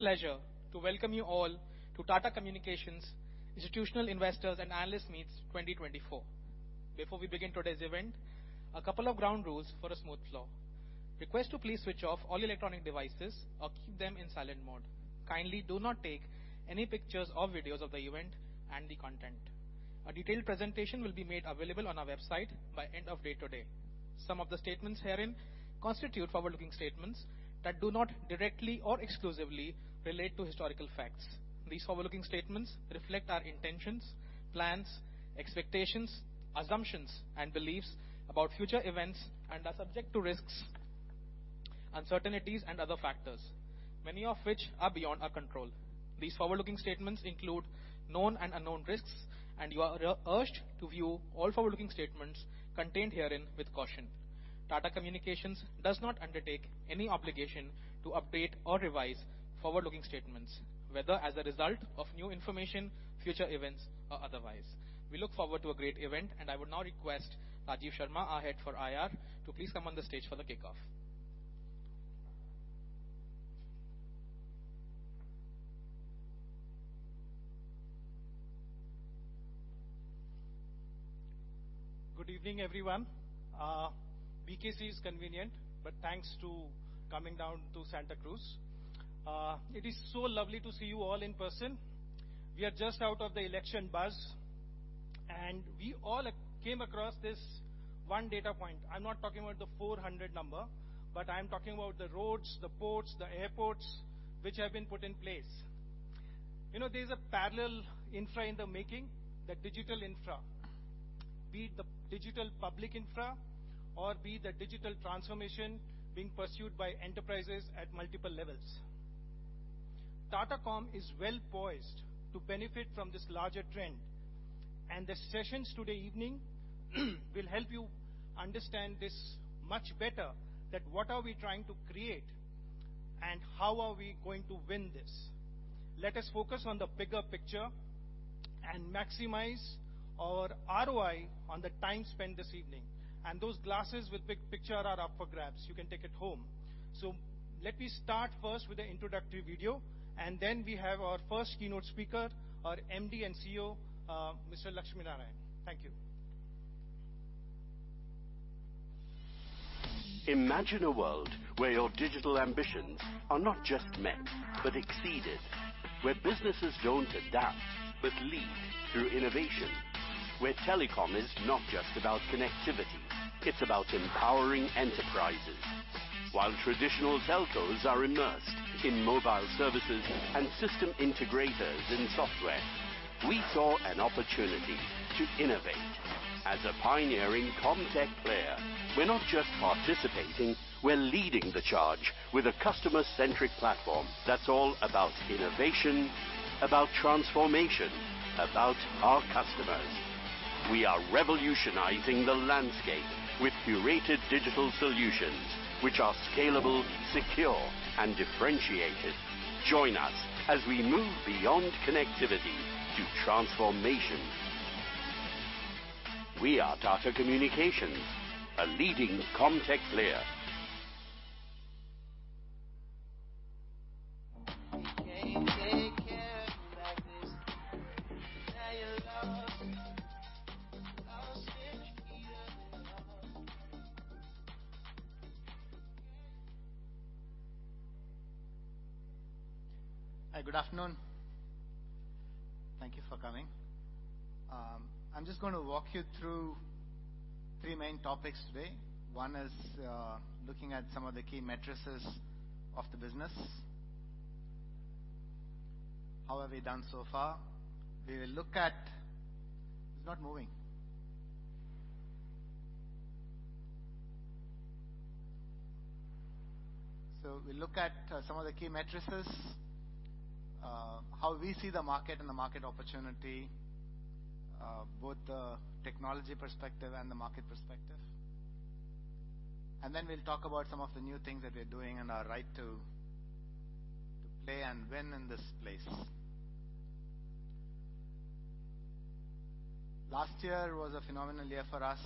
Pleasure to welcome you all to Tata Communications' Institutional Investors and Analysts Meets 2024. Before we begin today's event, a couple of ground rules for a smooth flow. Request to please switch off all electronic devices or keep them in silent mode. Kindly do not take any pictures or videos of the event and the content. A detailed presentation will be made available on our website by the end of the day today. Some of the statements herein constitute forward-looking statements that do not directly or exclusively relate to historical facts. These forward-looking statements reflect our intentions, plans, expectations, assumptions, and beliefs about future events and are subject to risks, uncertainties, and other factors, many of which are beyond our control. These forward-looking statements include known and unknown risks, and you are urged to view all forward-looking statements contained herein with caution. Tata Communications does not undertake any obligation to update or revise forward-looking statements, whether as a result of new information, future events, or otherwise. We look forward to a great event, and I would now request Rajiv Sharma, our head for IR, to please come on the stage for the kickoff. Good evening, everyone. BKC is convenient, but thanks for coming down to Santa Cruz. It is so lovely to see you all in person. We are just out of the election buzz, and we all came across this one data point. I'm not talking about the 400 number, but I'm talking about the roads, the ports, the airports which have been put in place. You know, there's a parallel infra in the making, the digital infra, be it the digital public infra or be it the digital transformation being pursued by enterprises at multiple levels. Tata Comm is well poised to benefit from this larger trend, and the sessions today evening will help you understand this much better: what are we trying to create, and how are we going to win this? Let us focus on the bigger picture and maximize our ROI on the time spent this evening. And those glasses with big picture are up for grabs. You can take it home. So let me start first with the introductory video, and then we have our first keynote speaker, our MD and CEO, Mr. Lakshminarayanan. Thank you. Imagine a world where your digital ambitions are not just met but exceeded, where businesses don't adapt but lead through innovation, where telecom is not just about connectivity. It's about empowering enterprises. While traditional telcos are immersed in mobile services and system integrators in software, we saw an opportunity to innovate. As a pioneering CommTech player, we're not just participating. We're leading the charge with a customer-centric platform that's all about innovation, about transformation, about our customers. We are revolutionizing the landscape with curated digital solutions which are scalable, secure, and differentiated. Join us as we move beyond connectivity to transformation. We are Tata Communications, a leading CommTech player. Hi, good afternoon. Thank you for coming. I'm just going to walk you through three main topics today. One is looking at some of the key metrics of the business. How have we done so far? We will look at—it's not moving. So we'll look at some of the key metrics, how we see the market and the market opportunity, both the technology perspective and the market perspective. Then we'll talk about some of the new things that we're doing and our right to play and win in this place. Last year was a phenomenal year for us,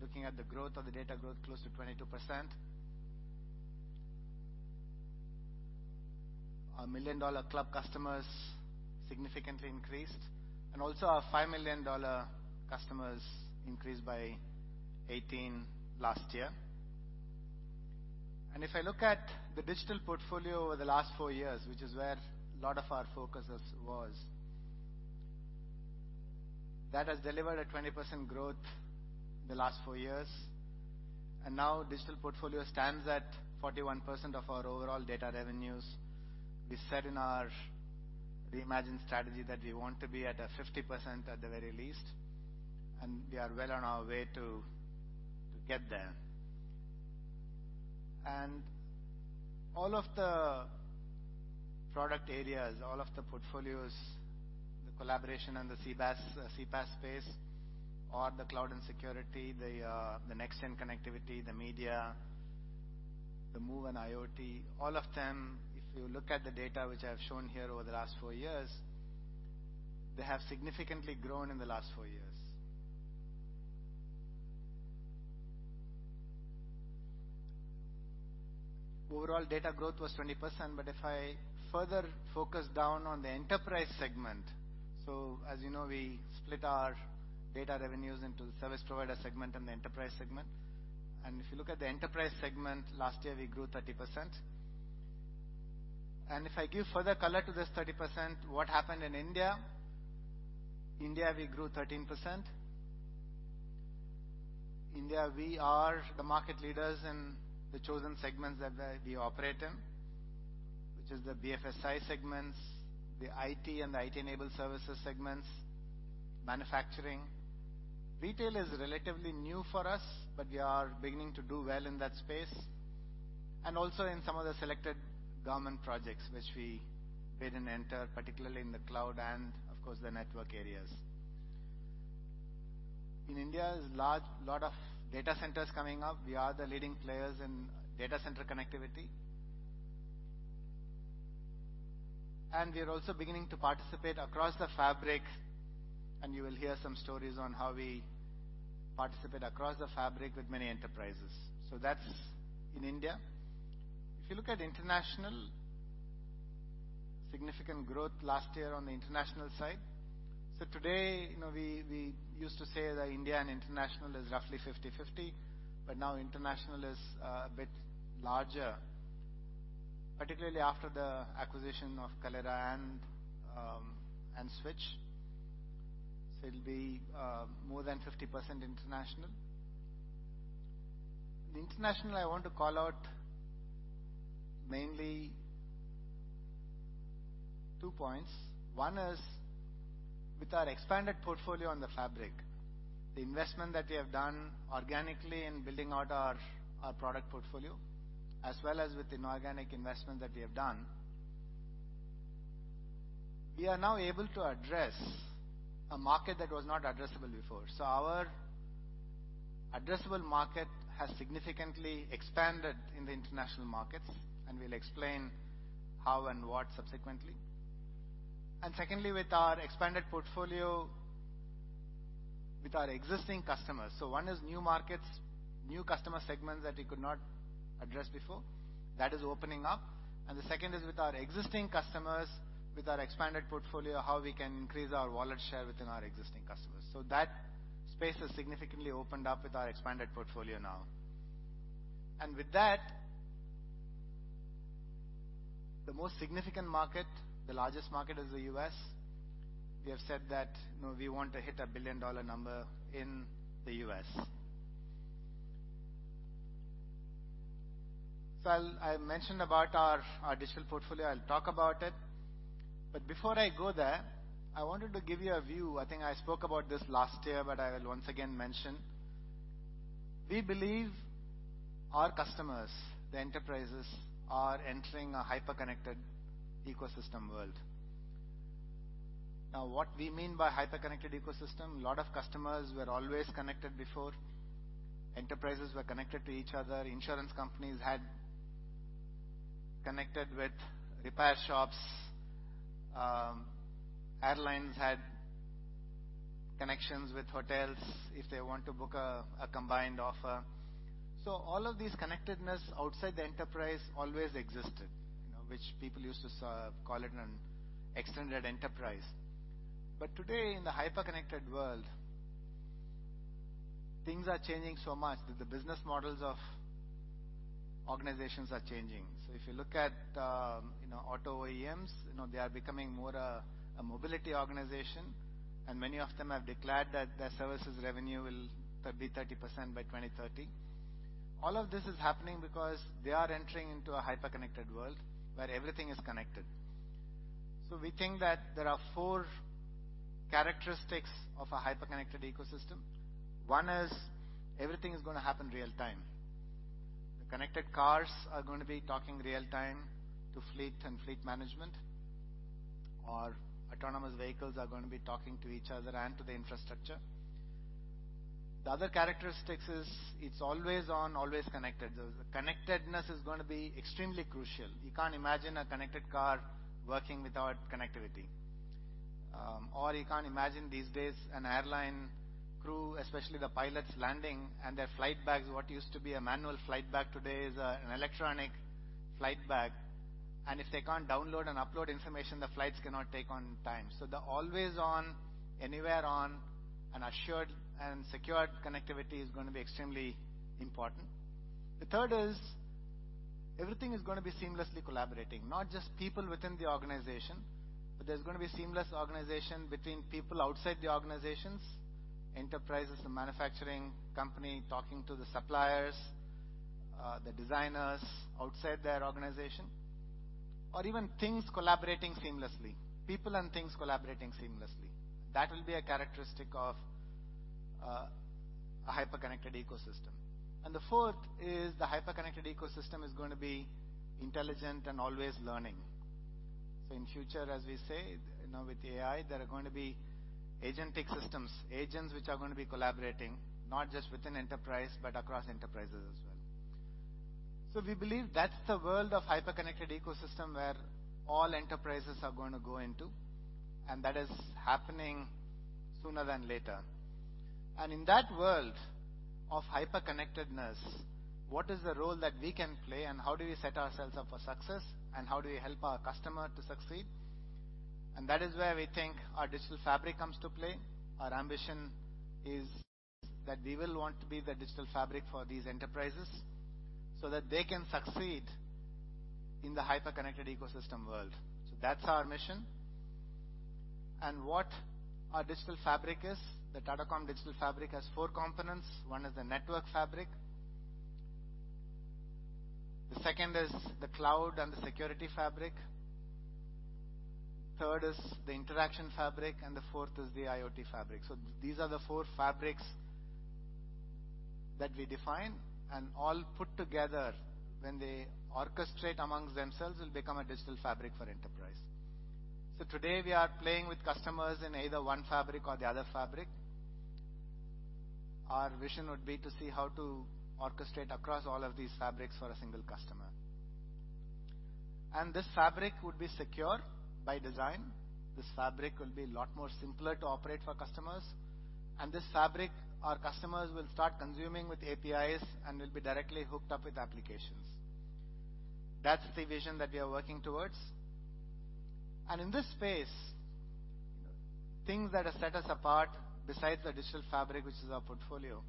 looking at the growth of the data growth, close to 22%. Our Million Dollar Club customers significantly increased, and also our $5 million customers increased by 18 last year. If I look at the Digital Portfolio over the last four years, which is where a lot of our focus was, that has delivered a 20% growth in the last four years. Now Digital Portfolio stands at 41% of our overall data revenues. We said in our reimagined strategy that we want to be at 50% at the very least, and we are well on our way to get there. All of the product areas, all of the portfolios, the collaboration and the CCaaS, CPaaS space, or the cloud and security, the Next Gen Connectivity, the media, the MOVE and IoT, all of them, if you look at the data which I've shown here over the last four years, they have significantly grown in the last four years. Overall data growth was 20%, but if I further focus down on the enterprise segment, so as you know, we split our data revenues into the service provider segment and the enterprise segment. And if you look at the enterprise segment, last year we grew 30%. And if I give further color to this 30%, what happened in India? India, we grew 13%. India, we are the market leaders in the chosen segments that we operate in, which is the BFSI segments, the IT and the IT-enabled services segments, manufacturing. Retail is relatively new for us, but we are beginning to do well in that space. And also in some of the selected government projects which we paid and entered, particularly in the cloud and, of course, the network areas. In India, there's a lot of data centers coming up. We are the leading players in data center connectivity. We are also beginning to participate across the fabric, and you will hear some stories on how we participate across the fabric with many enterprises. So that's in India. If you look at international, significant growth last year on the international side. So today, you know, we used to say that India and international is roughly 50/50, but now international is a bit larger, particularly after the acquisition of Kaleyra and Switch. So it'll be more than 50% international. The international, I want to call out mainly two points. One is with our expanded portfolio on the fabric, the investment that we have done organically in building out our product portfolio, as well as with inorganic investment that we have done, we are now able to address a market that was not addressable before. So our addressable market has significantly expanded in the international markets, and we'll explain how and what subsequently. And secondly, with our expanded portfolio, with our existing customers, so one is new markets, new customer segments that we could not address before, that is opening up. And the second is with our existing customers, with our expanded portfolio, how we can increase our wallet share within our existing customers. So that space has significantly opened up with our expanded portfolio now. And with that, the most significant market, the largest market is the U.S. We have said that, you know, we want to hit a billion-dollar number in the U.S. So I'll, I mentioned about our, our Digital Portfolio. I'll talk about it. But before I go there, I wanted to give you a view. I think I spoke about this last year, but I will once again mention. We believe our customers, the enterprises, are entering a hyperconnected ecosystem world. Now, what we mean by hyperconnected ecosystem? A lot of customers were always connected before. Enterprises were connected to each other. Insurance companies had connected with repair shops. Airlines had connections with hotels if they want to book a combined offer. So all of these connectedness outside the enterprise always existed, you know, which people used to call it an extended enterprise. But today, in the hyperconnected world, things are changing so much that the business models of organizations are changing. So if you look at, you know, auto OEMs, you know, they are becoming more a mobility organization, and many of them have declared that their services revenue will be 30% by 2030. All of this is happening because they are entering into a hyperconnected world where everything is connected. So we think that there are four characteristics of a hyperconnected ecosystem. One is everything is going to happen real-time. The connected cars are going to be talking real-time to fleet and fleet management, or autonomous vehicles are going to be talking to each other and to the infrastructure. The other characteristic is it's always on, always connected. The connectedness is going to be extremely crucial. You can't imagine a connected car working without connectivity, or you can't imagine these days an airline crew, especially the pilots, landing and their flight bags. What used to be a manual flight bag today is an electronic flight bag. And if they can't download and upload information, the flights cannot take on time. So the always on, anywhere on, and assured and secured connectivity is going to be extremely important. The third is everything is going to be seamlessly collaborating, not just people within the organization, but there's going to be seamless organization between people outside the organizations, enterprises, the manufacturing company talking to the suppliers, the designers outside their organization, or even things collaborating seamlessly, people and things collaborating seamlessly. That will be a characteristic of a hyperconnected ecosystem. And the fourth is the hyperconnected ecosystem is going to be intelligent and always learning. So in future, as we say, you know, with AI, there are going to be Agentic Systems, agents which are going to be collaborating not just within enterprise but across enterprises as well. So we believe that's the world of hyperconnected ecosystem where all enterprises are going to go into, and that is happening sooner than later. And in that world of hyperconnectedness, what is the role that we can play, and how do we set ourselves up for success, and how do we help our customer to succeed? That is where we think our Digital Fabric comes to play. Our ambition is that we will want to be the Digital Fabric for these enterprises so that they can succeed in the hyperconnected ecosystem world. That's our mission. What our Digital Fabric is, the Tata Comm Digital Fabric has four components. One is the Network Fabric. The second is the cloud and the security fabric. Third is the Interaction Fabric, and the fourth is the IoT Fabric. These are the four fabrics that we define, and all put together, when they orchestrate amongst themselves, will become a Digital Fabric for enterprise. So today, we are playing with customers in either one fabric or the other fabric. Our vision would be to see how to orchestrate across all of these fabrics for a single customer. And this fabric would be secure by design. This fabric will be a lot more simpler to operate for customers. And this fabric, our customers will start consuming with APIs and will be directly hooked up with applications. That's the vision that we are working towards. And in this space, things that have set us apart besides the Digital Fabric, which is our portfolio,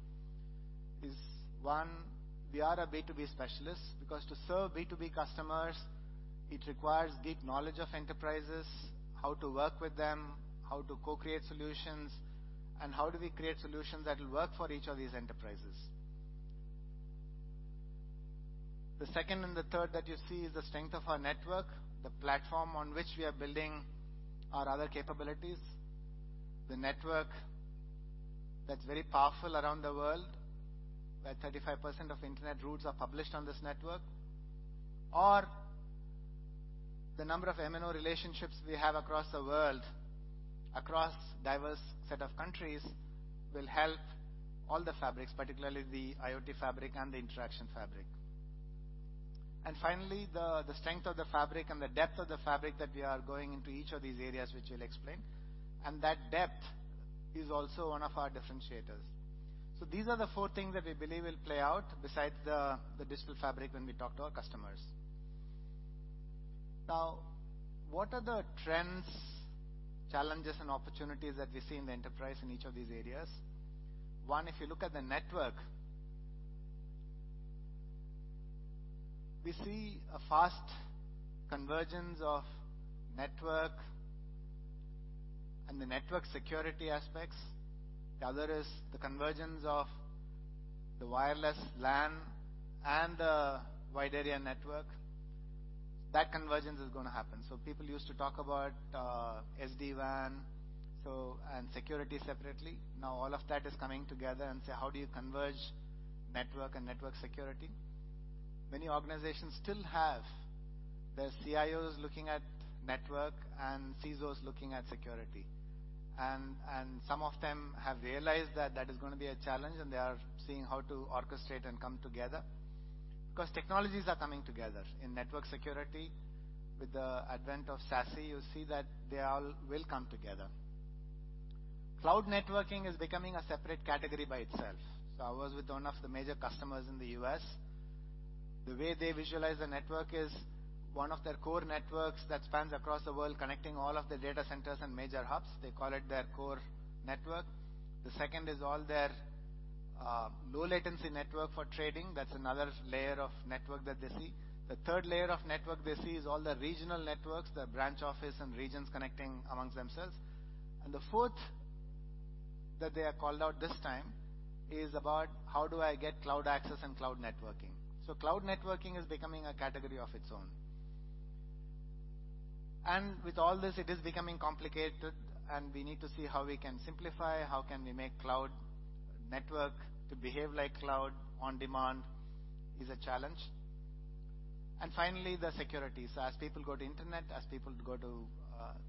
is one, we are a B2B specialist because to serve B2B customers, it requires deep knowledge of enterprises, how to work with them, how to co-create solutions, and how do we create solutions that will work for each of these enterprises. The second and the third that you see is the strength of our network, the platform on which we are building our other capabilities, the network that's very powerful around the world, where 35% of internet routes are published on this network, or the number of MNO relationships we have across the world, across diverse set of countries, will help all the fabrics, particularly the IoT Fabric and the Interaction Fabric. And finally, the strength of the fabric and the depth of the fabric that we are going into each of these areas, which we'll explain. And that depth is also one of our differentiators. So these are the four things that we believe will play out besides the Digital Fabric when we talk to our customers. Now, what are the trends, challenges, and opportunities that we see in the enterprise in each of these areas? 1, if you look at the network, we see a fast convergence of network and the network security aspects. The other is the convergence of the wireless LAN and the wide area network. That convergence is going to happen. So people used to talk about SD-WAN, so, and security separately. Now all of that is coming together and say, how do you converge network and network security? Many organizations still have their CIOs looking at network and CISOs looking at security. And some of them have realized that that is going to be a challenge, and they are seeing how to orchestrate and come together because technologies are coming together in network security. With the advent of SASE, you see that they all will come together. Cloud networking is becoming a separate category by itself. So I was with one of the major customers in the U.S. The way they visualize the network is one of their core networks that spans across the world, connecting all of the data centers and major hubs. They call it their core network. The second is all their low-latency network for trading. That's another layer of network that they see. The third layer of network they see is all the regional networks, the branch office and regions connecting among themselves. And the fourth that they have called out this time is about how do I get cloud access and cloud networking. So cloud networking is becoming a category of its own. And with all this, it is becoming complicated, and we need to see how we can simplify, how can we make cloud network to behave like cloud on demand is a challenge. And finally, the security. So as people go to internet, as people go to,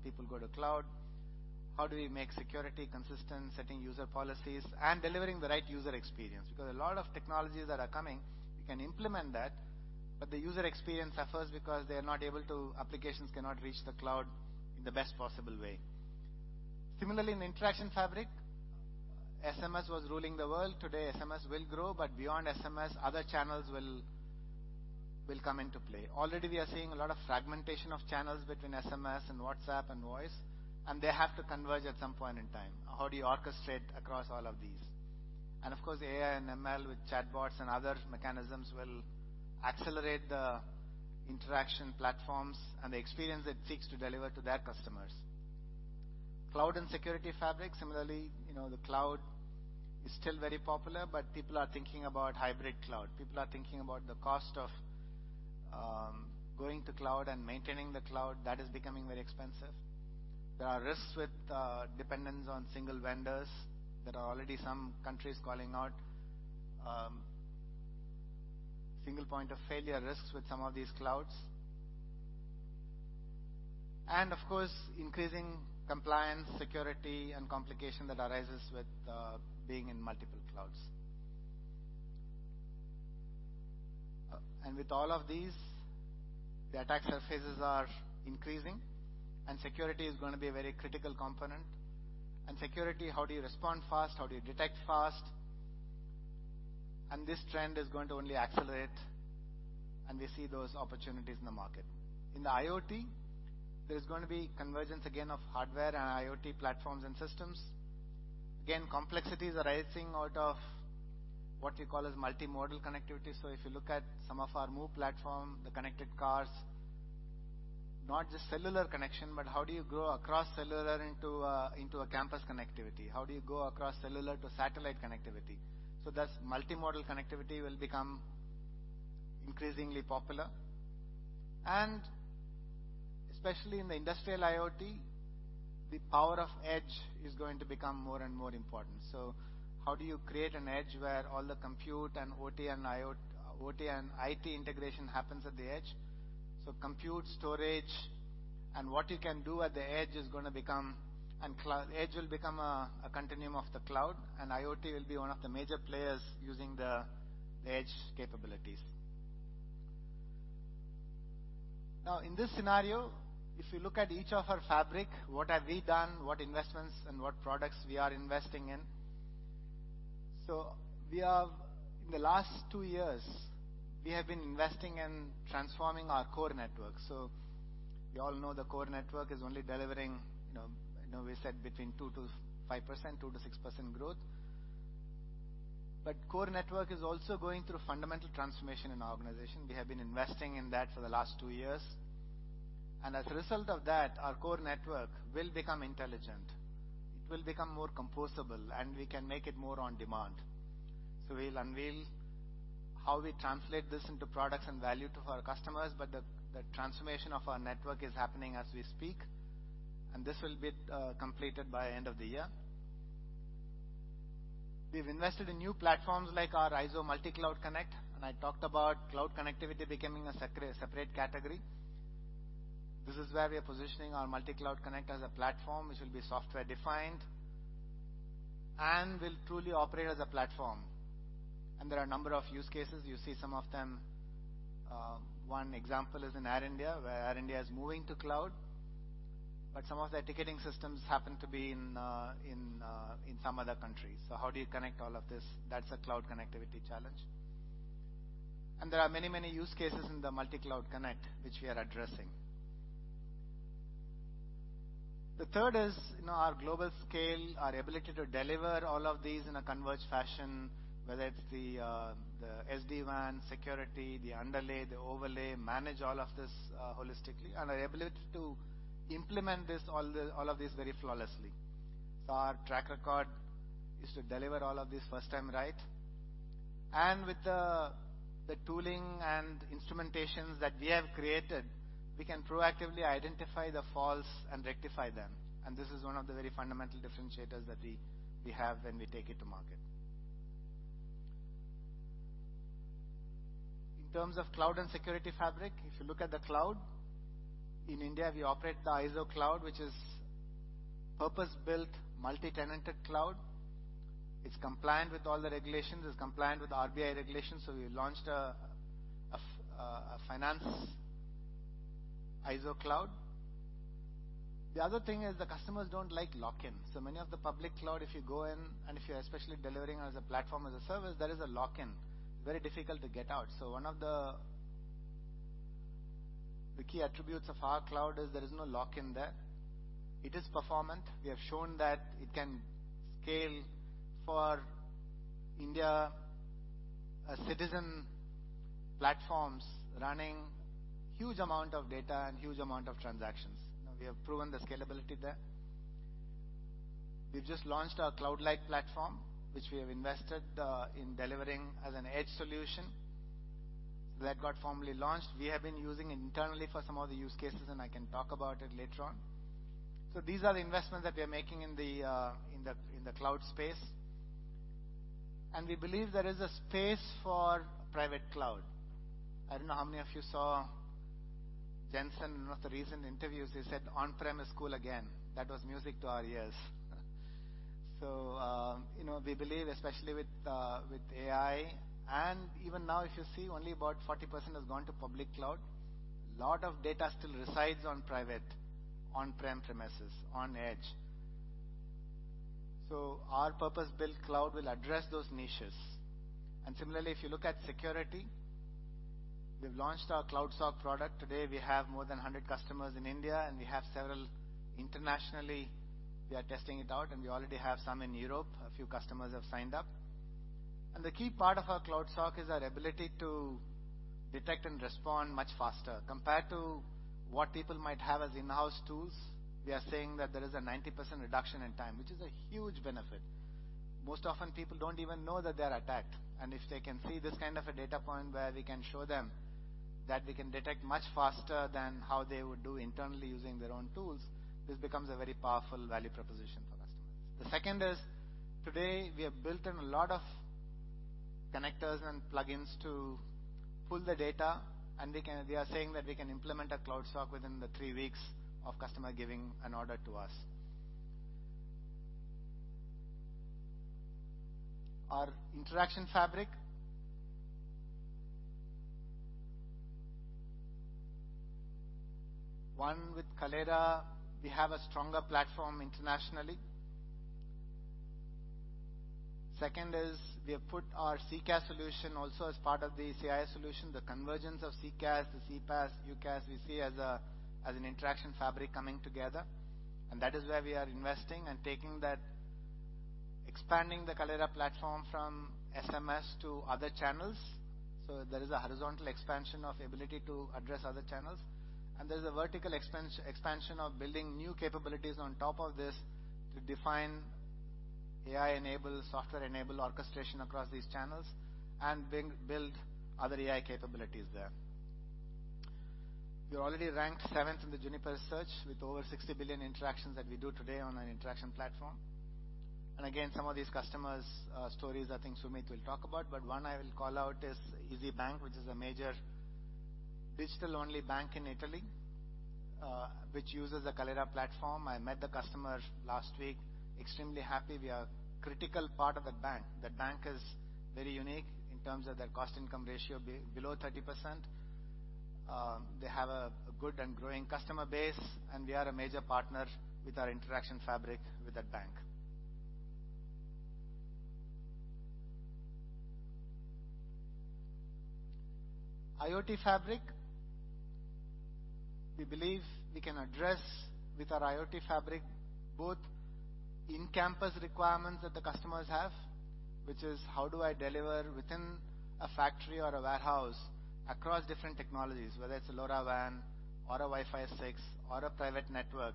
people go to cloud, how do we make security consistent, setting user policies and delivering the right user experience? Because a lot of technologies that are coming, we can implement that, but the user experience suffers because they are not able to, applications cannot reach the cloud in the best possible way. Similarly, in Interaction Fabric, SMS was ruling the world. Today, SMS will grow, but beyond SMS, other channels will, will come into play. Already, we are seeing a lot of fragmentation of channels between SMS and WhatsApp and voice, and they have to converge at some point in time. How do you orchestrate across all of these? And of course, AI and ML with chatbots and other mechanisms will accelerate the interaction platforms and the experience it seeks to deliver to their customers. Cloud and Security Fabric, similarly, you know, the cloud is still very popular, but people are thinking about hybrid cloud. People are thinking about the cost of going to cloud and maintaining the cloud. That is becoming very expensive. There are risks with dependence on single vendors. There are already some countries calling out single point of failure risks with some of these clouds. And of course, increasing compliance, security, and complication that arises with being in multiple clouds. And with all of these, the attack surfaces are increasing, and security is going to be a very critical component. And security, how do you respond fast? How do you detect fast? And this trend is going to only accelerate, and we see those opportunities in the market. In the IoT, there's going to be convergence again of hardware and IoT platforms and systems. Again, complexities are arising out of what we call as multimodal connectivity. So if you look at some of our MOVE platform, the connected cars, not just cellular connection, but how do you go across cellular into a campus connectivity? How do you go across cellular to satellite connectivity? So that's multimodal connectivity will become increasingly popular. And especially in the industrial IoT, the power of edge is going to become more and more important. So how do you create an edge where all the compute and OT and IoT, OT and IT integration happens at the edge? So compute, storage, and what you can do at the edge is going to become, and cloud edge will become a continuum of the cloud, and IoT will be one of the major players using the edge capabilities. Now, in this scenario, if you look at each of our fabric, what have we done, what investments, and what products we are investing in? So we have, in the last 2 years, we have been investing in transforming our core network. So we all know the core network is only delivering, you know, I know we said between 2%-5%, 2%-6% growth. But core network is also going through fundamental transformation in our organization. We have been investing in that for the last two years. And as a result of that, our core network will become intelligent. It will become more composable, and we can make it more on demand. So we'll unveil how we translate this into products and value to our customers, but the transformation of our network is happening as we speak, and this will be completed by the end of the year. We've invested in new platforms like our IZO Multi Cloud Connect, and I talked about cloud connectivity becoming a separate category. This is where we are positioning our Multi Cloud Connect as a platform, which will be software-defined and will truly operate as a platform. And there are a number of use cases. You see some of them. One example is in Air India, where Air India is moving to cloud, but some of their ticketing systems happen to be in some other countries. So how do you connect all of this? That's a cloud connectivity challenge. And there are many, many use cases in the Multi Cloud Connect, which we are addressing. The third is, you know, our global scale, our ability to deliver all of these in a converged fashion, whether it's the, the SD-WAN, security, the underlay, the overlay, manage all of this, holistically, and our ability to implement this, all the, all of these very flawlessly. So our track record is to deliver all of this first time right. And with the, the tooling and instrumentations that we have created, we can proactively identify the faults and rectify them. And this is one of the very fundamental differentiators that we, we have when we take it to market. In terms of Cloud and Security Fabric, if you look at the cloud, in India, we operate the IZO Cloud, which is purpose-built multi-tenanted cloud. It's compliant with all the regulations, is compliant with RBI regulations. So we launched a financial IZO Cloud. The other thing is the customers don't like lock-in. So many of the public cloud, if you go in, and if you're especially delivering as a platform as a service, there is a lock-in. It's very difficult to get out. So one of the key attributes of our cloud is there is no lock-in there. It is performant. We have shown that it can scale for India, citizen platforms running huge amount of data and huge amount of transactions. Now, we have proven the scalability there. We've just launched our CloudLyte platform, which we have invested in delivering as an edge solution. So that got formally launched. We have been using it internally for some of the use cases, and I can talk about it later on. So these are the investments that we are making in the cloud space. We believe there is a space for private cloud. I don't know how many of you saw Jensen in one of the recent interviews. He said, "On-prem is cool again." That was music to our ears. So, you know, we believe, especially with AI, and even now, if you see, only about 40% has gone to public cloud. A lot of data still resides on private, on-prem premises, on edge. So our purpose-built cloud will address those niches. And similarly, if you look at security, we've launched our Cloud SOC product. Today, we have more than 100 customers in India, and we have several internationally. We are testing it out, and we already have some in Europe. A few customers have signed up. And the key part of our Cloud SOC is our ability to detect and respond much faster compared to what people might have as in-house tools. We are saying that there is a 90% reduction in time, which is a huge benefit. Most often, people don't even know that they are attacked. And if they can see this kind of a data point where we can show them that we can detect much faster than how they would do internally using their own tools, this becomes a very powerful value proposition for customers. The second is, today, we have built in a lot of connectors and plugins to pull the data, and we can, we are saying that we can implement a Cloud SOC within the three weeks of customer giving an order to us. Our Interaction Fabric, one with Kaleyra, we have a stronger platform internationally. Second is, we have put our CCaaS solution also as part of the CIS solution. The convergence of CCaaS, the CPaaS, UCaaS, we see as a, as an Interaction Fabric coming together. And that is where we are investing and taking that, expanding the Kaleyra platform from SMS to other channels. So there is a horizontal expansion of ability to address other channels. And there's a vertical expansion of building new capabilities on top of this to define AI-enabled, software-enabled orchestration across these channels and build other AI capabilities there. We're already ranked seventh in the Juniper Research with over 60 billion interactions that we do today on an interaction platform. And again, some of these customers, stories, I think Sumeet will talk about, but one I will call out is Isybank, which is a major digital-only bank in Italy, which uses a Kaleyra platform. I met the customer last week, extremely happy. We are a critical part of that bank. That bank is very unique in terms of their cost-income ratio below 30%. They have a good and growing customer base, and we are a major partner with our Interaction Fabric with that bank. IoT Fabric, we believe we can address with our IoT Fabric both in-campus requirements that the customers have, which is how do I deliver within a factory or a warehouse across different technologies, whether it's a LoRaWAN or a Wi-Fi 6 or a private network.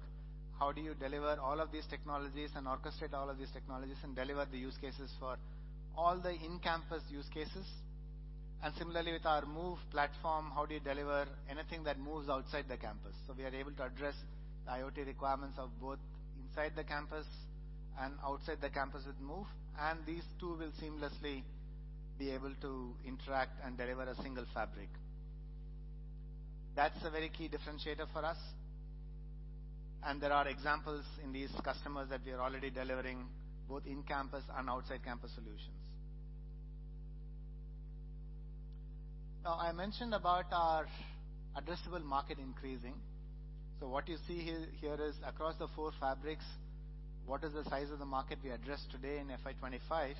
How do you deliver all of these technologies and orchestrate all of these technologies and deliver the use cases for all the in-campus use cases? And similarly, with our MOVE platform, how do you deliver anything that moves outside the campus? So we are able to address the IoT requirements of both inside the campus and outside the campus with MOVE. These two will seamlessly be able to interact and deliver a single fabric. That's a very key differentiator for us. There are examples in these customers that we are already delivering both in-campus and outside-campus solutions. Now, I mentioned about our addressable market increasing. What you see here is across the four fabrics, what is the size of the market we address today in FY 2025?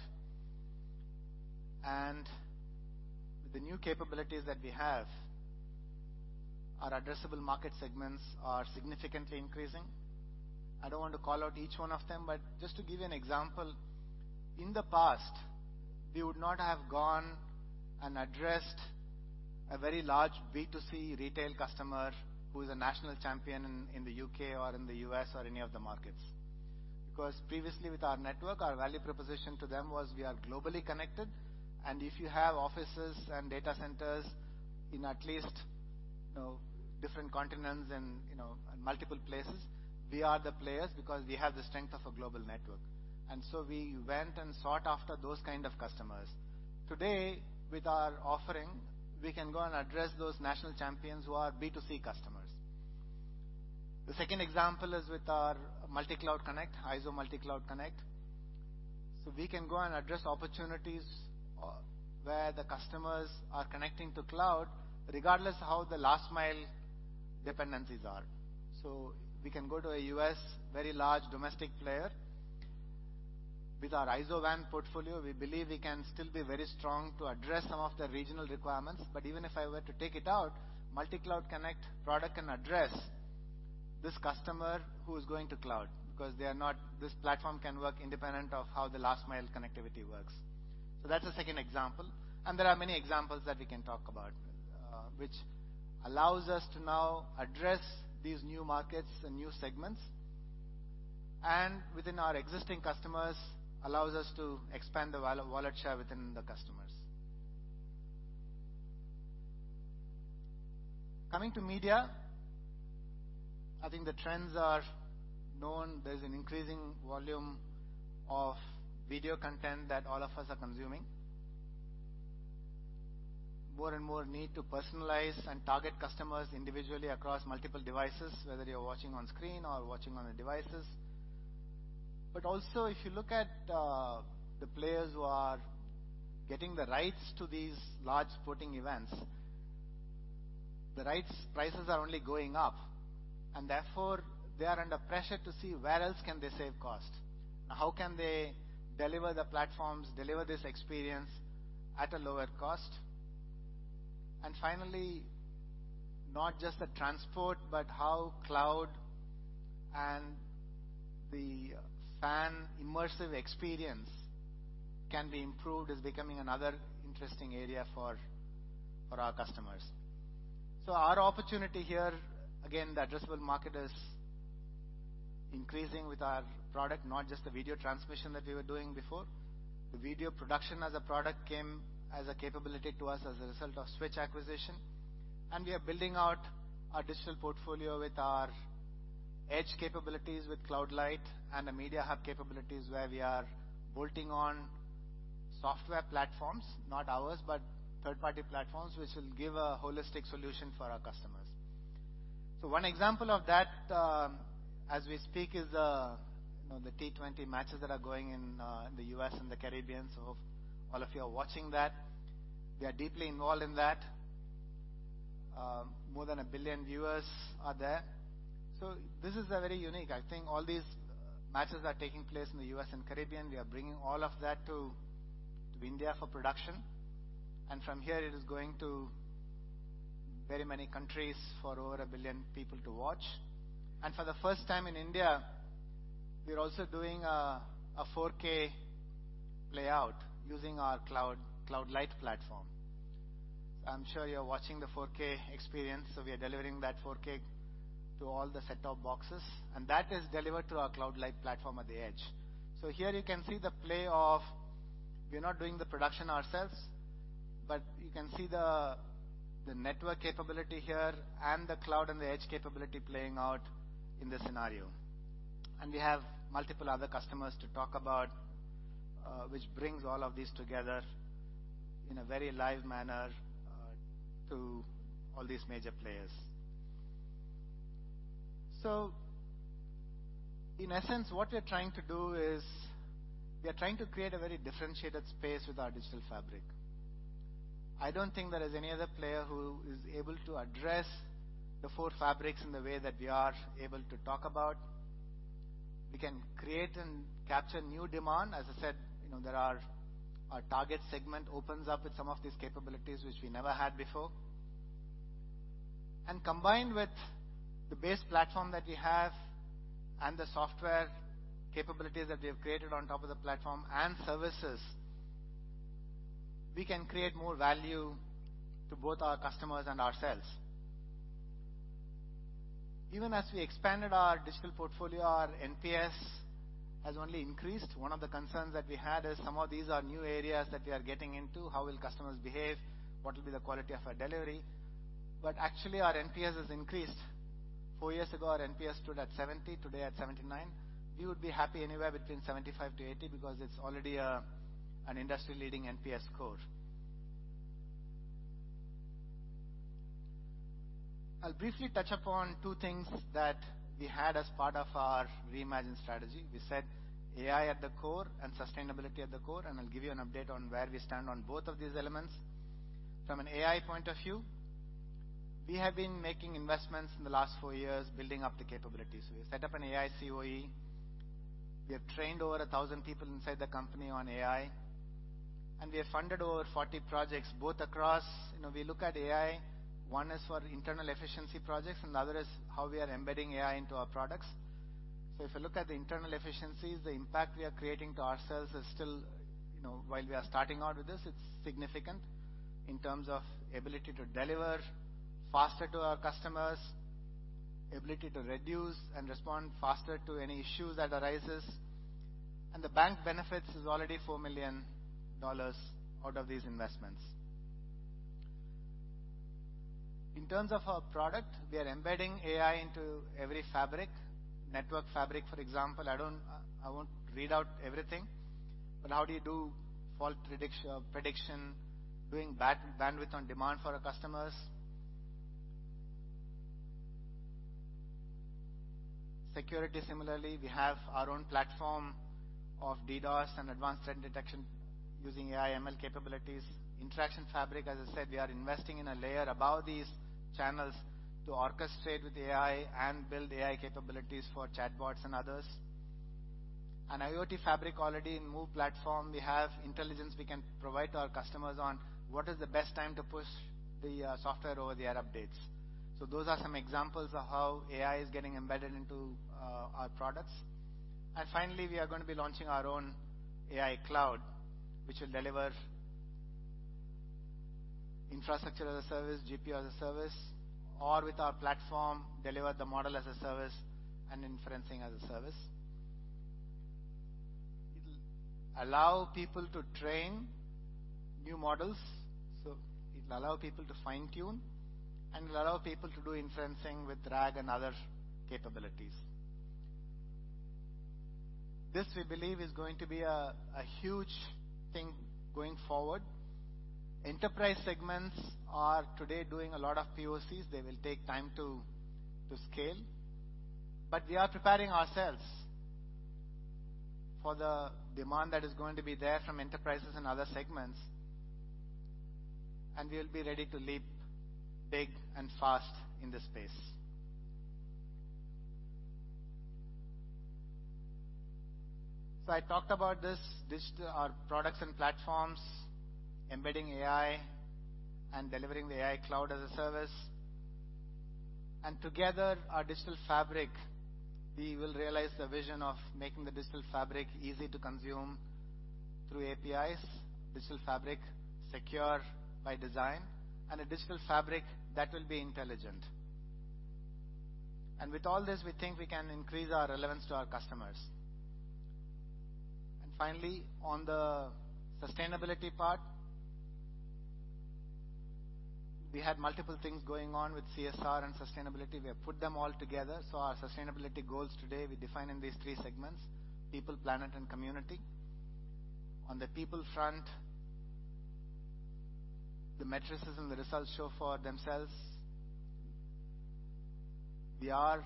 With the new capabilities that we have, our addressable market segments are significantly increasing. I don't want to call out each one of them, but just to give you an example, in the past, we would not have gone and addressed a very large B2C retail customer who is a national champion in the U.K. or in the U.S. or any of the markets. Because previously, with our network, our value proposition to them was we are globally connected. If you have offices and data centers in at least, you know, different continents and, you know, multiple places, we are the players because we have the strength of a global network. So we went and sought after those kind of customers. Today, with our offering, we can go and address those national champions who are B2C customers. The second example is with our IZO Multi Cloud Connect. So we can go and address opportunities where the customers are connecting to cloud, regardless of how the last-mile dependencies are. So we can go to a U.S. very large domestic player. With our IZO WAN portfolio, we believe we can still be very strong to address some of the regional requirements. But even if I were to take it out, MultiCloud Connect product can address this customer who is going to cloud because they are not; this platform can work independent of how the last-mile connectivity works. So that's a second example. And there are many examples that we can talk about, which allows us to now address these new markets and new segments. And within our existing customers, allows us to expand the wallet share within the customers. Coming to media, I think the trends are known. There's an increasing volume of video content that all of us are consuming. More and more need to personalize and target customers individually across multiple devices, whether you're watching on screen or watching on the devices. But also, if you look at the players who are getting the rights to these large sporting events, the rights prices are only going up. Therefore, they are under pressure to see where else can they save cost. Now, how can they deliver the platforms, deliver this experience at a lower cost? Finally, not just the transport, but how cloud and the fan immersive experience can be improved is becoming another interesting area for our customers. So our opportunity here, again, the addressable market is increasing with our product, not just the video transmission that we were doing before. The video production as a product came as a capability to us as a result of Switch acquisition. And we are building out our Digital Portfolio with our edge capabilities with CloudLyte and the MediaHub capabilities where we are bolting on software platforms, not ours, but third-party platforms, which will give a holistic solution for our customers. So one example of that, as we speak, is the, you know, the T20 matches that are going in, in the U.S. and the Caribbean. So hopefully all of you are watching that. We are deeply involved in that. More than a billion viewers are there. So this is very unique. I think all these matches are taking place in the U.S. and Caribbean. We are bringing all of that to, to India for production. And from here, it is going to very many countries for over a billion people to watch. And for the first time in India, we're also doing a 4K layout using our CloudLyte platform. So I'm sure you're watching the 4K experience. So we are delivering that 4K to all the set-top boxes. And that is delivered to our CloudLyte platform at the edge. So here you can see the play of, we're not doing the production ourselves, but you can see the network capability here and the cloud and the edge capability playing out in the scenario. And we have multiple other customers to talk about, which brings all of these together in a very live manner, to all these major players. So in essence, what we're trying to do is we are trying to create a very differentiated space with our Digital Fabric. I don't think there is any other player who is able to address the four fabrics in the way that we are able to talk about. We can create and capture new demand. As I said, you know, there are our target segment opens up with some of these capabilities, which we never had before. Combined with the base platform that we have and the software capabilities that we have created on top of the platform and services, we can create more value to both our customers and ourselves. Even as we expanded our Digital Portfolio, our NPS has only increased. One of the concerns that we had is some of these are new areas that we are getting into. How will customers behave? What will be the quality of our delivery? But actually, our NPS has increased. Four years ago, our NPS stood at 70. Today, at 79. We would be happy anywhere between 75-80 because it's already a, an industry-leading NPS score. I'll briefly touch upon two things that we had as part of our reimagined strategy. We said AI at the core and sustainability at the core. I'll give you an update on where we stand on both of these elements. From an AI point of view, we have been making investments in the last four years building up the capabilities. We have set up an AI COE. We have trained over 1,000 people inside the company on AI. And we have funded over 40 projects both across, you know, we look at AI. One is for internal efficiency projects, and the other is how we are embedding AI into our products. So if you look at the internal efficiencies, the impact we are creating to ourselves is still, you know, while we are starting out with this, it's significant in terms of ability to deliver faster to our customers, ability to reduce and respond faster to any issues that arise. And the bank benefits is already $4 million out of these investments. In terms of our product, we are embedding AI into every fabric, Network Fabric, for example. I don't, I won't read out everything, but how do you do fault prediction, doing bandwidth on demand for our customers? Security, similarly, we have our own platform of DDoS and advanced threat detection using AI/ML capabilities. Interaction Fabric, as I said, we are investing in a layer above these channels to orchestrate with AI and build AI capabilities for chatbots and others. And IoT Fabric already in MOVE platform, we have intelligence we can provide to our customers on what is the best time to push the software over the air updates. So those are some examples of how AI is getting embedded into our products. And finally, we are going to be launching our own AI Cloud, which will deliver infrastructure as a service, GPU as a service, or with our platform, deliver the model as a service and inferencing as a service. It'll allow people to train new models. So it'll allow people to fine-tune and it'll allow people to do inferencing with RAG and other capabilities. This, we believe, is going to be a huge thing going forward. Enterprise segments are today doing a lot of POCs. They will take time to scale. But we are preparing ourselves for the demand that is going to be there from enterprises and other segments. And we'll be ready to leap big and fast in this space. So I talked about this digital, our products and platforms, embedding AI and delivering the AI Cloud as a service. Together, our Digital Fabric, we will realize the vision of making the Digital Fabric easy to consume through APIs, Digital Fabric secure by design, and a Digital Fabric that will be intelligent. With all this, we think we can increase our relevance to our customers. Finally, on the sustainability part, we had multiple things going on with CSR and sustainability. We have put them all together. So our sustainability goals today, we define in these three segments: people, planet, and community. On the people front, the metrics and the results show for themselves. We are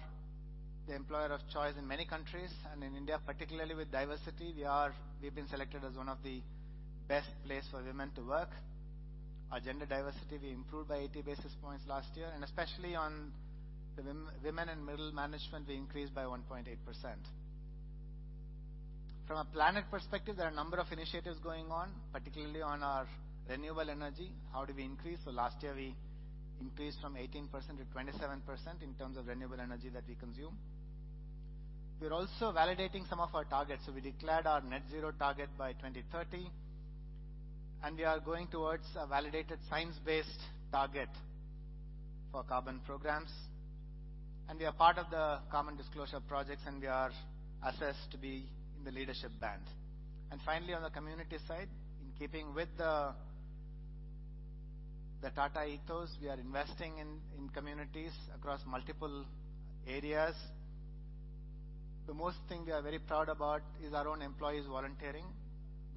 the employer of choice in many countries, and in India, particularly with diversity. We are; we've been selected as one of the best places for women to work. Our gender diversity, we improved by 80 basis points last year. Especially on the women and middle management, we increased by 1.8%. From a planet perspective, there are a number of initiatives going on, particularly on our renewable energy. How do we increase? So last year, we increased from 18%-27% in terms of renewable energy that we consume. We're also validating some of our targets. So we declared our Net Zero target by 2030. And we are going towards a validated science-based target for carbon programs. And we are part of the common disclosure projects, and we are assessed to be in the leadership band. And finally, on the community side, in keeping with the, the Tata ethos, we are investing in, in communities across multiple areas. The most thing we are very proud about is our own employees volunteering.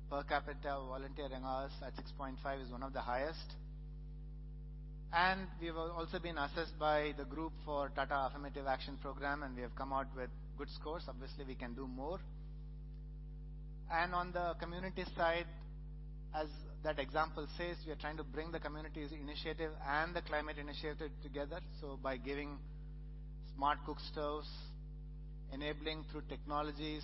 The per capita volunteering hours at 6.5 is one of the highest. We have also been assessed by the group for Tata Affirmative Action Program, and we have come out with good scores. Obviously, we can do more. And on the community side, as that example says, we are trying to bring the community's initiative and the climate initiative together. So by giving smart cook stoves, enabling through technologies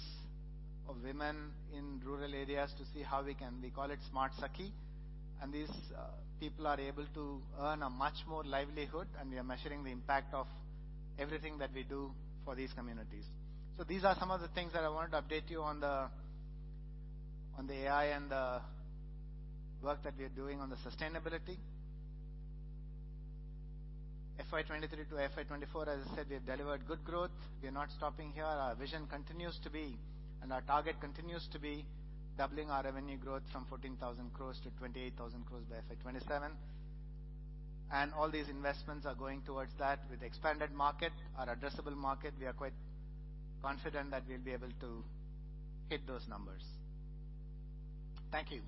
of women in rural areas to see how we can, we call it Smart Sakhi. And these people are able to earn a much more livelihood, and we are measuring the impact of everything that we do for these communities. So these are some of the things that I wanted to update you on the AI and the work that we are doing on the sustainability. FY 2023 to FY 2024, as I said, we have delivered good growth. We are not stopping here. Our vision continues to be, and our target continues to be doubling our revenue from 14,000 crore to 28,000 crore by FY 2027. All these investments are going towards that with expanded market, our addressable market. We are quite confident that we'll be able to hit those numbers. Thank you.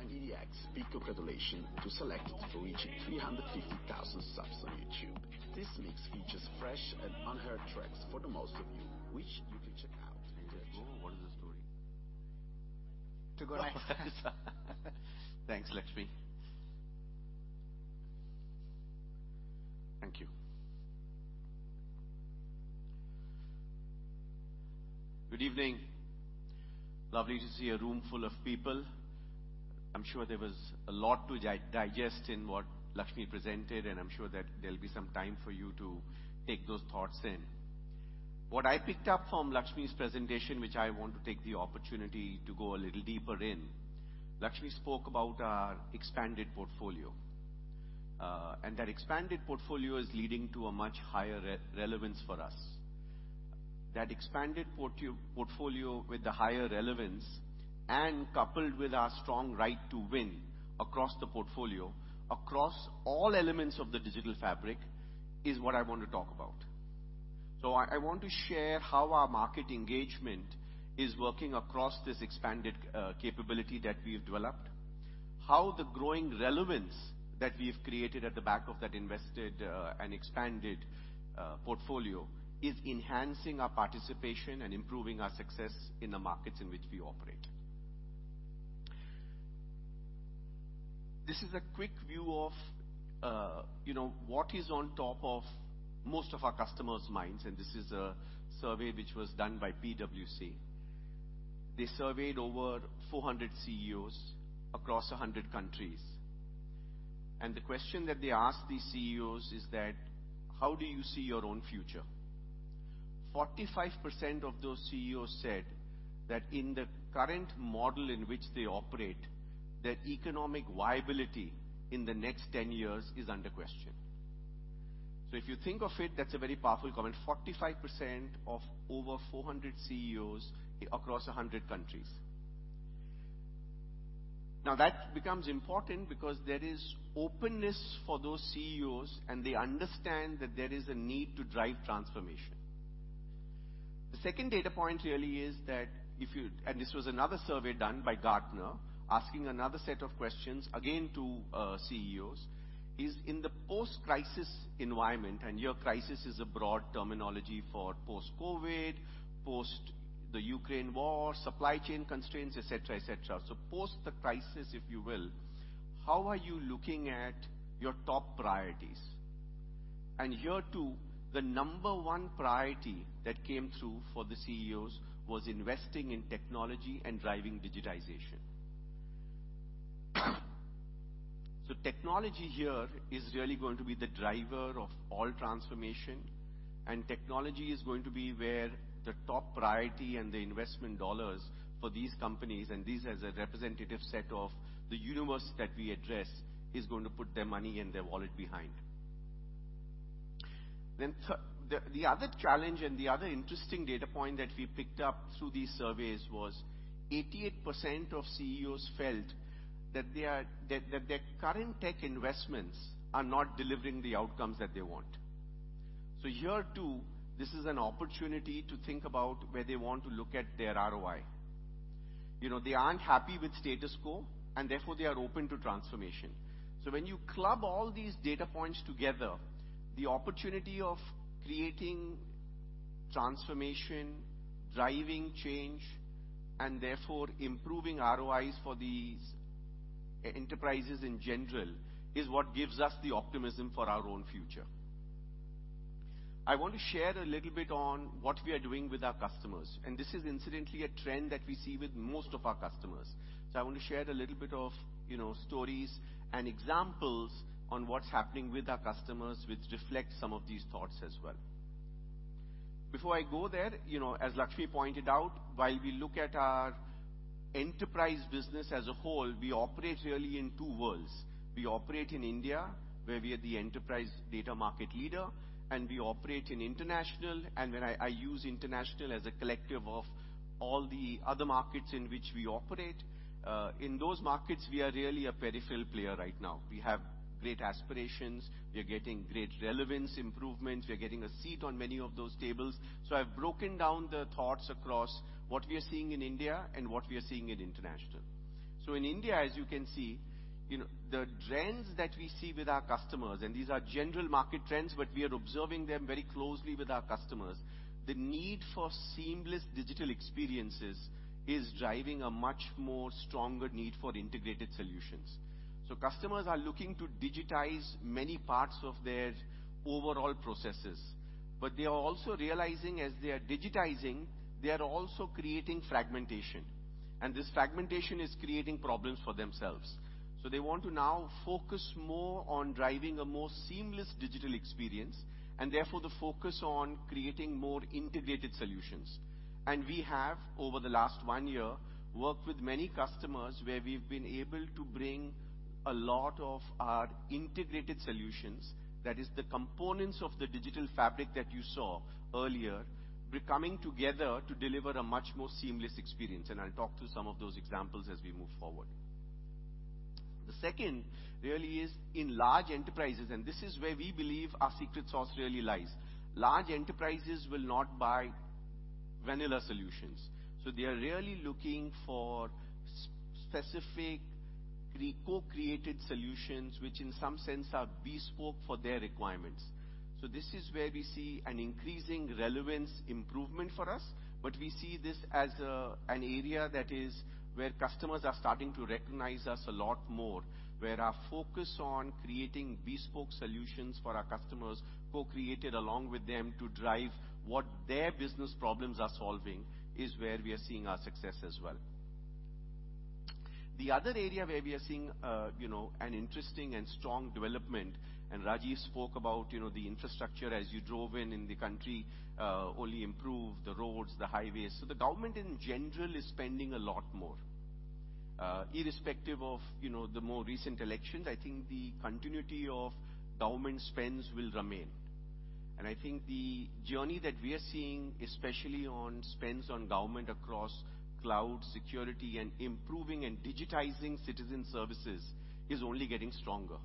As NDDAC's big congratulation to select for reaching 350,000 subs on YouTube. This mix features fresh and unheard tracks for the most of you, which you can check out and judge. Oh, what is the story? To go to my sensor. Thanks, Lakshmi. Thank you. Good evening. Lovely to see a room full of people. I'm sure there was a lot to digest in what Lakshmi presented, and I'm sure that there'll be some time for you to take those thoughts in. What I picked up from Lakshmi's presentation, which I want to take the opportunity to go a little deeper in. Lakshmi spoke about our expanded portfolio. That expanded portfolio is leading to a much higher relevance for us. That expanded portfolio with the higher relevance and coupled with our strong right to win across the portfolio, across all elements of the Digital Fabric, is what I want to talk about. I want to share how our market engagement is working across this expanded capability that we've developed, how the growing relevance that we've created at the back of that invested and expanded portfolio is enhancing our participation and improving our success in the markets in which we operate. This is a quick view of, you know, what is on top of most of our customers' minds. This is a survey which was done by PwC. They surveyed over 400 CEOs across 100 countries. The question that they asked these CEOs is, how do you see your own future? 45% of those CEOs said that in the current model in which they operate, their economic viability in the next 10 years is under question. So if you think of it, that's a very powerful comment. 45% of over 400 CEOs across 100 countries. Now, that becomes important because there is openness for those CEOs, and they understand that there is a need to drive transformation. The second data point really is that if you, and this was another survey done by Gartner, asking another set of questions again to CEOs, is in the post-crisis environment, and your crisis is a broad terminology for post-COVID, post the Ukraine war, supply chain constraints, etc., etc. So post the crisis, if you will, how are you looking at your top priorities? Here too, the number 1 priority that came through for the CEOs was investing in technology and driving digitization. So technology here is really going to be the driver of all transformation. And technology is going to be where the top priority and the investment dollars for these companies, and these as a representative set of the universe that we address, is going to put their money and their wallet behind. Then the other challenge and the other interesting data point that we picked up through these surveys was 88% of CEOs felt that their current tech investments are not delivering the outcomes that they want. So here too, this is an opportunity to think about where they want to look at their ROI. You know, they aren't happy with status quo, and therefore they are open to transformation. So when you club all these data points together, the opportunity of creating transformation, driving change, and therefore improving ROIs for these enterprises in general is what gives us the optimism for our own future. I want to share a little bit on what we are doing with our customers. This is incidentally a trend that we see with most of our customers. So I want to share a little bit of, you know, stories and examples on what's happening with our customers, which reflects some of these thoughts as well. Before I go there, you know, as Lakshminarayanan pointed out, while we look at our enterprise business as a whole, we operate really in two worlds. We operate in India, where we are the enterprise data market leader, and we operate in international. When I use international as a collective of all the other markets in which we operate, in those markets, we are really a peripheral player right now. We have great aspirations. We are getting great relevance improvements. We are getting a seat on many of those tables. I've broken down the thoughts across what we are seeing in India and what we are seeing in international. In India, as you can see, you know, the trends that we see with our customers, and these are general market trends, but we are observing them very closely with our customers, the need for seamless digital experiences is driving a much more stronger need for integrated solutions. Customers are looking to digitize many parts of their overall processes. But they are also realizing, as they are digitizing, they are also creating fragmentation. This fragmentation is creating problems for themselves. They want to now focus more on driving a more seamless digital experience and therefore the focus on creating more integrated solutions. We have, over the last one year, worked with many customers where we've been able to bring a lot of our integrated solutions, that is, the components of the Digital Fabric that you saw earlier, coming together to deliver a much more seamless experience. I'll talk through some of those examples as we move forward. The second really is in large enterprises, and this is where we believe our secret sauce really lies. Large enterprises will not buy vanilla solutions. They are really looking for specific co-created solutions, which in some sense are bespoke for their requirements. This is where we see an increasing relevance improvement for us. But we see this as an area that is where customers are starting to recognize us a lot more, where our focus on creating bespoke solutions for our customers, co-created along with them to drive what their business problems are solving, is where we are seeing our success as well. The other area where we are seeing, you know, an interesting and strong development, and Rajiv spoke about, you know, the infrastructure as you drove in in the country, only improved the roads, the highways. So the government in general is spending a lot more, irrespective of, you know, the more recent elections. I think the continuity of government spends will remain. And I think the journey that we are seeing, especially on spends on government across cloud, security, and improving and digitizing citizen services, is only getting stronger.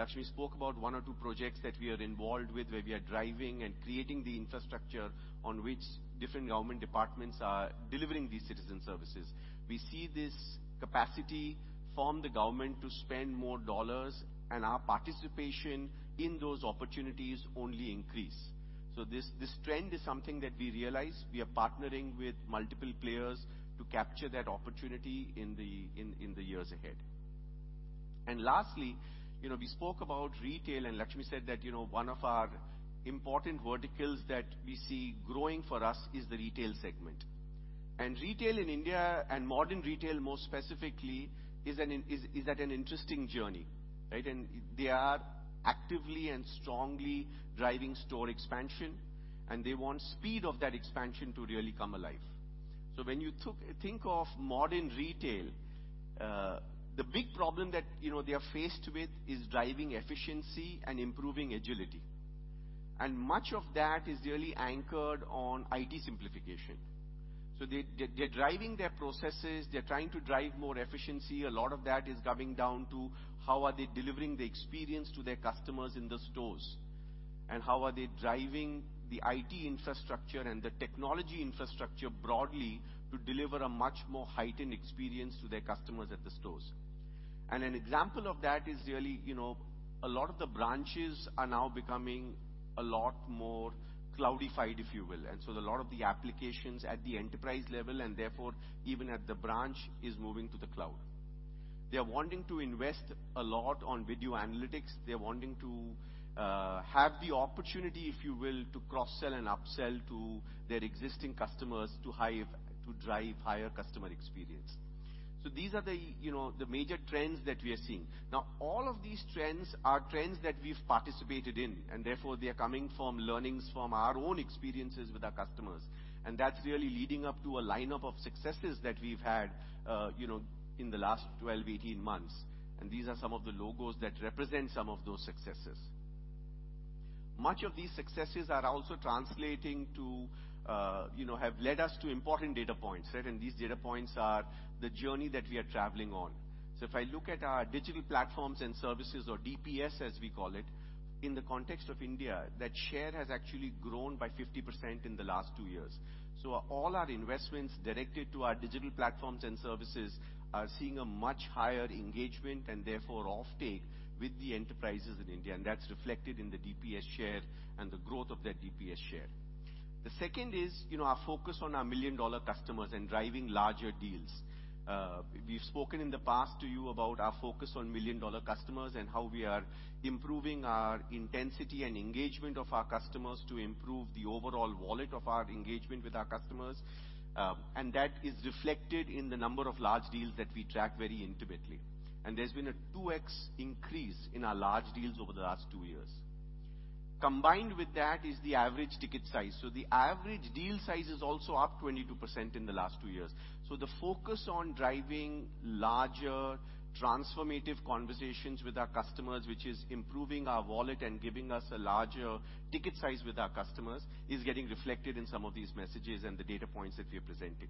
Lakshmi spoke about one or two projects that we are involved with where we are driving and creating the infrastructure on which different government departments are delivering these citizen services. We see this capacity from the government to spend more dollars, and our participation in those opportunities only increase. So this trend is something that we realize we are partnering with multiple players to capture that opportunity in the years ahead. And lastly, you know, we spoke about retail, and Lakshmi said that, you know, one of our important verticals that we see growing for us is the retail segment. And retail in India and modern retail, more specifically, is at an interesting journey, right? And they are actively and strongly driving store expansion, and they want speed of that expansion to really come alive. So when you think of modern retail, the big problem that, you know, they are faced with is driving efficiency and improving agility. And much of that is really anchored on IT simplification. So they're driving their processes. They're trying to drive more efficiency. A lot of that is coming down to how are they delivering the experience to their customers in the stores and how are they driving the IT infrastructure and the technology infrastructure broadly to deliver a much more heightened experience to their customers at the stores. And an example of that is really, you know, a lot of the branches are now becoming a lot more cloudified, if you will. And so a lot of the applications at the enterprise level and therefore even at the branch is moving to the cloud. They are wanting to invest a lot on video analytics. They are wanting to have the opportunity, if you will, to cross-sell and upsell to their existing customers to drive higher customer experience. So these are the, you know, the major trends that we are seeing. Now, all of these trends are trends that we've participated in, and therefore they are coming from learnings from our own experiences with our customers. And that's really leading up to a lineup of successes that we've had, you know, in the last 12-18 months. And these are some of the logos that represent some of those successes. Much of these successes are also translating to, you know, have led us to important data points, right? And these data points are the journey that we are traveling on. So if I look at our Digital Platforms and Services, or DPS, as we call it, in the context of India, that share has actually grown by 50% in the last two years. So all our investments directed to our Digital Platforms and Services are seeing a much higher engagement and therefore offtake with the enterprises in India. And that's reflected in the DPS share and the growth of that DPS share. The second is, you know, our focus on our million-dollar customers and driving larger deals. We've spoken in the past to you about our focus on million-dollar customers and how we are improving our intensity and engagement of our customers to improve the overall wallet of our engagement with our customers. And that is reflected in the number of large deals that we track very intimately. There's been a 2x increase in our large deals over the last two years. Combined with that is the average ticket size. So the average deal size is also up 22% in the last two years. So the focus on driving larger transformative conversations with our customers, which is improving our wallet and giving us a larger ticket size with our customers, is getting reflected in some of these messages and the data points that we are presenting.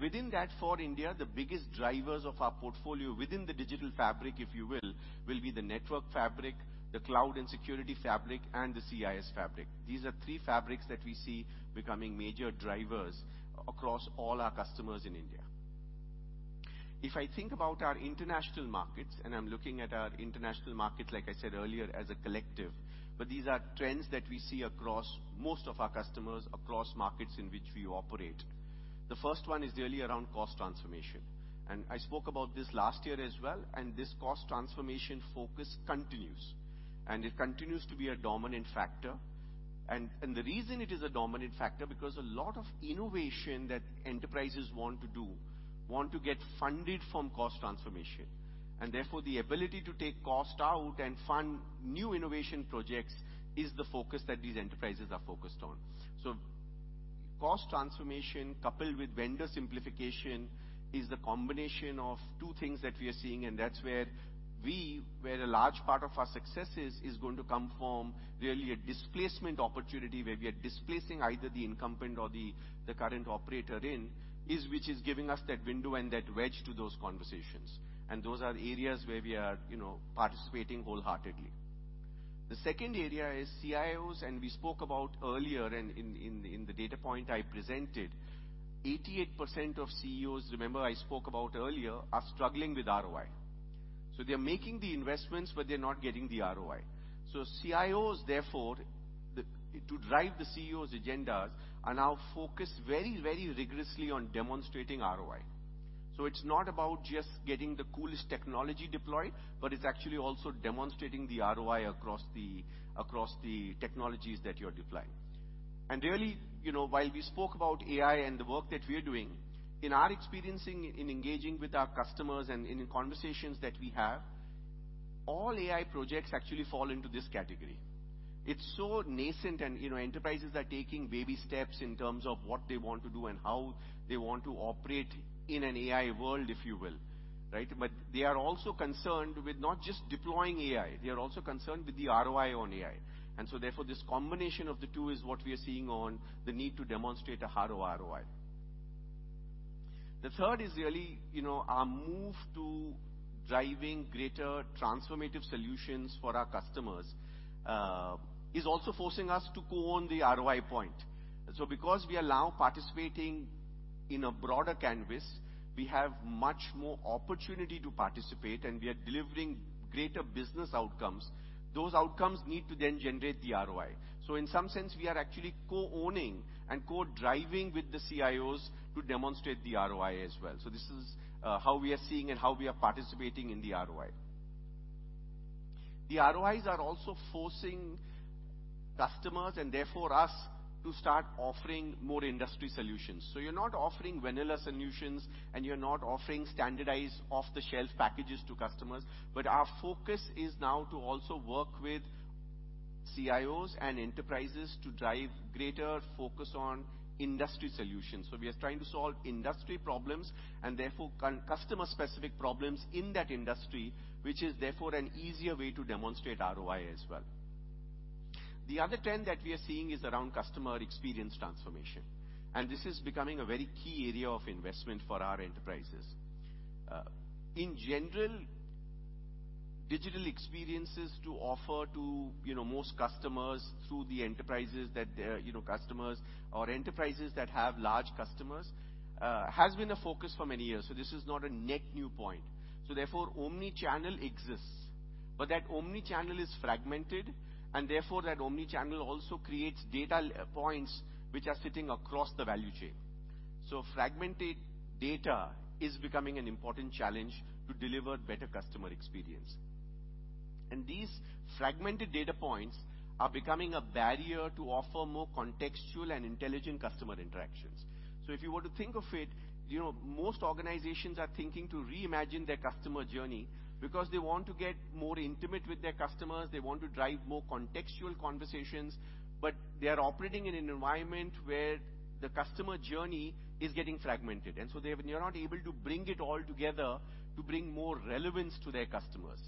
Within that, for India, the biggest drivers of our portfolio within the Digital Fabric, if you will, will be the Network Fabric, the Cloud and Security Fabric, and the CIS Fabric. These are three fabrics that we see becoming major drivers across all our customers in India. If I think about our international markets, and I'm looking at our international markets, like I said earlier, as a collective, but these are trends that we see across most of our customers across markets in which we operate. The first one is really around cost transformation. And I spoke about this last year as well. And this cost transformation focus continues, and it continues to be a dominant factor. And the reason it is a dominant factor is because a lot of innovation that enterprises want to do, want to get funded from cost transformation. And therefore, the ability to take cost out and fund new innovation projects is the focus that these enterprises are focused on. So cost transformation, coupled with vendor simplification, is the combination of two things that we are seeing. And that's where a large part of our success is going to come from really a displacement opportunity where we are displacing either the incumbent or the current operator in which is giving us that window and that wedge to those conversations. Those are areas where we are, you know, participating wholeheartedly. The second area is CIOs. We spoke about earlier in the data point I presented, 88% of CEOs, remember I spoke about earlier, are struggling with ROI. So they are making the investments, but they're not getting the ROI. So CIOs, therefore, to drive the CEOs' agendas, are now focused very, very rigorously on demonstrating ROI. So it's not about just getting the coolest technology deployed, but it's actually also demonstrating the ROI across the technologies that you're deploying. Really, you know, while we spoke about AI and the work that we are doing, in our experience in engaging with our customers and in conversations that we have, all AI projects actually fall into this category. It's so nascent, and you know, enterprises are taking baby steps in terms of what they want to do and how they want to operate in an AI world, if you will, right? But they are also concerned with not just deploying AI. They are also concerned with the ROI on AI. And so therefore, this combination of the two is what we are seeing on the need to demonstrate a harder ROI. The third is really, you know, our move to driving greater transformative solutions for our customers is also forcing us to co-own the ROI point. So because we are now participating in a broader canvas, we have much more opportunity to participate, and we are delivering greater business outcomes. Those outcomes need to then generate the ROI. So in some sense, we are actually co-owning and co-driving with the CIOs to demonstrate the ROI as well. So this is how we are seeing and how we are participating in the ROI. The ROIs are also forcing customers and therefore us to start offering more industry solutions. So you're not offering vanilla solutions, and you're not offering standardized off-the-shelf packages to customers. But our focus is now to also work with CIOs and enterprises to drive greater focus on industry solutions. So we are trying to solve industry problems and therefore customer-specific problems in that industry, which is therefore an easier way to demonstrate ROI as well. The other trend that we are seeing is around customer experience transformation. This is becoming a very key area of investment for our enterprises. In general, digital experiences to offer to, you know, most customers through the enterprises that, you know, customers or enterprises that have large customers has been a focus for many years. This is not a net new point. Therefore, omnichannel exists. But that omnichannel is fragmented, and therefore that omnichannel also creates data points which are sitting across the value chain. Fragmented data is becoming an important challenge to deliver better customer experience. These fragmented data points are becoming a barrier to offer more contextual and intelligent customer interactions. If you were to think of it, you know, most organizations are thinking to reimagine their customer journey because they want to get more intimate with their customers. They want to drive more contextual conversations. But they are operating in an environment where the customer journey is getting fragmented. And so they're not able to bring it all together to bring more relevance to their customers.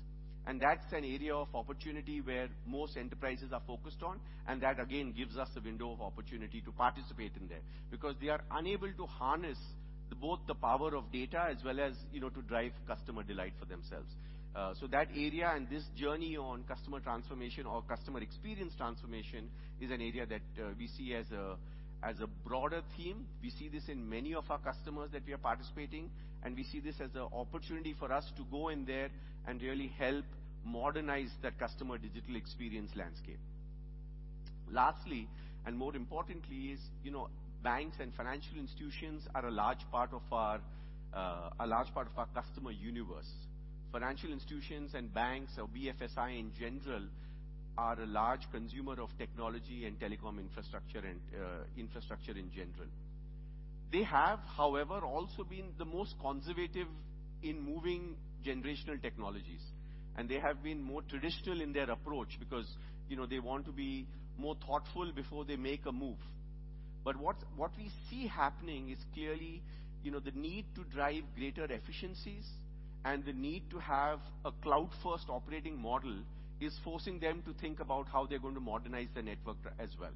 And that's an area of opportunity where most enterprises are focused on. And that, again, gives us a window of opportunity to participate in there because they are unable to harness both the power of data as well as, you know, to drive customer delight for themselves. So that area and this journey on customer transformation or customer experience transformation is an area that we see as a broader theme. We see this in many of our customers that we are participating. And we see this as an opportunity for us to go in there and really help modernize that customer digital experience landscape. Lastly, and more importantly, is, you know, banks and financial institutions are a large part of our customer universe. Financial institutions and banks, or BFSI in general, are a large consumer of technology and telecom infrastructure and infrastructure in general. They have, however, also been the most conservative in moving generational technologies. They have been more traditional in their approach because, you know, they want to be more thoughtful before they make a move. What we see happening is clearly, you know, the need to drive greater efficiencies and the need to have a cloud-first operating model is forcing them to think about how they're going to modernize their network as well.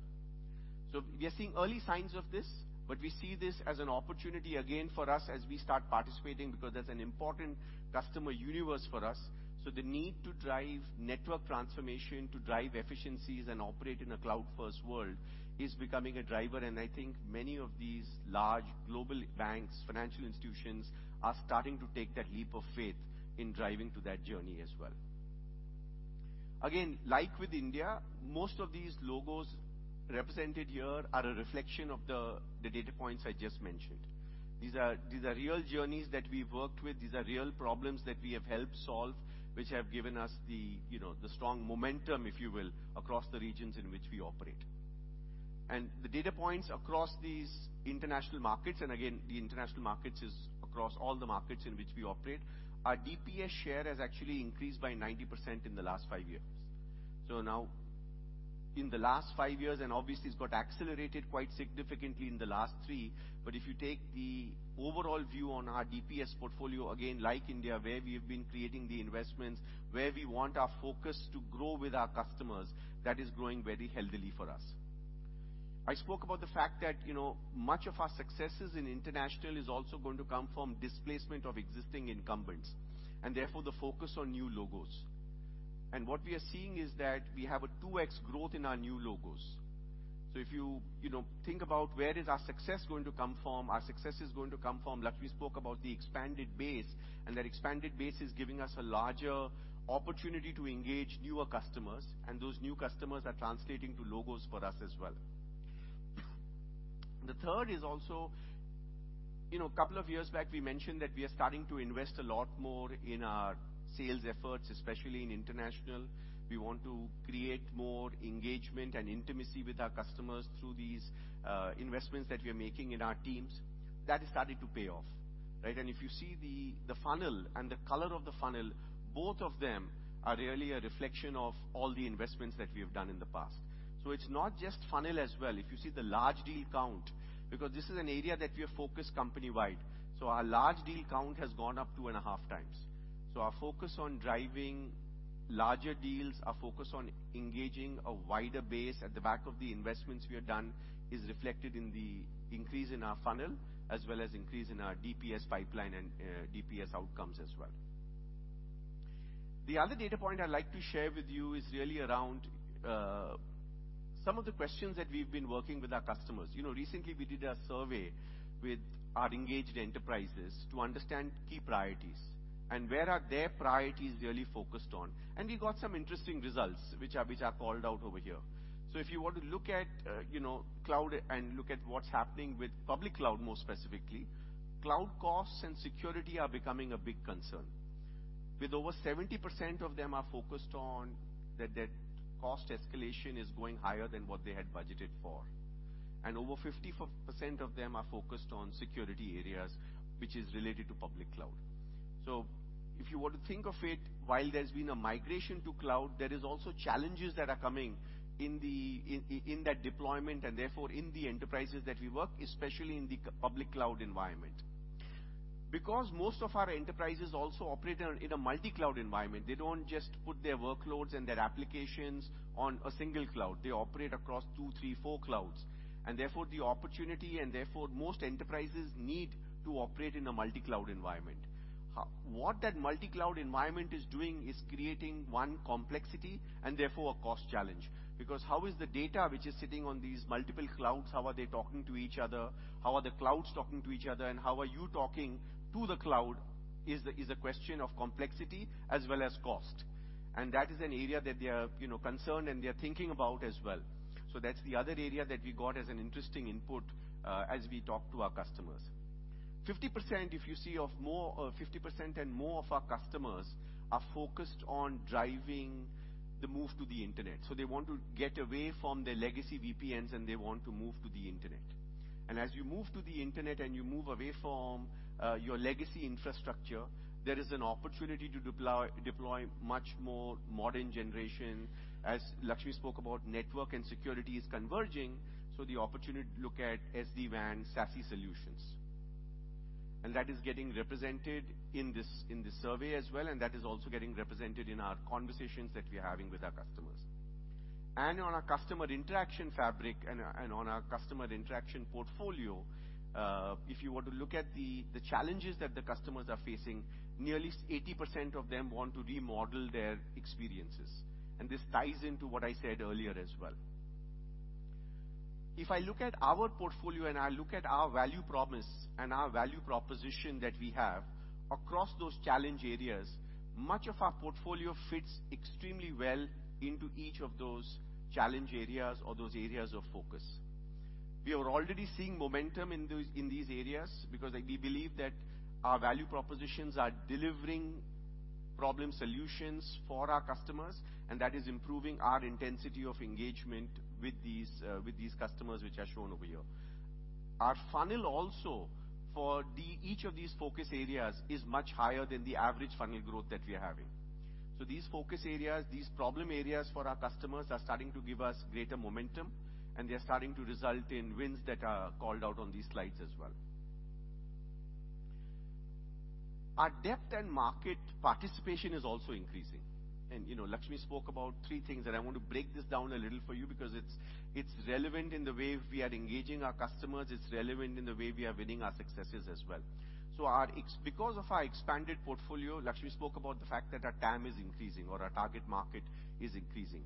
We are seeing early signs of this, but we see this as an opportunity again for us as we start participating because that's an important customer universe for us. So the need to drive network transformation, to drive efficiencies and operate in a cloud-first world is becoming a driver. And I think many of these large global banks, financial institutions are starting to take that leap of faith in driving to that journey as well. Again, like with India, most of these logos represented here are a reflection of the data points I just mentioned. These are real journeys that we've worked with. These are real problems that we have helped solve, which have given us the, you know, the strong momentum, if you will, across the regions in which we operate. And the data points across these international markets, and again, the international markets is across all the markets in which we operate, our DPS share has actually increased by 90% in the last five years. So now, in the last five years, and obviously it's got accelerated quite significantly in the last three. But if you take the overall view on our DPS portfolio, again, like India, where we have been creating the investments, where we want our focus to grow with our customers, that is growing very healthily for us. I spoke about the fact that, you know, much of our successes in international is also going to come from displacement of existing incumbents. And therefore, the focus on new logos. And what we are seeing is that we have a 2x growth in our new logos. So if you, you know, think about where is our success going to come from, our success is going to come from, like we spoke about the expanded base. And that expanded base is giving us a larger opportunity to engage newer customers. Those new customers are translating to logos for us as well. The third is also, you know, a couple of years back, we mentioned that we are starting to invest a lot more in our sales efforts, especially in international. We want to create more engagement and intimacy with our customers through these investments that we are making in our teams. That is starting to pay off, right? If you see the funnel and the color of the funnel, both of them are really a reflection of all the investments that we have done in the past. So it's not just funnel as well. If you see the large deal count, because this is an area that we have focused company-wide, so our large deal count has gone up 2.5 times. So our focus on driving larger deals, our focus on engaging a wider base at the back of the investments we have done is reflected in the increase in our funnel, as well as increase in our DPS pipeline and DPS outcomes as well. The other data point I'd like to share with you is really around some of the questions that we've been working with our customers. You know, recently we did a survey with our engaged enterprises to understand key priorities and where are their priorities really focused on. And we got some interesting results, which are called out over here. So if you want to look at, you know, cloud and look at what's happening with public cloud, more specifically, cloud costs and security are becoming a big concern. With over 70% of them are focused on that, that cost escalation is going higher than what they had budgeted for. Over 50% of them are focused on security areas, which is related to public cloud. If you were to think of it, while there's been a migration to cloud, there are also challenges that are coming in that deployment and therefore in the enterprises that we work, especially in the public cloud environment. Because most of our enterprises also operate in a multi-cloud environment, they don't just put their workloads and their applications on a single cloud. They operate across two, three, four clouds. Therefore, the opportunity and therefore most enterprises need to operate in a multi-cloud environment. What that multi-cloud environment is doing is creating one complexity and therefore a cost challenge. Because how is the data which is sitting on these multiple clouds, how are they talking to each other, how are the clouds talking to each other, and how are you talking to the cloud is a question of complexity as well as cost. And that is an area that they are, you know, concerned and they are thinking about as well. So that's the other area that we got as an interesting input as we talk to our customers. 50%, if you see, of more 50% and more of our customers are focused on driving the move to the internet. So they want to get away from their legacy VPNs, and they want to move to the internet. And as you move to the internet and you move away from your legacy infrastructure, there is an opportunity to deploy much more modern generation. As A.S. Lakshminarayanan spoke about, network and security is converging. The opportunity to look at SD-WAN, SASE solutions. That is getting represented in this survey as well. That is also getting represented in our conversations that we are having with our Customer Interaction Fabric and on our customer interaction portfolio, if you were to look at the challenges that the customers are facing, nearly 80% of them want to remodel their experiences. This ties into what I said earlier as well. If I look at our portfolio and I look at our value promise and our value proposition that we have across those challenge areas, much of our portfolio fits extremely well into each of those challenge areas or those areas of focus. We are already seeing momentum in these areas because we believe that our value propositions are delivering problem solutions for our customers. And that is improving our intensity of engagement with these customers, which are shown over here. Our funnel also for each of these focus areas is much higher than the average funnel growth that we are having. So these focus areas, these problem areas for our customers are starting to give us greater momentum. And they are starting to result in wins that are called out on these slides as well. Our depth and market participation is also increasing. And, you know, Lakshmi spoke about three things. And I want to break this down a little for you because it's relevant in the way we are engaging our customers. It's relevant in the way we are winning our successes as well. So because of our expanded portfolio, Lakshmi spoke about the fact that our TAM is increasing or our target market is increasing.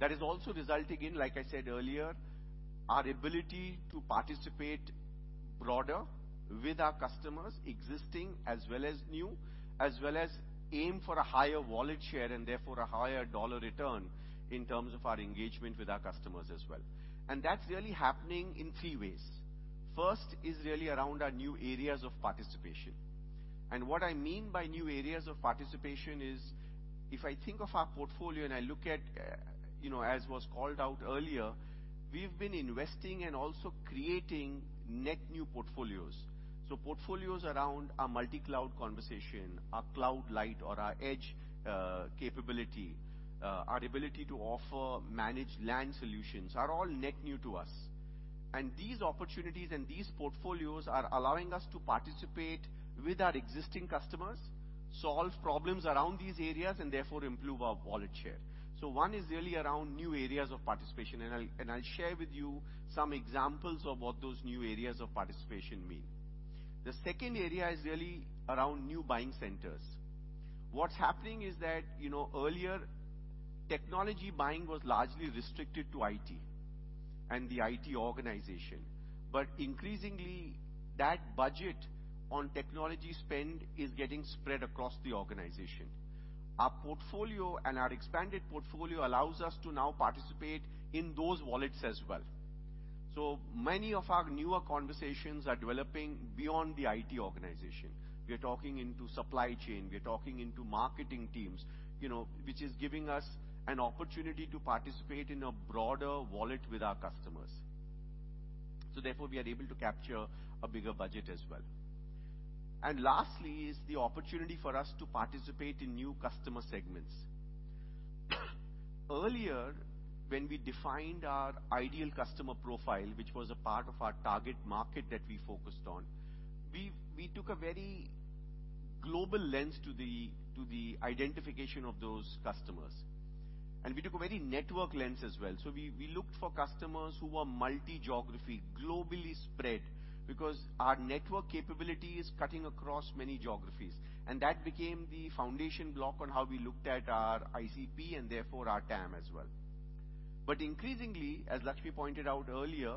That is also resulting in, like I said earlier, our ability to participate broader with our customers, existing as well as new, as well as aim for a higher wallet share and therefore a higher dollar return in terms of our engagement with our customers as well. And that's really happening in three ways. First is really around our new areas of participation. And what I mean by new areas of participation is if I think of our portfolio and I look at, you know, as was called out earlier, we've been investing and also creating net new portfolios. So portfolios around our multi-cloud conversation, our CloudLyte, or our edge capability, our ability to offer managed LAN solutions are all net new to us. These opportunities and these portfolios are allowing us to participate with our existing customers, solve problems around these areas, and therefore improve our wallet share. One is really around new areas of participation. I'll share with you some examples of what those new areas of participation mean. The second area is really around new buying centers. What's happening is that, you know, earlier technology buying was largely restricted to IT and the IT organization. But increasingly, that budget on technology spend is getting spread across the organization. Our portfolio and our expanded portfolio allows us to now participate in those wallets as well. So many of our newer conversations are developing beyond the IT organization. We are talking into supply chain. We are talking into marketing teams, you know, which is giving us an opportunity to participate in a broader wallet with our customers. So therefore, we are able to capture a bigger budget as well. And lastly is the opportunity for us to participate in new customer segments. Earlier, when we defined our ideal customer profile, which was a part of our target market that we focused on, we took a very global lens to the identification of those customers. And we took a very network lens as well. So we looked for customers who were multi-geography, globally spread, because our network capability is cutting across many geographies. And that became the foundation block on how we looked at our ICP and therefore our TAM as well. But increasingly, as Lakshmi pointed out earlier,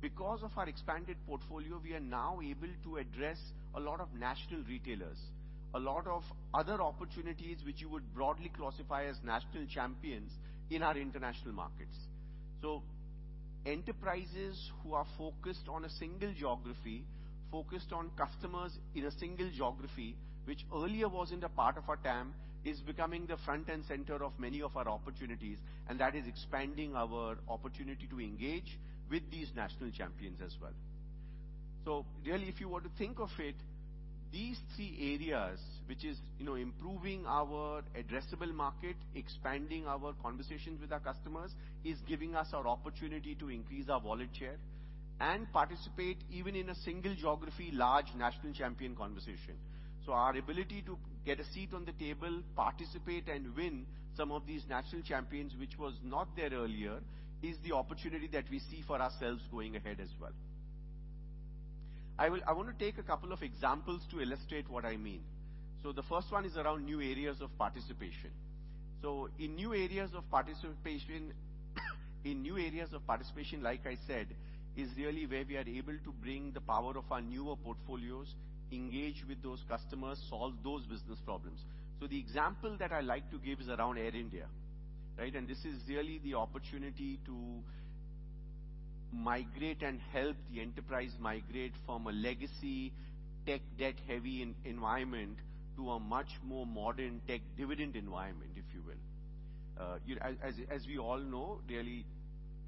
because of our expanded portfolio, we are now able to address a lot of national retailers, a lot of other opportunities which you would broadly classify as national champions in our international markets. So enterprises who are focused on a single geography, focused on customers in a single geography, which earlier wasn't a part of our TAM, is becoming the front and center of many of our opportunities. And that is expanding our opportunity to engage with these national champions as well. So really, if you were to think of it, these three areas, which is, you know, improving our addressable market, expanding our conversations with our customers, is giving us our opportunity to increase our wallet share and participate even in a single geography, large national champion conversation. So our ability to get a seat on the table, participate, and win some of these national champions, which was not there earlier, is the opportunity that we see for ourselves going ahead as well. I want to take a couple of examples to illustrate what I mean. So the first one is around new areas of participation. So in new areas of participation, like I said, is really where we are able to bring the power of our newer portfolios, engage with those customers, solve those business problems. So the example that I like to give is around Air India, right? And this is really the opportunity to migrate and help the enterprise migrate from a legacy tech debt-heavy environment to a much more modern tech dividend environment, if you will. As we all know, really,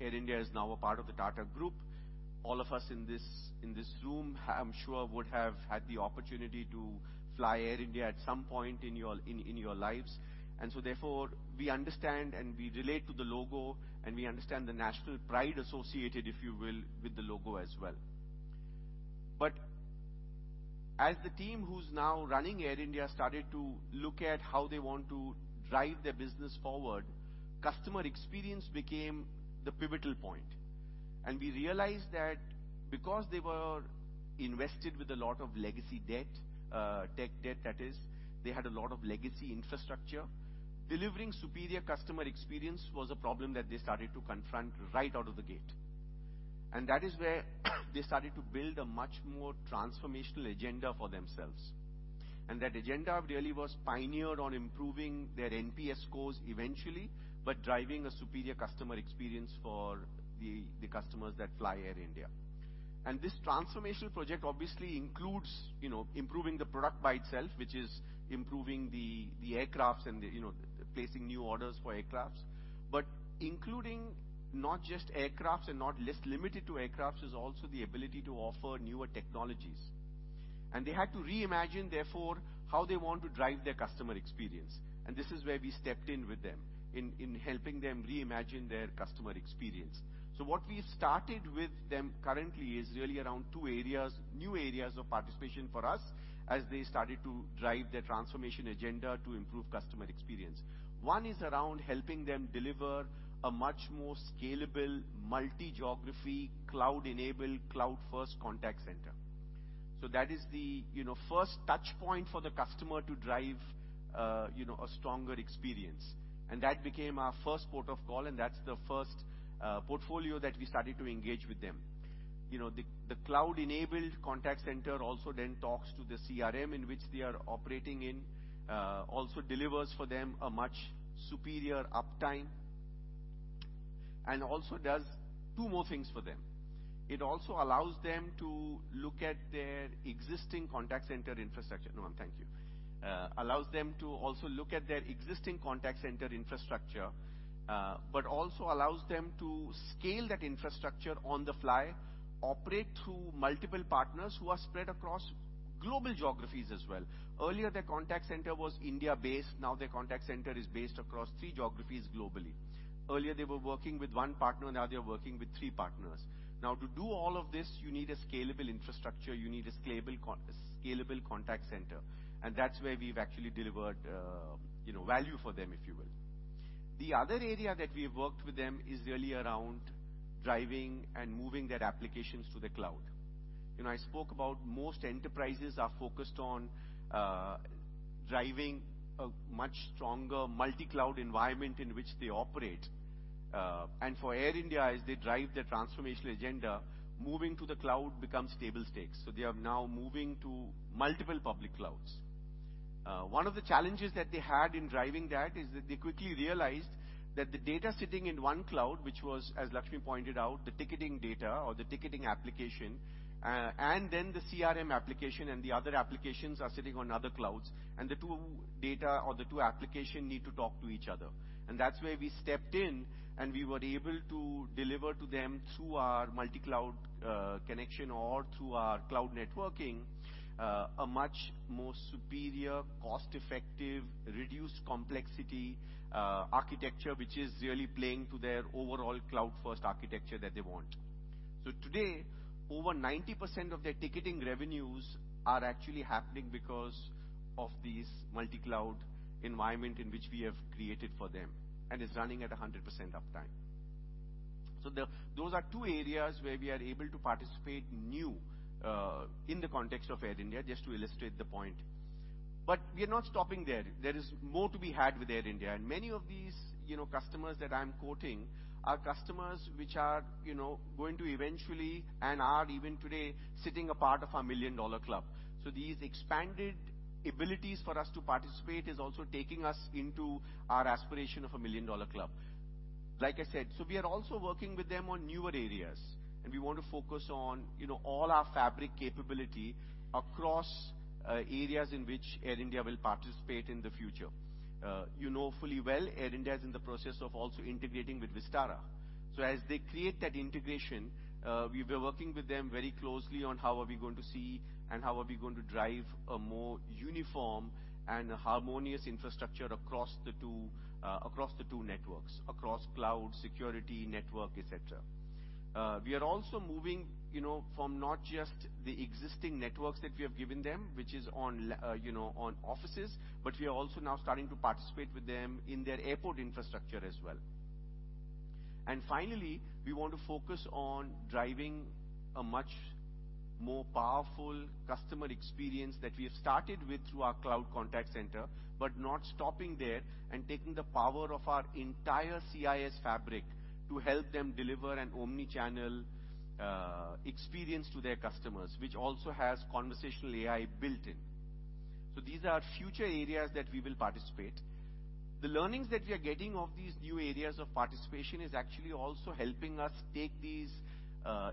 Air India is now a part of the Tata Group. All of us in this room, I'm sure, would have had the opportunity to fly Air India at some point in your lives. So therefore, we understand and we relate to the logo, and we understand the national pride associated, if you will, with the logo as well. But as the team who's now running Air India started to look at how they want to drive their business forward, customer experience became the pivotal point. We realized that because they were invested with a lot of legacy debt, tech debt, that is, they had a lot of legacy infrastructure. Delivering superior customer experience was a problem that they started to confront right out of the gate. That is where they started to build a much more transformational agenda for themselves. That agenda really was pioneered on improving their NPS scores eventually, but driving a superior customer experience for the customers that fly Air India. This transformational project obviously includes, you know, improving the product by itself, which is improving the aircrafts and, you know, placing new orders for aircrafts. But including not just aircrafts and not less limited to aircrafts is also the ability to offer newer technologies. And they had to reimagine, therefore, how they want to drive their customer experience. And this is where we stepped in with them in helping them reimagine their customer experience. So what we started with them currently is really around two areas, new areas of participation for us as they started to drive their transformation agenda to improve customer experience. One is around helping them deliver a much more scalable multi-geography, cloud-enabled, cloud-first contact center. So that is the, you know, first touchpoint for the customer to drive, you know, a stronger experience. And that became our first port of call. That's the first portfolio that we started to engage with them. You know, the cloud-enabled contact center also then talks to the CRM in which they are operating in, also delivers for them a much superior uptime and also does two more things for them. It also allows them to look at their existing contact center infrastructure. No, thank you. Allows them to also look at their existing contact center infrastructure, but also allows them to scale that infrastructure on the fly, operate through multiple partners who are spread across global geographies as well. Earlier, their contact center was India-based. Now their contact center is based across three geographies globally. Earlier, they were working with one partner, and now they're working with three partners. Now, to do all of this, you need a scalable infrastructure. You need a scalable contact center. And that's where we've actually delivered, you know, value for them, if you will. The other area that we have worked with them is really around driving and moving their applications to the cloud. You know, I spoke about most enterprises are focused on driving a much stronger multi-cloud environment in which they operate. And for Air India, as they drive their transformational agenda, moving to the cloud becomes table stakes. So they are now moving to multiple public clouds. One of the challenges that they had in driving that is that they quickly realized that the data sitting in one cloud, which was, as Lakshmi pointed out, the ticketing data or the ticketing application, and then the CRM application and the other applications are sitting on other clouds. And the two data or the two applications need to talk to each other. And that's where we stepped in, and we were able to deliver to them through our Multi Cloud Connection or through our cloud networking a much more superior, cost-effective, reduced complexity architecture, which is really playing to their overall cloud-first architecture that they want. So today, over 90% of their ticketing revenues are actually happening because of this multi-cloud environment in which we have created for them and is running at 100% uptime. So those are two areas where we are able to participate new in the context of Air India, just to illustrate the point. But we are not stopping there. There is more to be had with Air India. And many of these, you know, customers that I'm quoting are customers which are, you know, going to eventually and are even today sitting a part of our Million Dollar Club. So these expanded abilities for us to participate are also taking us into our aspiration of a Million Dollar Club. Like I said, so we are also working with them on newer areas. We want to focus on, you know, all our fabric capability across areas in which Air India will participate in the future. You know fully well, Air India is in the process of also integrating with Vistara. So as they create that integration, we were working with them very closely on how are we going to see and how are we going to drive a more uniform and harmonious infrastructure across the two networks, across cloud, security, network, etc. We are also moving, you know, from not just the existing networks that we have given them, which is on, you know, on offices, but we are also now starting to participate with them in their airport infrastructure as well. And finally, we want to focus on driving a much more powerful customer experience that we have started with through our cloud contact center, but not stopping there and taking the power of our entire CIS Fabric to help them deliver an omnichannel experience to their customers, which also has conversational AI built in. So these are future areas that we will participate. The learnings that we are getting of these new areas of participation are actually also helping us take these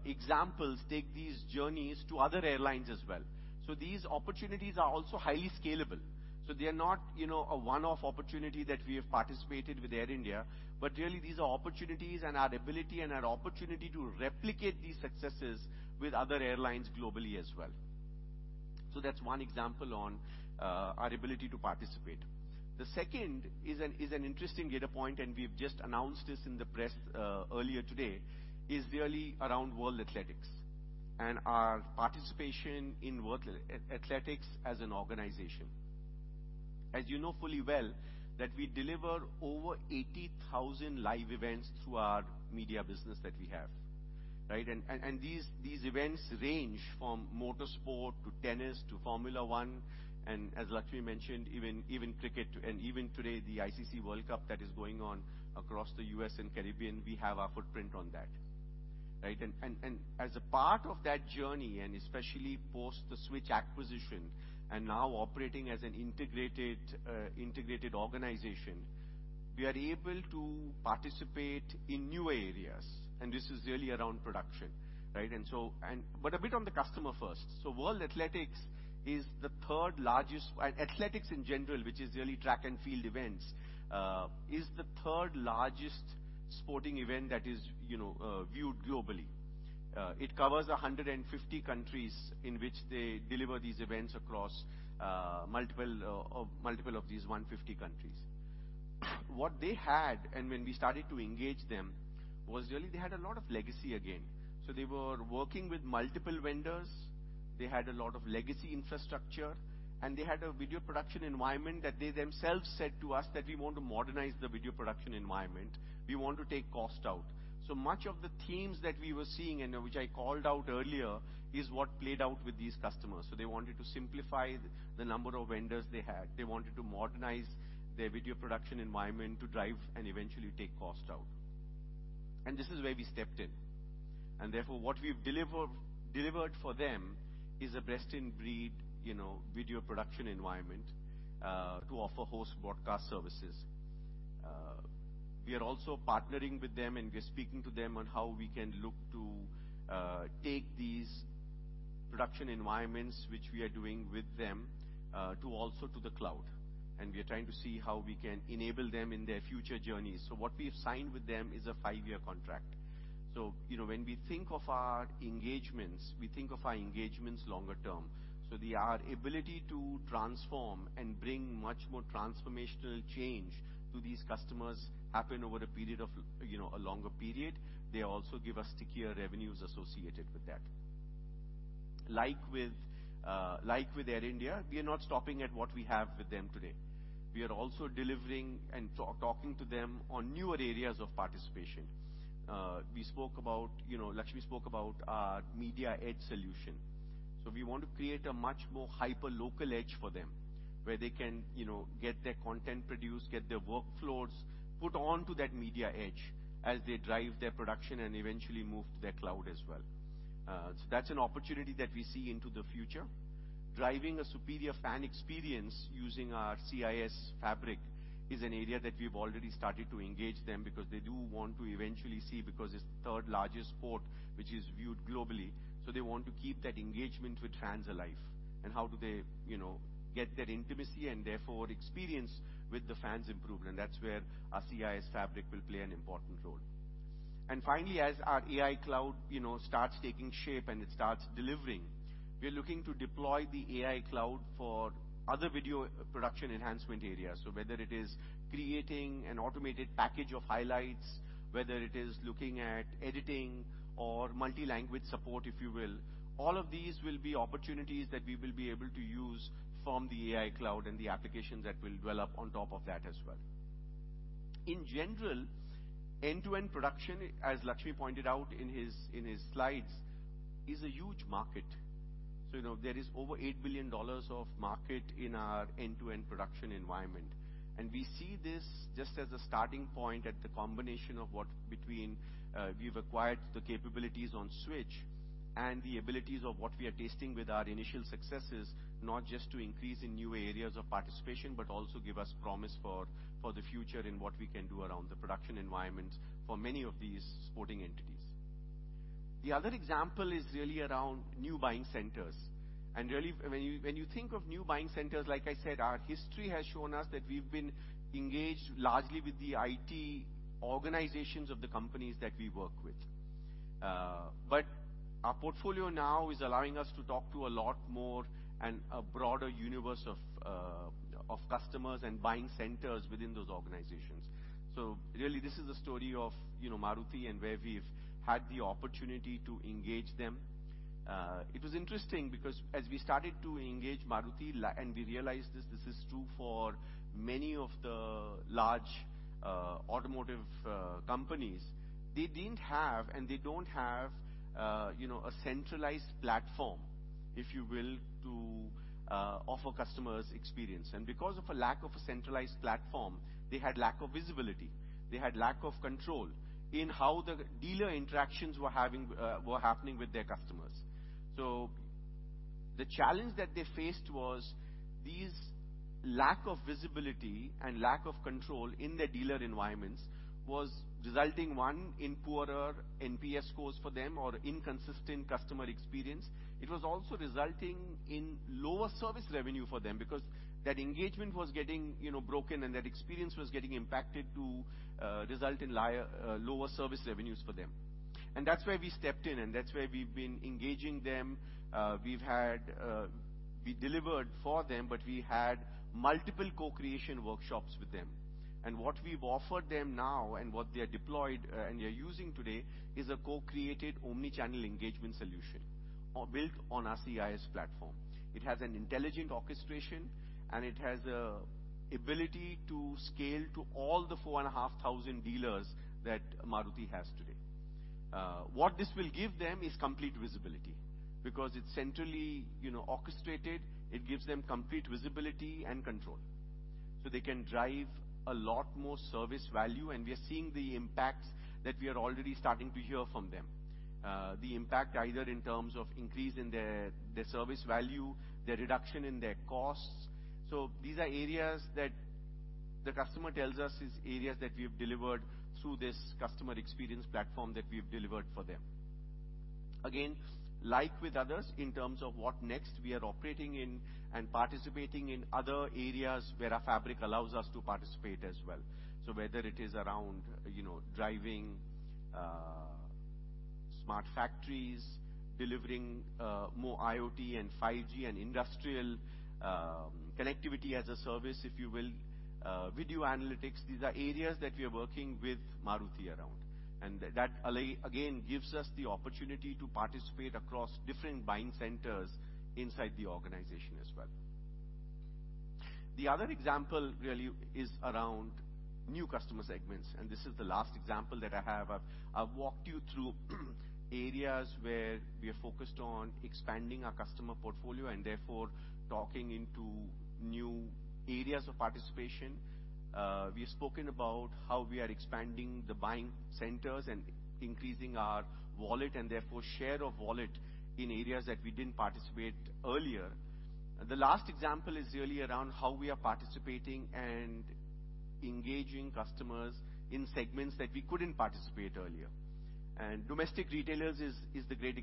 examples, take these journeys to other airlines as well. So these opportunities are also highly scalable. So they are not, you know, a one-off opportunity that we have participated with Air India, but really these are opportunities and our ability and our opportunity to replicate these successes with other airlines globally as well. So that's one example on our ability to participate. The second is an interesting data point, and we've just announced this in the press earlier today, is really around World Athletics and our participation in World Athletics as an organization. As you know fully well, that we deliver over 80,000 live events through our media business that we have, right? And these events range from motorsport to tennis to Formula 1, and as Lakshmi mentioned, even cricket and even today, the ICC World Cup that is going on across the U.S. and Caribbean, we have our footprint on that, right? As a part of that journey, and especially post the Switch acquisition and now operating as an integrated organization, we are able to participate in newer areas. This is really around production, right? But a bit on the customer first. World Athletics is the third largest athletics in general, which is really track and field events, is the third largest sporting event that is, you know, viewed globally. It covers 150 countries in which they deliver these events across multiple of these 150 countries. What they had, and when we started to engage them, was really they had a lot of legacy again. So they were working with multiple vendors. They had a lot of legacy infrastructure, and they had a video production environment that they themselves said to us that we want to modernize the video production environment. We want to take cost out. So much of the themes that we were seeing and which I called out earlier is what played out with these customers. So they wanted to simplify the number of vendors they had. They wanted to modernize their video production environment to drive and eventually take cost out. And this is where we stepped in. And therefore, what we've delivered for them is a best-in-breed, you know, video production environment to offer hosted broadcast services. We are also partnering with them, and we're speaking to them on how we can look to take these production environments, which we are doing with them, to the cloud. And we are trying to see how we can enable them in their future journeys. So what we have signed with them is a five-year contract. So, you know, when we think of our engagements, we think of our engagements longer term. So the ability to transform and bring much more transformational change to these customers happen over a period of, you know, a longer period. They also give us stickier revenues associated with that. Like with Air India, we are not stopping at what we have with them today. We are also delivering and talking to them on newer areas of participation. We spoke about, you know, Lakshmi spoke about our Media Edge solution. So we want to create a much more hyper-local edge for them where they can, you know, get their content produced, get their workflows put onto that Media Edge as they drive their production and eventually move to their cloud as well. So that's an opportunity that we see into the future. Driving a superior fan experience using our CIS Fabric is an area that we've already started to engage them because they do want to eventually see because it's the third largest sport, which is viewed globally. So they want to keep that engagement with fans alive and how do they, you know, get that intimacy and therefore experience with the fans improved. And that's where our CIS Fabric will play an important role. And finally, as our AI Cloud, you know, starts taking shape and it starts delivering, we're looking to deploy the AI Cloud for other video production enhancement areas. So whether it is creating an automated package of highlights, whether it is looking at editing or multi-language support, if you will, all of these will be opportunities that we will be able to use from the AI Cloud and the applications that will develop on top of that as well. In general, end-to-end production, as Lakshmi pointed out in his slides, is a huge market. So, you know, there is over $8 billion of market in our end-to-end production environment. And we see this just as a starting point at the combination of what between we've acquired the capabilities on Switch and the abilities of what we are testing with our initial successes, not just to increase in new areas of participation, but also give us promise for the future in what we can do around the production environments for many of these sporting entities. The other example is really around new buying centers. Really, when you think of new buying centers, like I said, our history has shown us that we've been engaged largely with the IT organizations of the companies that we work with. Our portfolio now is allowing us to talk to a lot more and a broader universe of customers and buying centers within those organizations. Really, this is the story of, you know, Maruti and where we've had the opportunity to engage them. It was interesting because as we started to engage Maruti and we realized this, this is true for many of the large automotive companies, they didn't have and they don't have, you know, a centralized platform, if you will, to offer customers experience. Because of a lack of a centralized platform, they had lack of visibility. They had lack of control in how the dealer interactions were happening with their customers. So the challenge that they faced was this lack of visibility and lack of control in their dealer environments was resulting, one, in poorer NPS scores for them or inconsistent customer experience. It was also resulting in lower service revenue for them because that engagement was getting, you know, broken and that experience was getting impacted to result in lower service revenues for them. And that's where we stepped in, and that's where we've been engaging them. We've had, we delivered for them, but we had multiple co-creation workshops with them. And what we've offered them now and what they are deployed and they are using today is a co-created omnichannel engagement solution built on our CIS platform. It has an intelligent orchestration, and it has an ability to scale to all the 4,500 dealers that Maruti has today. What this will give them is complete visibility because it's centrally, you know, orchestrated. It gives them complete visibility and control. So they can drive a lot more service value, and we are seeing the impacts that we are already starting to hear from them. The impact either in terms of increase in their service value, their reduction in their costs. So these are areas that the customer tells us are areas that we have delivered through this customer experience platform that we have delivered for them. Again, like with others in terms of what next we are operating in and participating in other areas where our fabric allows us to participate as well. So whether it is around, you know, driving smart factories, delivering more IoT and 5G and industrial connectivity as a service, if you will, video analytics, these are areas that we are working with Maruti around. And that again gives us the opportunity to participate across different buying centers inside the organization as well. The other example really is around new customer segments, and this is the last example that I have. I've walked you through areas where we have focused on expanding our customer portfolio and therefore talking into new areas of participation. We have spoken about how we are expanding the buying centers and increasing our wallet and therefore share of wallet in areas that we didn't participate earlier. The last example is really around how we are participating and engaging customers in segments that we couldn't participate earlier. Domestic retailers is a great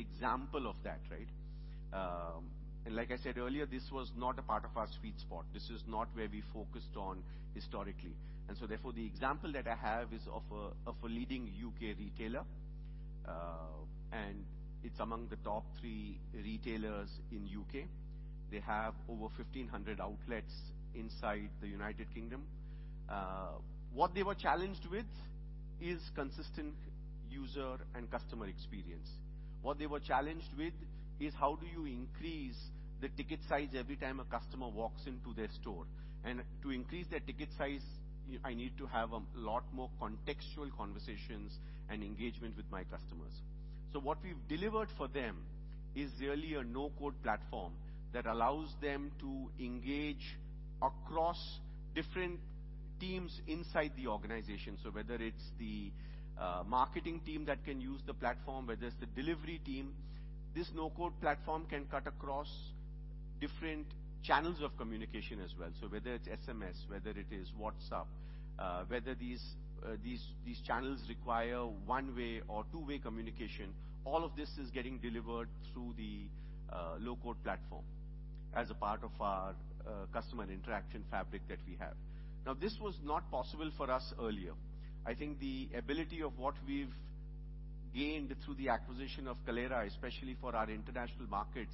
example of that, right? Like I said earlier, this was not a part of our sweet spot. This is not where we focused on historically. So therefore, the example that I have is of a leading U.K. retailer, and it's among the top three retailers in the U.K.. They have over 1,500 outlets inside the United Kingdom. What they were challenged with is consistent user and customer experience. What they were challenged with is how do you increase the ticket size every time a customer walks into their store. To increase their ticket size, I need to have a lot more contextual conversations and engagement with my customers. What we've delivered for them is really a no-code platform that allows them to engage across different teams inside the organization. So whether it's the marketing team that can use the platform, whether it's the delivery team, this no-code platform can cut across different channels of communication as well. So whether it's SMS, whether it is WhatsApp, whether these channels require one-way or two-way communication, all of this is getting delivered through the low-code platform as a Customer Interaction Fabric that we have. Now, this was not possible for us earlier. I think the ability of what we've gained through the acquisition of Kaleyra, especially for our international markets,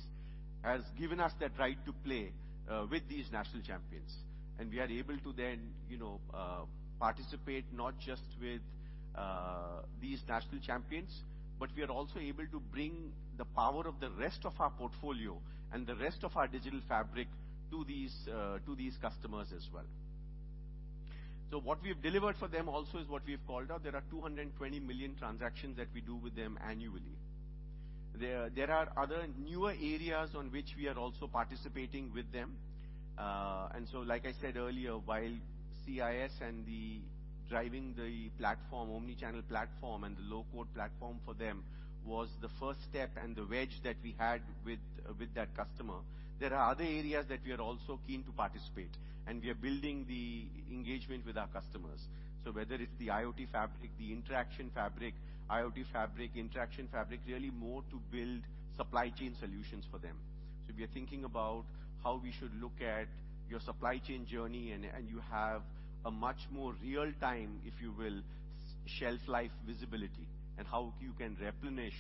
has given us that right to play with these national champions. And we are able to then, you know, participate not just with these national champions, but we are also able to bring the power of the rest of our portfolio and the rest of our Digital Fabric to these customers as well. So what we've delivered for them also is what we've called out. There are 220 million transactions that we do with them annually. There are other newer areas on which we are also participating with them. And so, like I said earlier, while CIS and the driving the platform, omnichannel platform and the low-code platform for them was the first step and the wedge that we had with that customer, there are other areas that we are also keen to participate in. And we are building the engagement with our customers. So whether it's the IoT Fabric, the Interaction Fabric, IoT Fabric, Interaction Fabric, really more to build supply chain solutions for them. So we are thinking about how we should look at your supply chain journey and you have a much more real-time, if you will, shelf life visibility and how you can replenish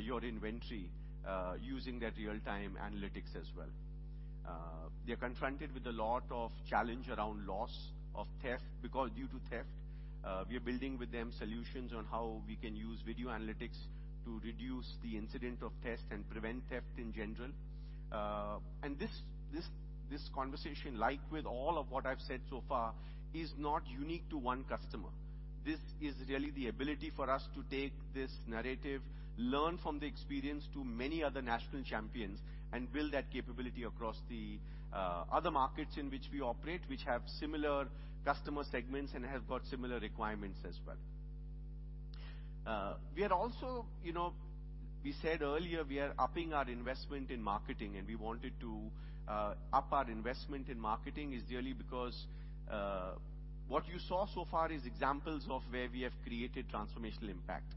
your inventory using that real-time analytics as well. They are confronted with a lot of challenge around loss of theft due to theft. We are building with them solutions on how we can use video analytics to reduce the incident of theft and prevent theft in general. And this conversation, like with all of what I've said so far, is not unique to one customer. This is really the ability for us to take this narrative, learn from the experience to many other national champions, and build that capability across the other markets in which we operate, which have similar customer segments and have got similar requirements as well. We are also, you know, we said earlier we are upping our investment in marketing, and we wanted to up our investment in marketing is really because what you saw so far is examples of where we have created transformational impact.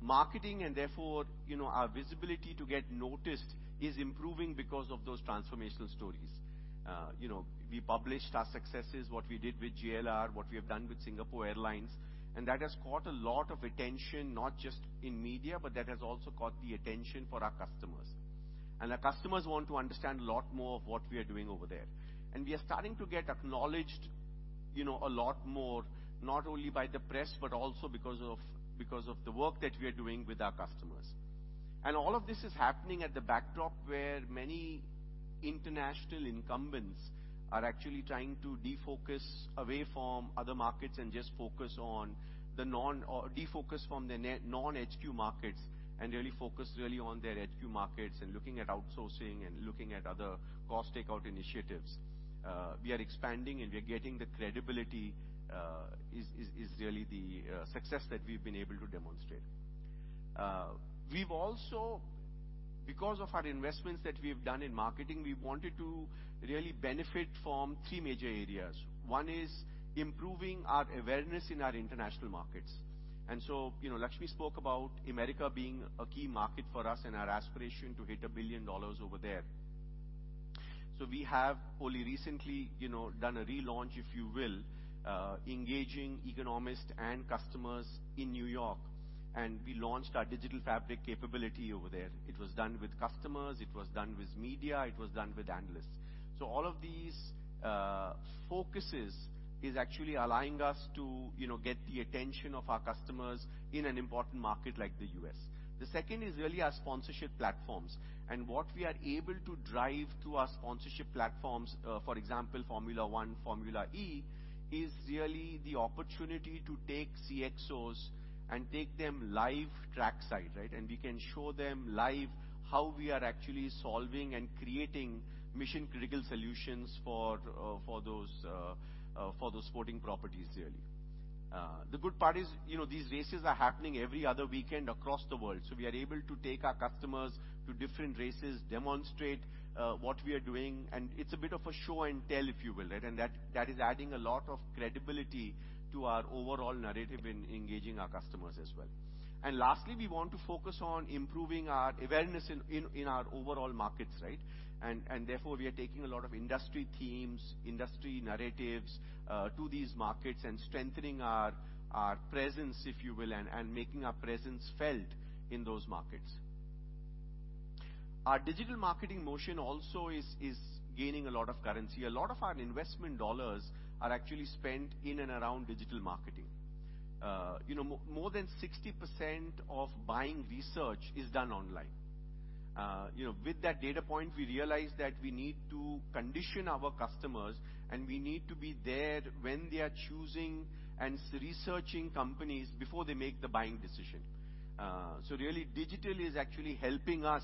Marketing and therefore, you know, our visibility to get noticed is improving because of those transformational stories. You know, we published our successes, what we did with JLR, what we have done with Singapore Airlines, and that has caught a lot of attention, not just in media, but that has also caught the attention for our customers. And our customers want to understand a lot more of what we are doing over there. And we are starting to get acknowledged, you know, a lot more, not only by the press, but also because of the work that we are doing with our customers. And all of this is happening at the backdrop where many international incumbents are actually trying to defocus away from other markets and just focus on the non-defocus from the non-HQ markets and really focus really on their HQ markets and looking at outsourcing and looking at other cost takeout initiatives. We are expanding and we are getting the credibility is really the success that we've been able to demonstrate. We've also, because of our investments that we have done in marketing, we wanted to really benefit from three major areas. One is improving our awareness in our international markets. And so, you know, Lakshmi spoke about America being a key market for us and our aspiration to hit $1 billion over there. So we have only recently, you know, done a relaunch, if you will, engaging executives and customers in New York, and we launched our Digital Fabric capability over there. It was done with customers, it was done with media, it was done with analysts. So all of these focuses are actually allowing us to, you know, get the attention of our customers in an important market like the U.S. The second is really our sponsorship platforms. And what we are able to drive through our sponsorship platforms, for example, Formula 1, Formula E, is really the opportunity to take CXOs and take them live trackside, right? And we can show them live how we are actually solving and creating mission-critical solutions for those sporting properties really. The good part is, you know, these races are happening every other weekend across the world. So we are able to take our customers to different races, demonstrate what we are doing, and it's a bit of a show and tell, if you will, right? And that is adding a lot of credibility to our overall narrative in engaging our customers as well. And lastly, we want to focus on improving our awareness in our overall markets, right? And therefore, we are taking a lot of industry themes, industry narratives to these markets and strengthening our presence, if you will, and making our presence felt in those markets. Our digital marketing motion also is gaining a lot of currency. A lot of our investment dollars are actually spent in and around digital marketing. You know, more than 60% of buying research is done online. You know, with that data point, we realized that we need to condition our customers and we need to be there when they are choosing and researching companies before they make the buying decision. So really, digital is actually helping us,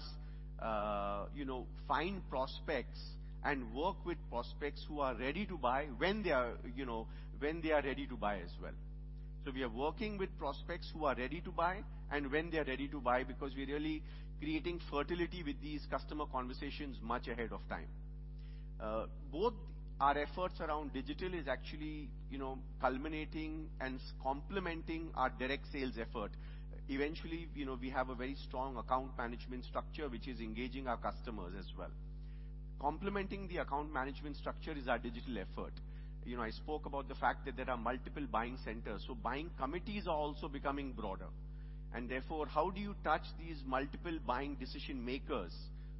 you know, find prospects and work with prospects who are ready to buy when they are, you know, when they are ready to buy as well. So we are working with prospects who are ready to buy and when they are ready to buy because we are really creating fertility with these customer conversations much ahead of time. Both our efforts around digital are actually, you know, culminating and complementing our direct sales effort. Eventually, you know, we have a very strong account management structure which is engaging our customers as well. Complementing the account management structure is our digital effort. You know, I spoke about the fact that there are multiple buying centers. So buying committees are also becoming broader. And therefore, how do you touch these multiple buying decision makers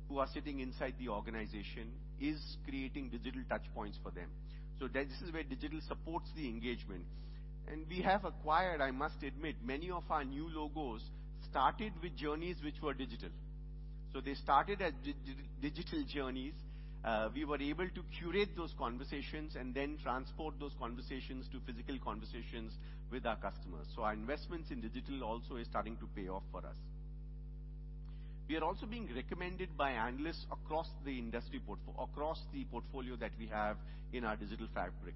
who are sitting inside the organization is creating digital touch points for them. So this is where digital supports the engagement. And we have acquired, I must admit, many of our new logos started with journeys which were digital. So they started as digital journeys. We were able to curate those conversations and then transport those conversations to physical conversations with our customers. So our investments in digital also are starting to pay off for us. We are also being recommended by analysts across the industry, across the portfolio that we have in our Digital Fabric.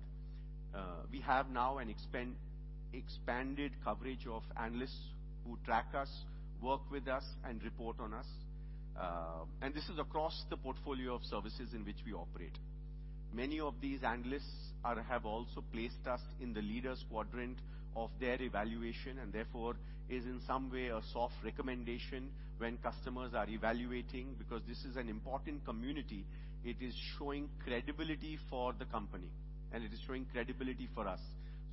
We have now an expanded coverage of analysts who track us, work with us, and report on us. This is across the portfolio of services in which we operate. Many of these analysts have also placed us in the Leaders' Quadrant of their evaluation and therefore is in some way a soft recommendation when customers are evaluating because this is an important community. It is showing credibility for the company and it is showing credibility for us.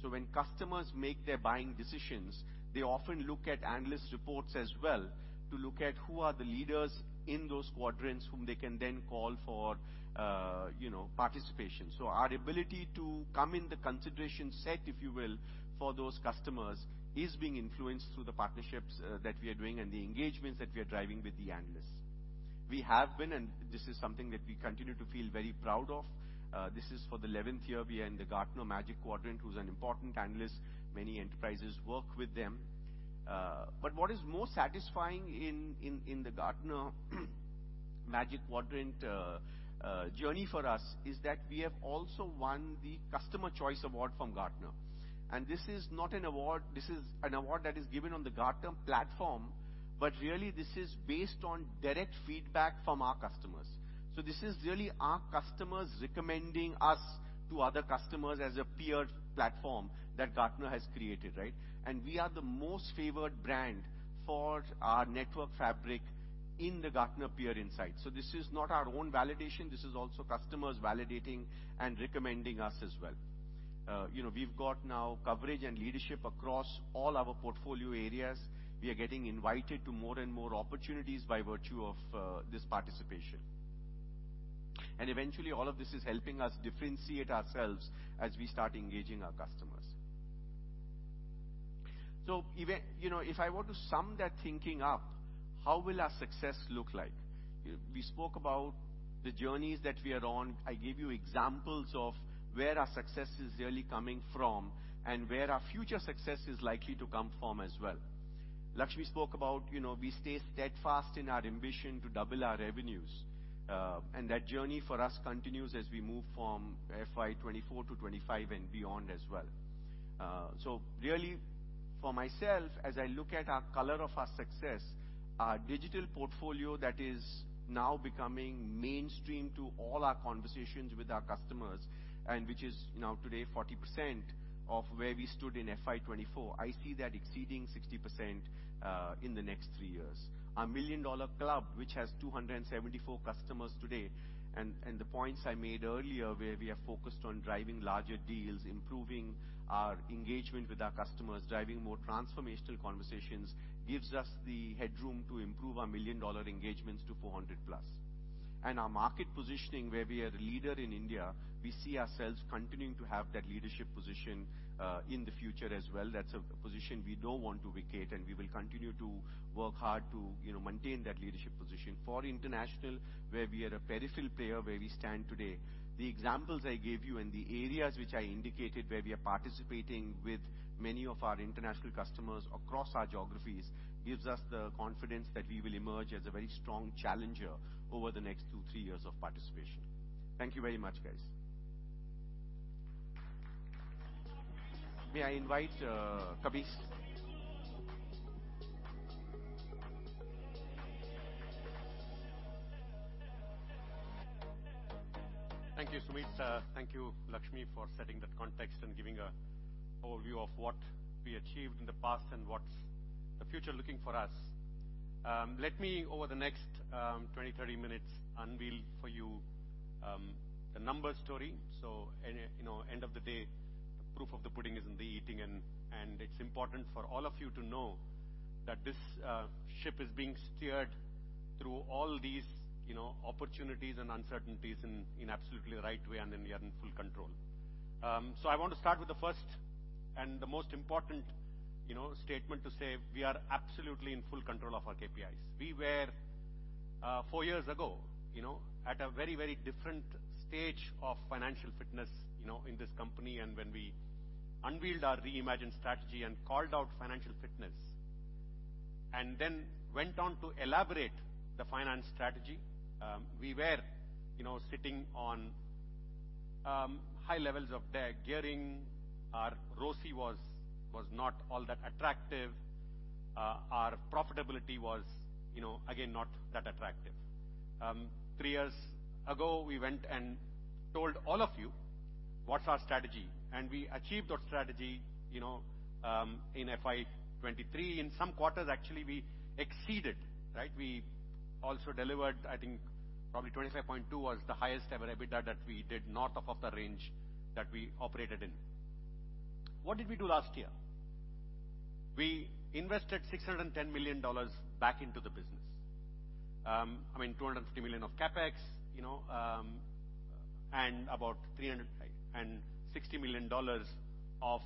So when customers make their buying decisions, they often look at analyst reports as well to look at who are the leaders in those quadrants whom they can then call for, you know, participation. So our ability to come in the consideration set, if you will, for those customers is being influenced through the partnerships that we are doing and the engagements that we are driving with the analysts. We have been, and this is something that we continue to feel very proud of. This is for the 11th year. We are in the Gartner Magic Quadrant, who is an important analyst. Many enterprises work with them. But what is more satisfying in the Gartner Magic Quadrant journey for us is that we have also won the Customer Choice Award from Gartner. And this is not an award; this is an award that is given on the Gartner platform, but really this is based on direct feedback from our customers. So this is really our customers recommending us to other customers as a peer platform that Gartner has created, right? And we are the most favored brand for our Network Fabric in the Gartner Peer Insights. So this is not our own validation; this is also customers validating and recommending us as well. You know, we've got now coverage and leadership across all our portfolio areas. We are getting invited to more and more opportunities by virtue of this participation. And eventually, all of this is helping us differentiate ourselves as we start engaging our customers. So, you know, if I were to sum that thinking up, how will our success look like? We spoke about the journeys that we are on. I gave you examples of where our success is really coming from and where our future success is likely to come from as well. Lakshmi spoke about, you know, we stay steadfast in our ambition to double our revenues. And that journey for us continues as we move from FY 2024 to 2025 and beyond as well. So really, for myself, as I look at our color of our success, our Digital Portfolio that is now becoming mainstream to all our conversations with our customers, and which is now today 40% of where we stood in FY 2024, I see that exceeding 60% in the next three years. Our Million Dollar Club, which has 274 customers today, and the points I made earlier where we have focused on driving larger deals, improving our engagement with our customers, driving more transformational conversations, gives us the headroom to improve our million-dollar engagements to 400+. And our market positioning, where we are a leader in India, we see ourselves continuing to have that leadership position in the future as well. That's a position we don't want to vacate, and we will continue to work hard to, you know, maintain that leadership position. For international, where we are a peripheral player, where we stand today, the examples I gave you and the areas which I indicated where we are participating with many of our international customers across our geographies gives us the confidence that we will emerge as a very strong challenger over the next 2-3 years of participation. Thank you very much, guys. May I invite Kabir? Thank you, Sumeet. Thank you, Lakshmi, for setting that context and giving an overview of what we achieved in the past and what's the future looking for us. Let me, over the next 20, 30 minutes, unveil for you the number story. So, you know, end of the day, the proof of the pudding is in the eating, and it's important for all of you to know that this ship is being steered through all these, you know, opportunities and uncertainties in absolutely the right way, and then we are in full control. So I want to start with the first and the most important, you know, statement to say we are absolutely in full control of our KPIs. We were, four years ago, you know, at a very, very different stage of financial fitness, you know, in this company. And when we unveiled our reimagined strategy and called out financial fitness and then went on to elaborate the finance strategy, we were, you know, sitting on high levels of gearing. Our ROCE was not all that attractive. Our profitability was, you know, again, not that attractive. Three years ago, we went and told all of you what's our strategy, and we achieved our strategy, you know, in FY 2023. In some quarters, actually, we exceeded, right? We also delivered, I think probably 25.2 was the highest ever EBITDA that we did north of the range that we operated in. What did we do last year? We invested $610 million back into the business. I mean, $250 million of CapEx, you know, and about $360 million of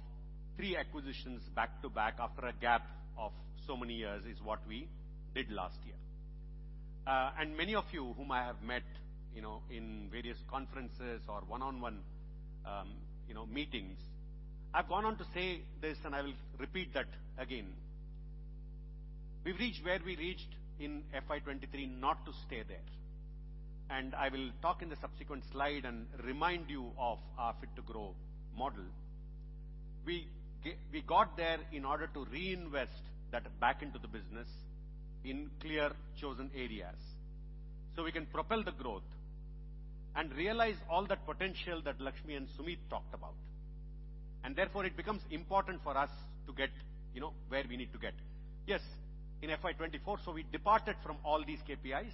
three acquisitions back to back after a gap of so many years is what we did last year. Many of you whom I have met, you know, in various conferences or one-on-one, you know, meetings, I've gone on to say this, and I will repeat that again. We've reached where we reached in FY 2023 not to stay there. I will talk in the subsequent slide and remind you of our Fit to Grow model. We got there in order to reinvest that back into the business in clear chosen areas so we can propel the growth and realize all that potential that Lakshmi and Sumeet talked about. Therefore, it becomes important for us to get, you know, where we need to get. Yes, in FY 2024, so we departed from all these KPIs,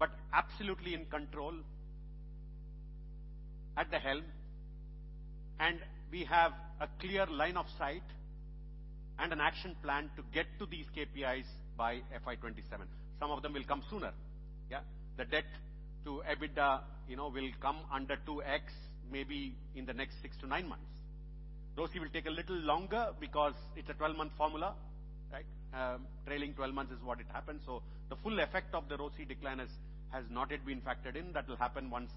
but absolutely in control at the helm, and we have a clear line of sight and an action plan to get to these KPIs by FY 2027. Some of them will come sooner, yeah? The debt to EBITDA, you know, will come under 2x maybe in the next 6-9 months. ROCE will take a little longer because it's a 12-month formula, right? Trailing 12 months is what it happened. So the full effect of the ROCE decline has not yet been factored in. That will happen once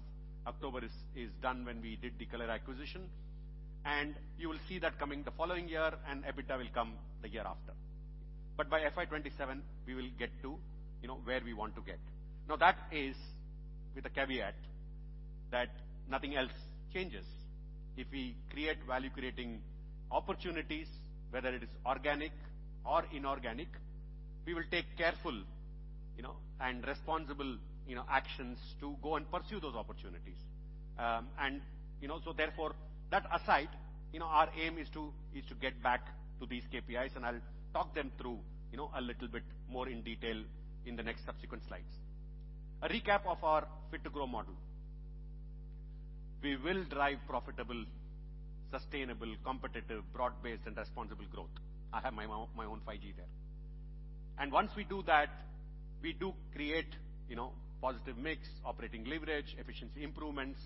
October is done when we did the Kaleyra acquisition. And you will see that coming the following year, and EBITDA will come the year after. But by FY 2027, we will get to, you know, where we want to get. Now, that is with a caveat that nothing else changes. If we create value-creating opportunities, whether it is organic or inorganic, we will take careful, you know, and responsible, you know, actions to go and pursue those opportunities. You know, so therefore, that aside, you know, our aim is to get back to these KPIs, and I'll talk them through, you know, a little bit more in detail in the next subsequent slides. A recap of our Fit to Grow model. We will drive profitable, sustainable, competitive, broad-based, and responsible growth. I have my own 5G there. Once we do that, we do create, you know, positive mix, operating leverage, efficiency improvements,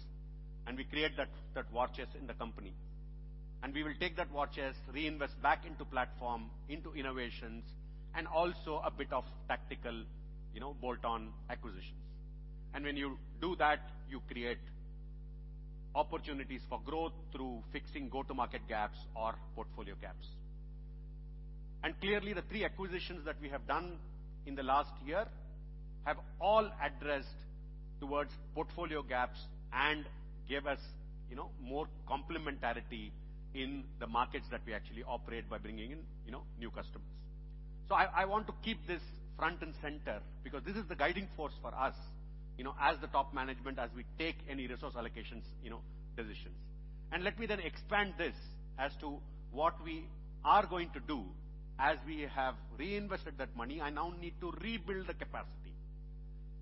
and we create that war chest in the company. We will take that war chest, reinvest back into platform, into innovations, and also a bit of tactical, you know, bolt-on acquisitions. When you do that, you create opportunities for growth through fixing go-to-market gaps or portfolio gaps. Clearly, the three acquisitions that we have done in the last year have all addressed towards portfolio gaps and give us, you know, more complementarity in the markets that we actually operate by bringing in, you know, new customers. I want to keep this front and center because this is the guiding force for us, you know, as the top management, as we take any resource allocations, you know, decisions. Let me then expand this as to what we are going to do as we have reinvested that money. I now need to rebuild the capacity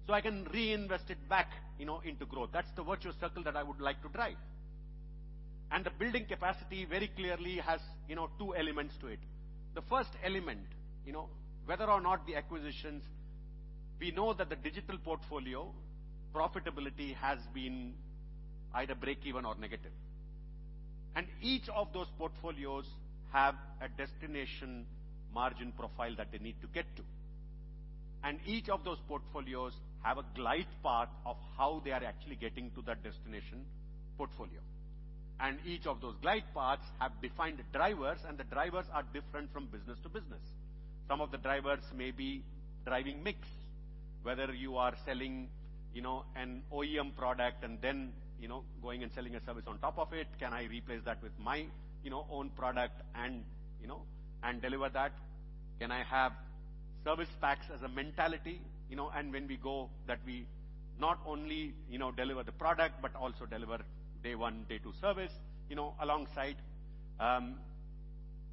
so I can reinvest it back, you know, into growth. That's the virtual circle that I would like to drive. The building capacity very clearly has, you know, two elements to it. The first element, you know, whether or not the acquisitions. We know that the Digital Portfolio profitability has been either break-even or negative. Each of those portfolios have a destination margin profile that they need to get to. Each of those glide paths have defined drivers, and the drivers are different from business to business. Some of the drivers may be driving mix, whether you are selling, you know, an OEM product and then, you know, going and selling a service on top of it. Can I replace that with my, you know, own product and, you know, deliver that? Can I have service packs as a mentality, you know, and when we go that we not only, you know, deliver the product, but also deliver day one, day two service, you know, alongside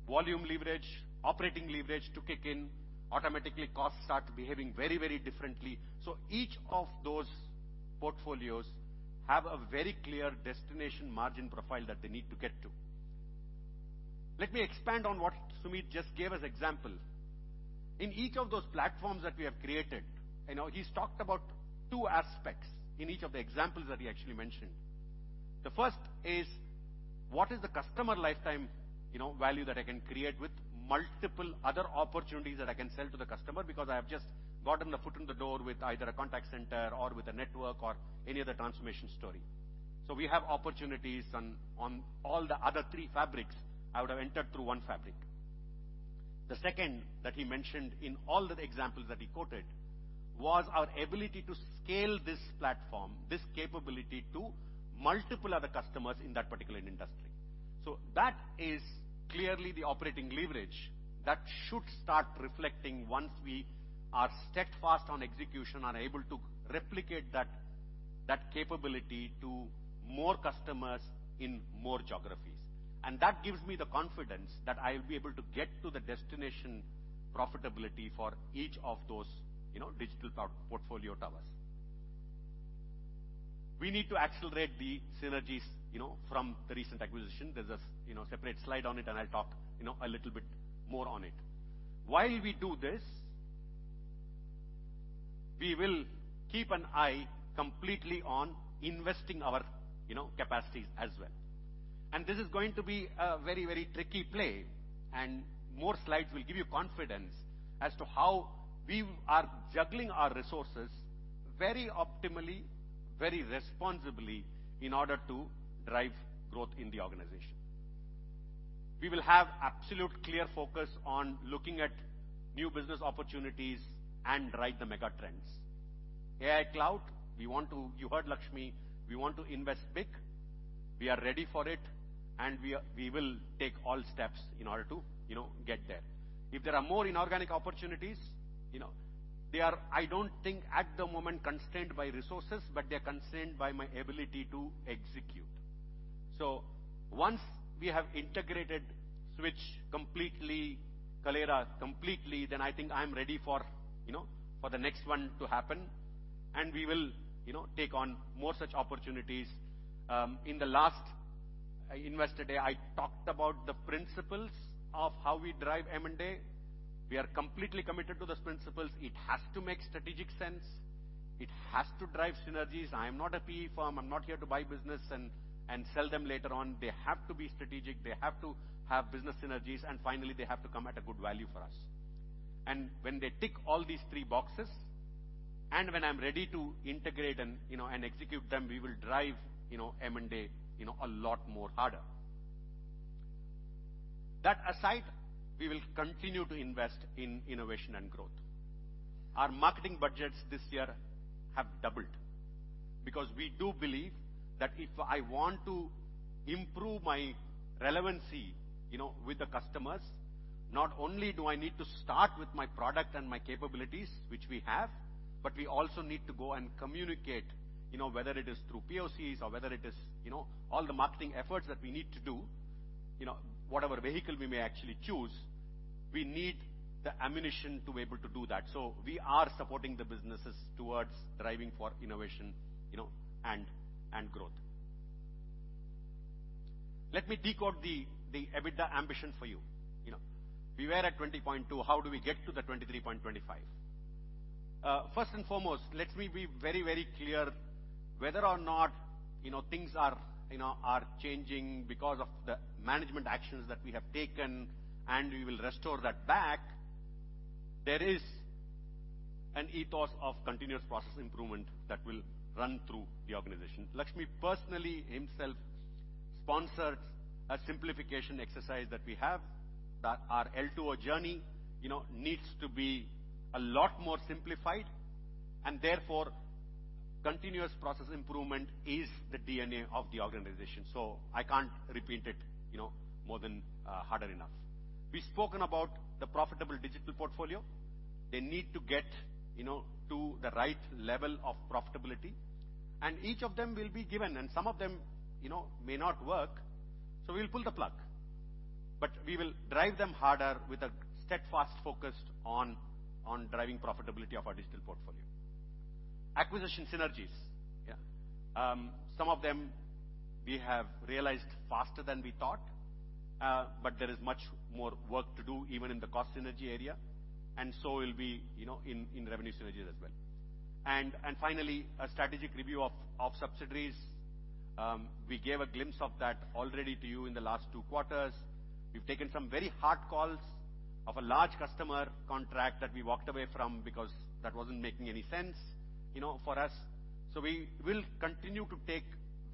volume leverage, operating leverage to kick in automatically, costs start behaving very, very differently. So each of those portfolios have a very clear destination margin profile that they need to get to. Let me expand on what Sumeet just gave as an example. In each of those platforms that we have created, you know, he's talked about two aspects in each of the examples that he actually mentioned. The first is what is the customer lifetime, you know, value that I can create with multiple other opportunities that I can sell to the customer because I have just gotten the foot in the door with either a contact center or with a network or any other transformation story. So we have opportunities on all the other three fabrics I would have entered through one fabric. The second that he mentioned in all the examples that he quoted was our ability to scale this platform, this capability to multiple other customers in that particular industry. So that is clearly the operating leverage that should start reflecting once we are steadfast on execution, are able to replicate that capability to more customers in more geographies. That gives me the confidence that I will be able to get to the destination profitability for each of those, you know, Digital Portfolio towers. We need to accelerate the synergies, you know, from the recent acquisition. There's a, you know, separate slide on it, and I'll talk, you know, a little bit more on it. While we do this, we will keep an eye completely on investing our, you know, capacities as well. This is going to be a very, very tricky play, and more slides will give you confidence as to how we are juggling our resources very optimally, very responsibly in order to drive growth in the organization. We will have absolute clear focus on looking at new business opportunities and drive the mega trends. AI Cloud, we want to, you heard Lakshmi, we want to invest big. We are ready for it, and we will take all steps in order to, you know, get there. If there are more inorganic opportunities, you know, they are, I don't think at the moment constrained by resources, but they are constrained by my ability to execute. So once we have integrated Switch completely, Kaleyra completely, then I think I'm ready for, you know, for the next one to happen. And we will, you know, take on more such opportunities. In the last investor day, I talked about the principles of how we drive M&A. We are completely committed to those principles. It has to make strategic sense. It has to drive synergies. I am not a PE firm. I'm not here to buy business and sell them later on. They have to be strategic. They have to have business synergies. Finally, they have to come at a good value for us. When they tick all these three boxes, and when I'm ready to integrate and, you know, execute them, we will drive, you know, M&A, you know, a lot more harder. That aside, we will continue to invest in innovation and growth. Our marketing budgets this year have doubled because we do believe that if I want to improve my relevancy, you know, with the customers, not only do I need to start with my product and my capabilities, which we have, but we also need to go and communicate, you know, whether it is through POCs or whether it is, you know, all the marketing efforts that we need to do, you know, whatever vehicle we may actually choose, we need the ammunition to be able to do that. So we are supporting the businesses towards driving for innovation, you know, and growth. Let me decode the EBITDA ambition for you. You know, we were at 20.2. How do we get to the 23.25? First and foremost, let me be very, very clear whether or not, you know, things are, you know, changing because of the management actions that we have taken, and we will restore that back. There is an ethos of continuous process improvement that will run through the organization. Lakshmi personally himself sponsored a simplification exercise that we have. Our L2O journey, you know, needs to be a lot more simplified, and therefore continuous process improvement is the DNA of the organization. So I can't repeat it, you know, more than harder enough. We've spoken about the profitable Digital Portfolio. They need to get, you know, to the right level of profitability, and each of them will be given, and some of them, you know, may not work, so we'll pull the plug. But we will drive them harder with a steadfast focus on driving profitability of our Digital Portfolio. Acquisition synergies, yeah. Some of them we have realized faster than we thought, but there is much more work to do even in the cost synergy area, and so will be, you know, in revenue synergies as well. And finally, a strategic review of subsidiaries. We gave a glimpse of that already to you in the last two quarters. We've taken some very hard calls of a large customer contract that we walked away from because that wasn't making any sense, you know, for us. So we will continue to take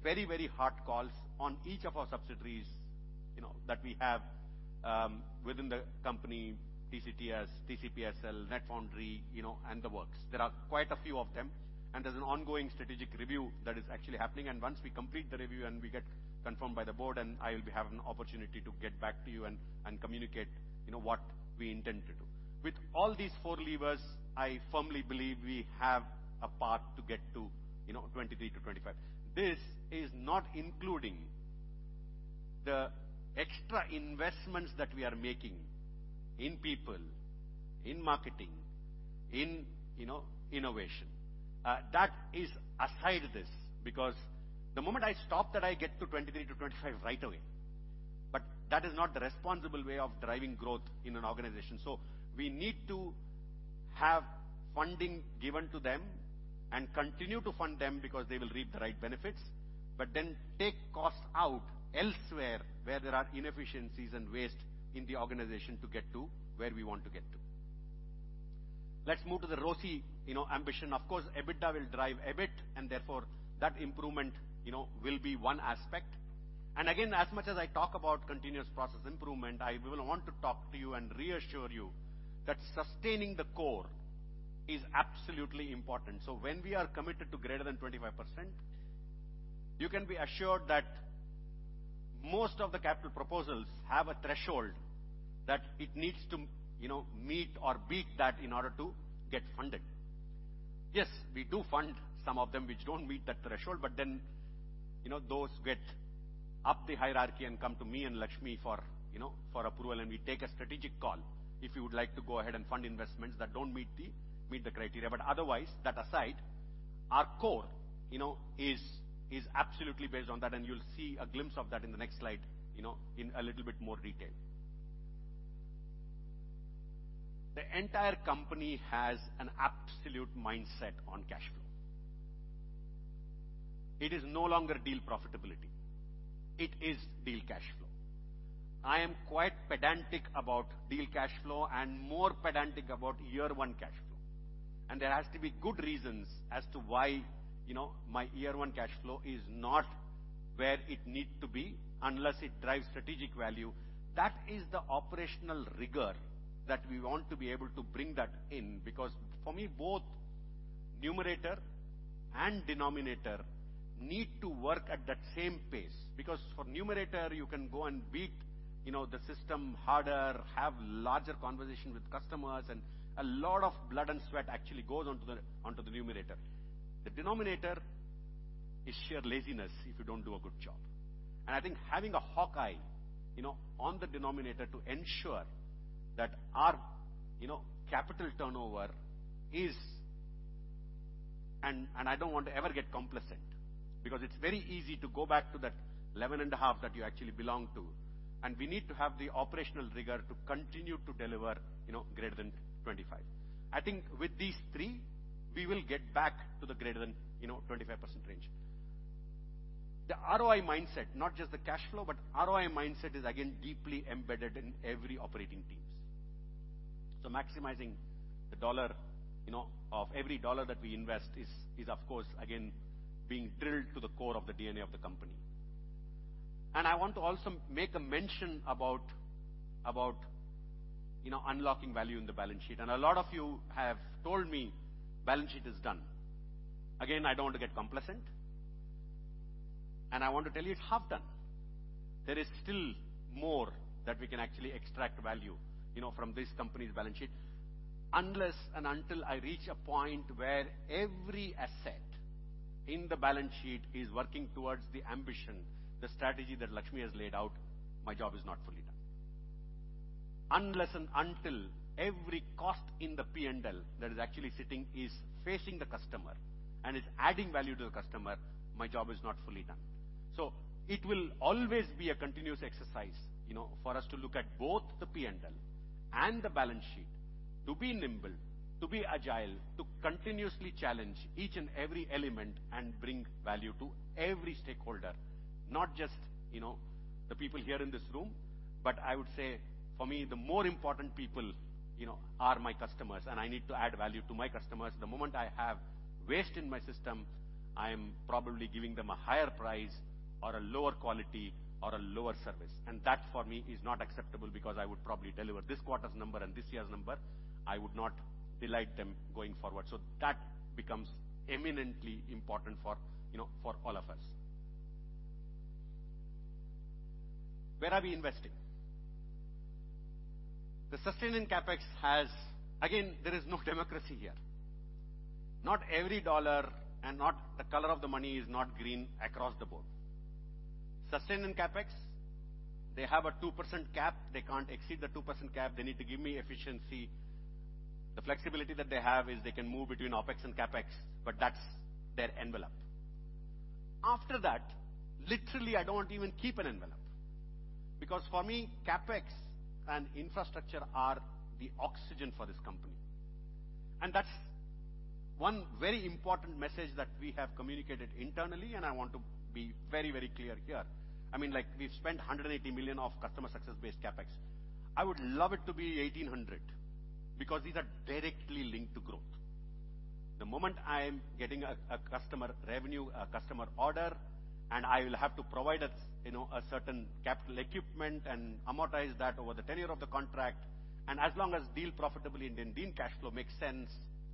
very, very hard calls on each of our subsidiaries, you know, that we have within the company, TCTS, TCPSL, NetFoundry, you know, and the works. There are quite a few of them, and there's an ongoing strategic review that is actually happening. And once we complete the review and we get confirmed by the board, I will have an opportunity to get back to you and communicate, you know, what we intend to do. With all these four levers, I firmly believe we have a path to get to, you know, 23-25. This is not including the extra investments that we are making in people, in marketing, in, you know, innovation. That is aside this because the moment I stop, that I get to 23-25 right away. But that is not the responsible way of driving growth in an organization. So we need to have funding given to them and continue to fund them because they will reap the right benefits, but then take costs out elsewhere where there are inefficiencies and waste in the organization to get to where we want to get to. Let's move to the ROCE, you know, ambition. Of course, EBITDA will drive EBIT, and therefore that improvement, you know, will be one aspect. And again, as much as I talk about continuous process improvement, I will want to talk to you and reassure you that sustaining the core is absolutely important. So when we are committed to greater than 25%, you can be assured that most of the capital proposals have a threshold that it needs to, you know, meet or beat that in order to get funded. Yes, we do fund some of them which don't meet that threshold, but then, you know, those get up the hierarchy and come to me and Lakshmi for, you know, for approval, and we take a strategic call if you would like to go ahead and fund investments that don't meet the criteria. But otherwise, that aside, our core, you know, is absolutely based on that, and you'll see a glimpse of that in the next slide, you know, in a little bit more detail. The entire company has an absolute mindset on cash flow. It is no longer deal profitability. It is deal cash flow. I am quite pedantic about deal cash flow and more pedantic about year one cash flow. There has to be good reasons as to why, you know, my year one cash flow is not where it needs to be unless it drives strategic value. That is the operational rigor that we want to be able to bring that in because for me, both numerator and denominator need to work at that same pace because for numerator, you can go and beat, you know, the system harder, have larger conversations with customers, and a lot of blood and sweat actually goes onto the numerator. The denominator is sheer laziness if you don't do a good job. And I think having a hawkeye, you know, on the denominator to ensure that our, you know, capital turnover is, and I don't want to ever get complacent because it's very easy to go back to that 11.5 that you actually belong to. We need to have the operational rigor to continue to deliver, you know, greater than 25. I think with these three, we will get back to the greater than, you know, 25% range. The ROI mindset, not just the cash flow, but ROI mindset is again deeply embedded in every operating team. So maximizing the dollar, you know, of every dollar that we invest is, of course, again being drilled to the core of the DNA of the company. I want to also make a mention about, you know, unlocking value in the balance sheet. A lot of you have told me balance sheet is done. Again, I don't want to get complacent, and I want to tell you it's half done. There is still more that we can actually extract value, you know, from this company's balance sheet unless and until I reach a point where every asset in the balance sheet is working towards the ambition, the strategy that Lakshmi has laid out, my job is not fully done. Unless and until every cost in the P&L that is actually sitting is facing the customer and is adding value to the customer, my job is not fully done. So it will always be a continuous exercise, you know, for us to look at both the P&L and the balance sheet to be nimble, to be agile, to continuously challenge each and every element and bring value to every stakeholder, not just, you know, the people here in this room, but I would say for me, the more important people, you know, are my customers, and I need to add value to my customers. The moment I have waste in my system, I am probably giving them a higher price or a lower quality or a lower service. And that for me is not acceptable because I would probably deliver this quarter's number and this year's number. I would not delight them going forward. So that becomes eminently important for, you know, for all of us. Where are we investing? The Sustenance CapEx has, again, there is no democracy here. Not every dollar and not the color of the money is not green across the board. Sustenance CapEx, they have a 2% cap. They can't exceed the 2% cap. They need to give me efficiency. The flexibility that they have is they can move between OpEx and CapEx, but that's their envelope. After that, literally, I don't want to even keep an envelope because for me, CapEx and infrastructure are the oxygen for this company. And that's one very important message that we have communicated internally, and I want to be very, very clear here. I mean, like we've spent $180 million of customer success-based CapEx. I would love it to be 1,800 because these are directly linked to growth. The moment I am getting a customer revenue, a customer order, and I will have to provide, you know, a certain capital equipment and amortize that over the tenure of the contract. And as long as deal profitability and deal cash flow makes sense,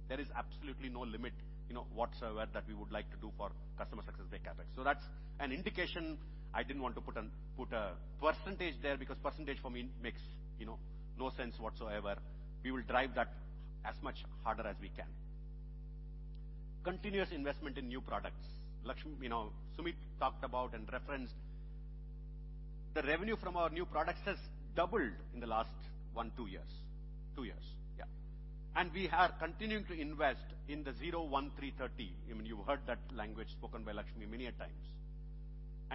there is absolutely no limit, you know, whatsoever that we would like to do for customer success-based CapEx. So that's an indication. I didn't want to put a percentage there because percentage for me makes, you know, no sense whatsoever. We will drive that as much harder as we can. Continuous investment in new products. Lakshmi, you know, Sumeet talked about and referenced the revenue from our new products has doubled in the last 1-2 years. Two years, yeah. And we are continuing to invest in the 0-1-3-30. I mean, you've heard that language spoken by Lakshmi many times.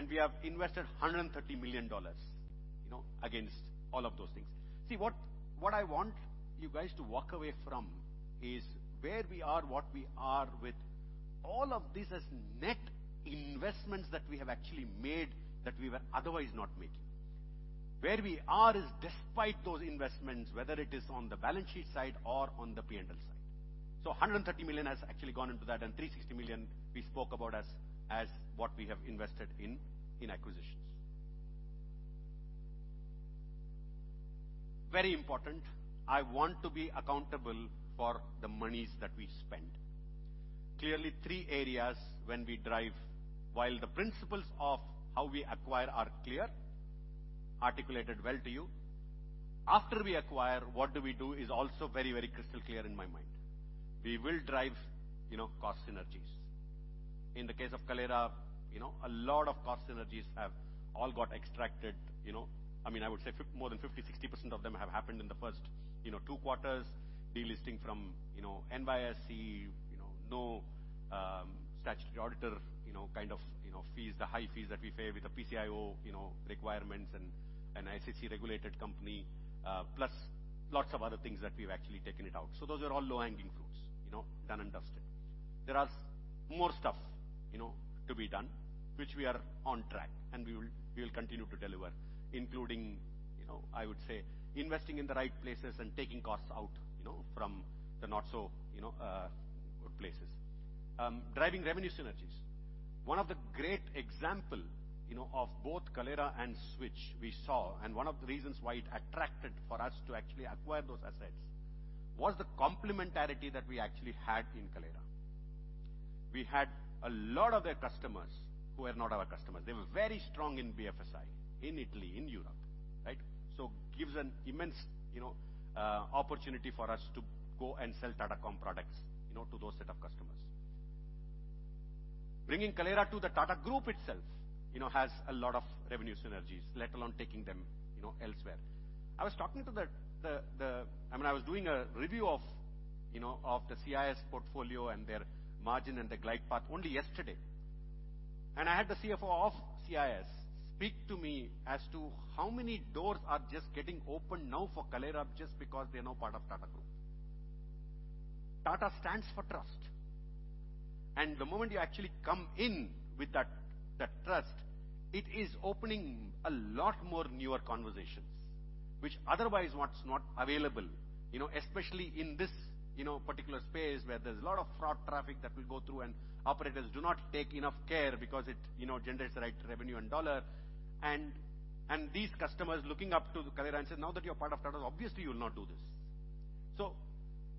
We have invested $130 million, you know, against all of those things. See, what I want you guys to walk away from is where we are, what we are with all of this as net investments that we have actually made that we were otherwise not making. Where we are is despite those investments, whether it is on the balance sheet side or on the P&L side. So $130 million has actually gone into that, and $360 million we spoke about as what we have invested in acquisitions. Very important. I want to be accountable for the monies that we spend. Clearly, three areas when we drive, while the principles of how we acquire are clear, articulated well to you. After we acquire, what do we do is also very, very crystal clear in my mind. We will drive, you know, cost synergies. In the case of Kaleyra, you know, a lot of cost synergies have all got extracted, you know. I mean, I would say more than 50%-60% of them have happened in the first, you know, two quarters, delisting from, you know, NYSE, you know, no statutory auditor, you know, kind of, you know, fees, the high fees that we pay with the SOX, you know, requirements and an SEC regulated company, plus lots of other things that we've actually taken it out. So those are all low-hanging fruits, you know, done and dusted. There are more stuff, you know, to be done, which we are on track, and we will continue to deliver, including, you know, I would say investing in the right places and taking costs out, you know, from the not so, you know, good places. Driving revenue synergies. One of the great examples, you know, of both Kaleyra and Switch we saw, and one of the reasons why it attracted for us to actually acquire those assets was the complementarity that we actually had in Kaleyra. We had a lot of their customers who were not our customers. They were very strong in BFSI, in Italy, in Europe, right? So it gives an immense, you know, opportunity for us to go and Tata Comm products, you know, to those set of customers. Bringing Kaleyra to the Tata Group itself, you know, has a lot of revenue synergies, let alone taking them, you know, elsewhere. I was talking to the, I mean, I was doing a review of, you know, of the CIS portfolio and their margin and the glide path only yesterday. And I had the CFO of CIS speak to me as to how many doors are just getting opened now for Kaleyra just because they're now part of Tata Group. Tata stands for trust. And the moment you actually come in with that trust, it is opening a lot more newer conversations, which otherwise are not available, you know, especially in this, you know, particular space where there's a lot of fraud traffic that will go through and operators do not take enough care because it, you know, generates the right revenue and dollar. And these customers looking up to Kaleyra and say, "Now that you're part of Tata, obviously you'll not do this." So,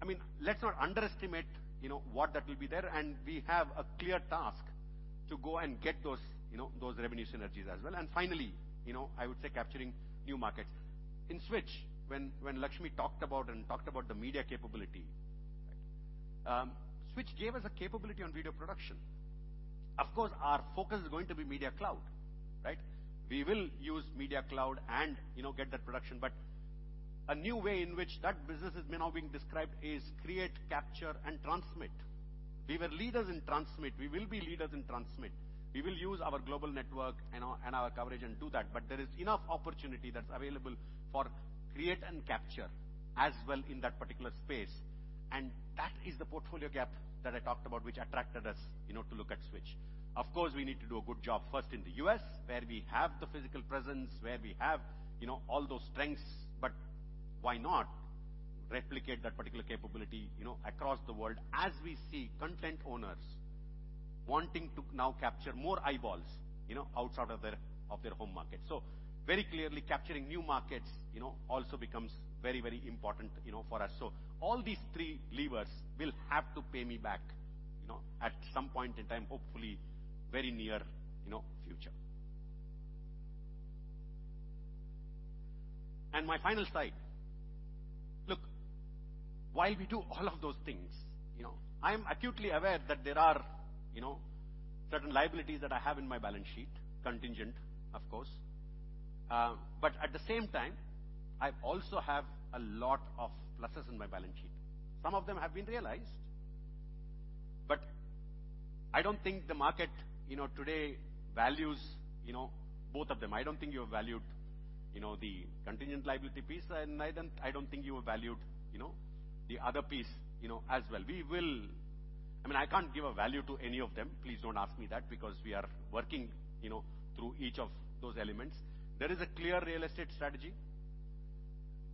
I mean, let's not underestimate, you know, what that will be there. And we have a clear task to go and get those, you know, those revenue synergies as well. And finally, you know, I would say capturing new markets. In Switch, when Lakshmi talked about and talked about the media capability, Switch gave us a capability on video production. Of course, our focus is going to be Media Cloud, right? We will use Media Cloud and, you know, get that production. But a new way in which that business is now being described is create, capture, and transmit. We were leaders in transmit. We will be leaders in transmit. We will use our global network and our coverage and do that. But there is enough opportunity that's available for create and capture as well in that particular space. And that is the portfolio gap that I talked about, which attracted us, you know, to look at Switch. Of course, we need to do a good job first in the U.S., where we have the physical presence, where we have, you know, all those strengths. But why not replicate that particular capability, you know, across the world as we see content owners wanting to now capture more eyeballs, you know, outside of their home market? So very clearly, capturing new markets, you know, also becomes very, very important, you know, for us. So all these three levers will have to pay me back, you know, at some point in time, hopefully very near, you know, future. And my final side. Look, while we do all of those things, you know, I'm acutely aware that there are, you know, certain liabilities that I have in my balance sheet, contingent, of course. But at the same time, I also have a lot of pluses in my balance sheet. Some of them have been realized. But I don't think the market, you know, today values, you know, both of them. I don't think you have valued, you know, the contingent liability piece, and I don't think you have valued, you know, the other piece, you know, as well. We will, I mean, I can't give a value to any of them. Please don't ask me that because we are working, you know, through each of those elements. There is a clear real estate strategy.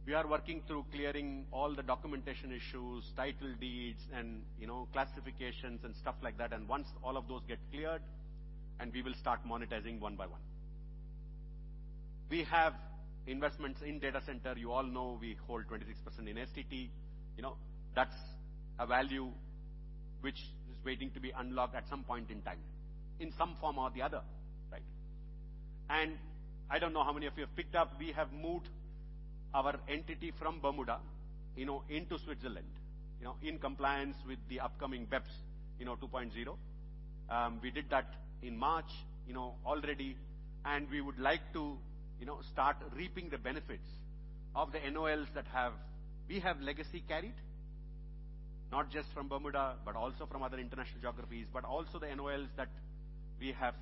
We are working through clearing all the documentation issues, title deeds, and, you know, classifications and stuff like that. And once all of those get cleared, we will start monetizing one by one. We have investments in data center. You all know we hold 26% in STT. You know, that's a value which is waiting to be unlocked at some point in time, in some form or the other, right? And I don't know how many of you have picked up. We have moved our entity from Bermuda, you know, into Switzerland, you know, in compliance with the upcoming BEPS, you know, 2.0. We did that in March, you know, already. And we would like to, you know, start reaping the benefits of the NOLs that we have legacy carried, not just from Bermuda, but also from other international geographies, but also the NOLs that we have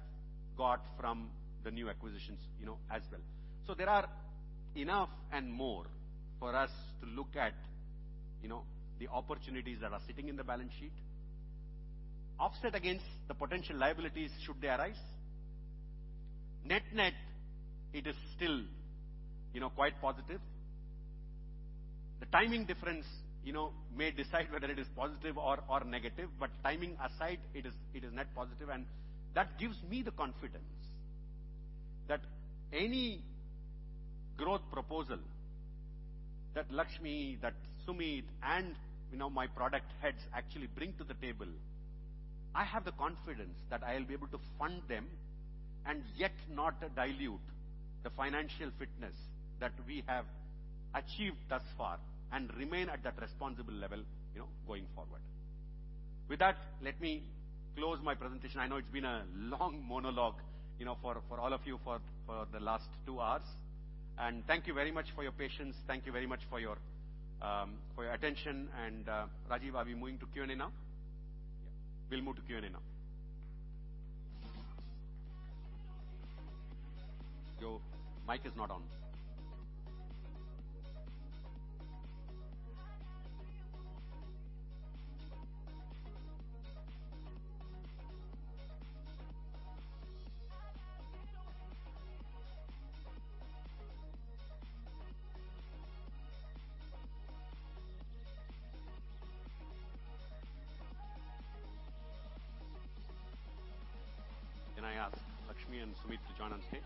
got from the new acquisitions, you know, as well. So there are enough and more for us to look at, you know, the opportunities that are sitting in the balance sheet, offset against the potential liabilities should they arise. Net net, it is still, you know, quite positive. The timing difference, you know, may decide whether it is positive or negative, but timing aside, it is net positive. And that gives me the confidence that any growth proposal that Lakshmi, that Sumeet, and, you know, my product heads actually bring to the table, I have the confidence that I'll be able to fund them and yet not dilute the financial fitness that we have achieved thus far and remain at that responsible level, you know, going forward. With that, let me close my presentation. I know it's been a long monologue, you know, for all of you for the last two hours. And thank you very much for your patience. Thank you very much for your attention. And Rajiv, are we moving to Q&A now? Yeah, we'll move to Q&A now. Your mic is not on. Can I ask Lakshmi and Sumeet to join on stage?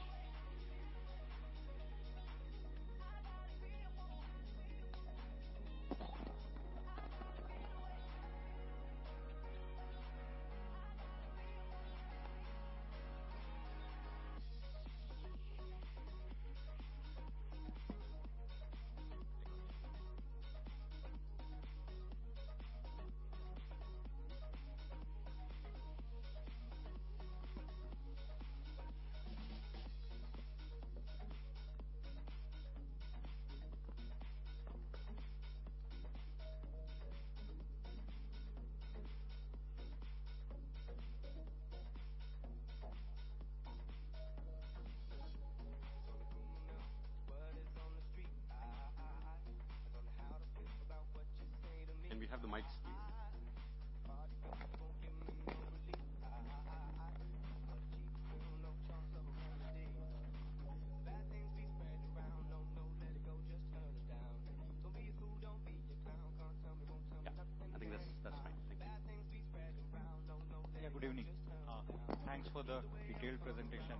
Don't know what is on the street. I don't know how to feel about what you say to me. Can we have the mic, please? Party people won't give me no relief. I'm a cheap fool, no charms or remedy. Bad things be spread around. No, no, let it go, just turn it down. Don't be a fool, don't be a clown. Can't tell me wrong, tell me nothing wrong. I think that's fine. Thank you. Bad things be spread around. No, no, let it go, just turn it down. Thanks for the detailed presentation.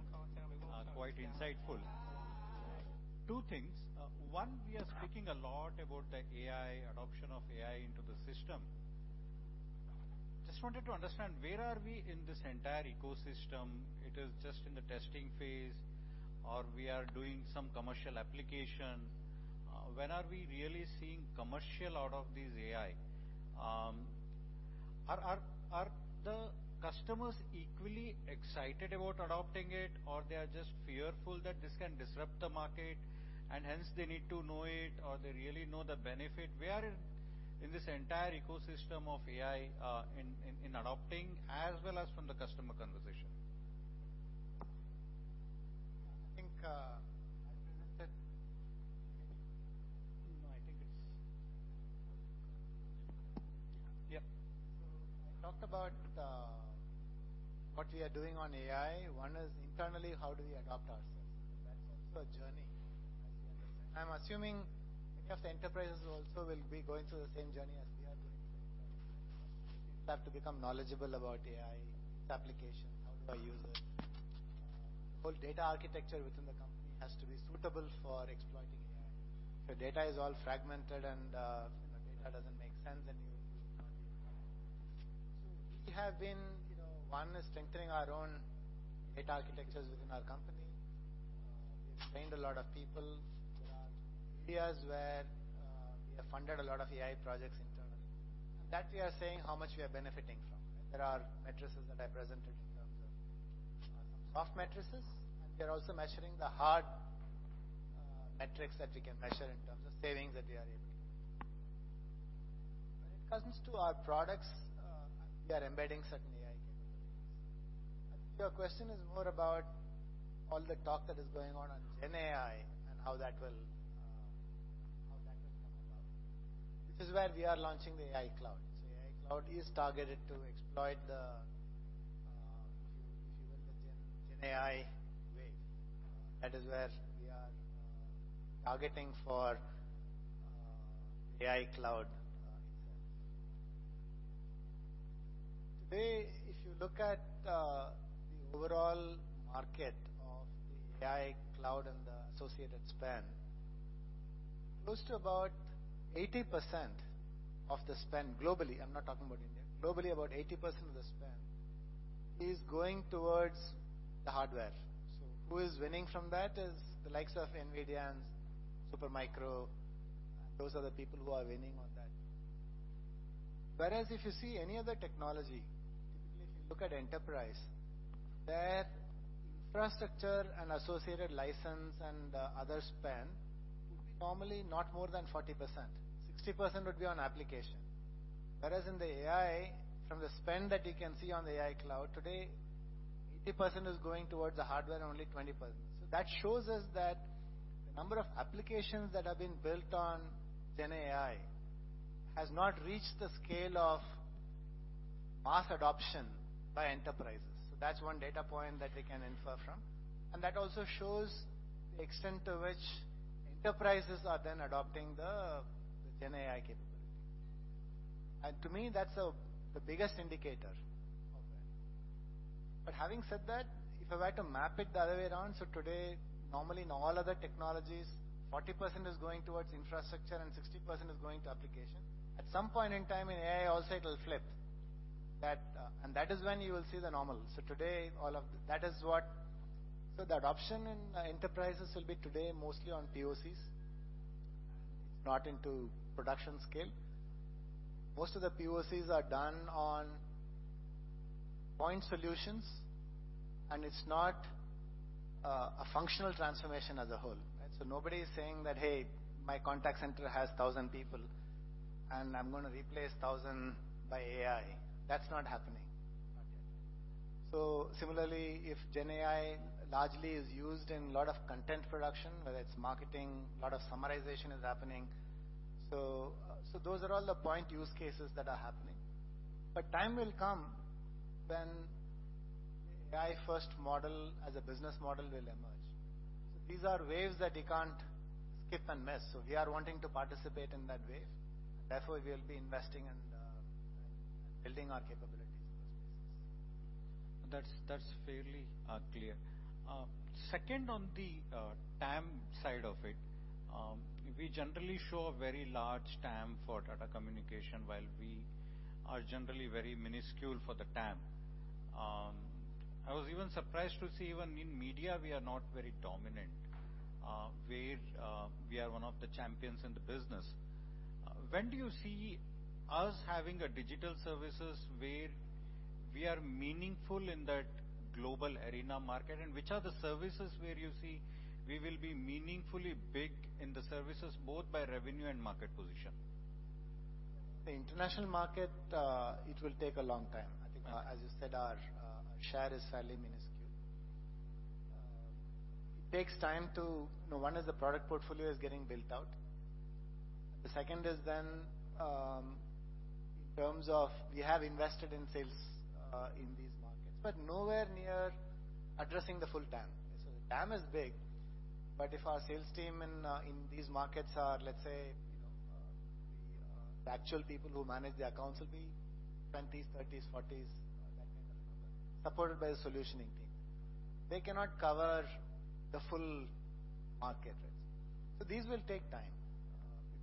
Quite insightful. Two things. One, we are speaking a lot about the AI adoption of AI into the system. Just wanted to understand, where are we in this entire ecosystem? It is just in the testing phase, or we are doing some commercial application. When are we really seeing commercial out of these AI? Are the customers equally excited about adopting it, or they are just fearful that this can disrupt the market, and hence they need to know it, or they really know the benefit? Where in this entire ecosystem of AI in adopting, as well as from the customer conversation? I think I presented, no, I think it's, yeah. So I talked about what we are doing on AI. One is internally, how do we adopt ourselves? That's also a journey. I'm assuming many of the enterprises also will be going through the same journey as we are going through. We have to become knowledgeable about AI applications. How do I use it? The whole data architecture within the company has to be suitable for exploiting AI. So data is all fragmented, and data doesn't make sense, and you, so we have been, you know, one is strengthening our own data architectures within our company. We have trained a lot of people. There are areas where we have funded a lot of AI projects internally. That we are saying how much we are benefiting from. There are metrics that I presented in terms of some soft metrics, and we are also measuring the hard metrics that we can measure in terms of savings that we are able to make. When it comes to our products, we are embedding certain AI capabilities. I think your question is more about all the talk that is going on on GenAI and how that will, how that will come about. This is where we are launching the AI Cloud. So AI Cloud is targeted to exploit the, if you will, the GenAI wave. That is where we are targeting for the AI Cloud itself. Today, if you look at the overall market of the AI Cloud and the associated spend, close to about 80% of the spend globally, I'm not talking about India. Globally, about 80% of the spend is going towards the hardware. So who is winning from that is the likes of NVIDIA and Supermicro. Those are the people who are winning on that. Whereas if you see any other technology, typically if you look at enterprise, their infrastructure and associated license and other spend would be normally not more than 40%. 60% would be on application. Whereas in the AI, from the spend that you can see on the AI Cloud today, 80% is going towards the hardware and only 20%. So that shows us that the number of applications that have been built on GenAI has not reached the scale of mass adoption by enterprises. So that's one data point that we can infer from. And that also shows the extent to which enterprises are then adopting the GenAI capability. And to me, that's the biggest indicator of it. But having said that, if I were to map it the other way around, so today, normally in all other technologies, 40% is going towards infrastructure and 60% is going to application. At some point in time in AI, also it will flip that, and that is when you will see the normal. So today, all of that is what—so the adoption in enterprises will be today mostly on POCs, not into production scale. Most of the POCs are done on point solutions, and it's not a functional transformation as a whole, right? So nobody is saying that, "Hey, my contact center has 1,000 people, and I'm going to replace 1,000 by AI." That's not happening. Not yet. So similarly, if GenAI largely is used in a lot of content production, whether it's marketing, a lot of summarization is happening. So those are all the point use cases that are happening. But time will come when the AI-first model as a business model will emerge. So these are waves that you can't skip and miss. So we are wanting to participate in that wave. Therefore, we'll be investing and building our capabilities in those spaces. That's fairly clear. Second, on the TAM side of it, we generally show a very large TAM for data communication, while we are generally very minuscule for the TAM. I was even surprised to see even in media, we are not very dominant, where we are one of the champions in the business. When do you see us having digital services where we are meaningful in that global arena market, and which are the services where you see we will be meaningfully big in the services, both by revenue and market position? The international market, it will take a long time. I think, as you said, our share is fairly minuscule. It takes time to—one is the product portfolio is getting built out. The second is then in terms of we have invested in sales in these markets, but nowhere near addressing the full TAM. So the TAM is big, but if our sales team in these markets are, let's say, you know, the actual people who manage the accounts will be 20s, 30s, 40s, that kind of number, supported by the solutioning team. They cannot cover the full market, right? So these will take time.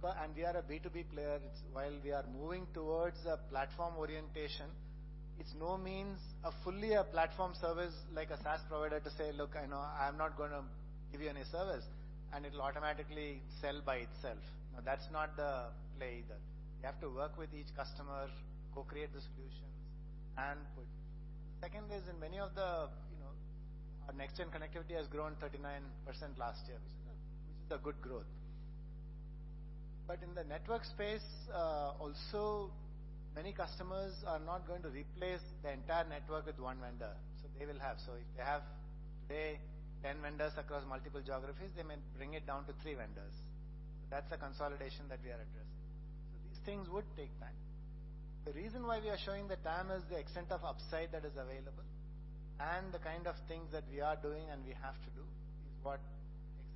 We are a B2B player. While we are moving towards a platform orientation, it's by no means a fully platform service like a SaaS provider to say, "Look, I know I'm not going to give you any service," and it'll automatically sell by itself. Now, that's not the play either. You have to work with each customer, co-create the solutions, and, second, in many of the, you know, our Next Gen Connectivity has grown 39% last year, which is a good growth. But in the network space, also, many customers are not going to replace the entire network with one vendor. So they will have, so if they have today 10 vendors across multiple geographies, they may bring it down to three vendors. That's a consolidation that we are addressing. So these things would take time. The reason why we are showing the TAM is the extent of upside that is available and the kind of things that we are doing and we have to do is what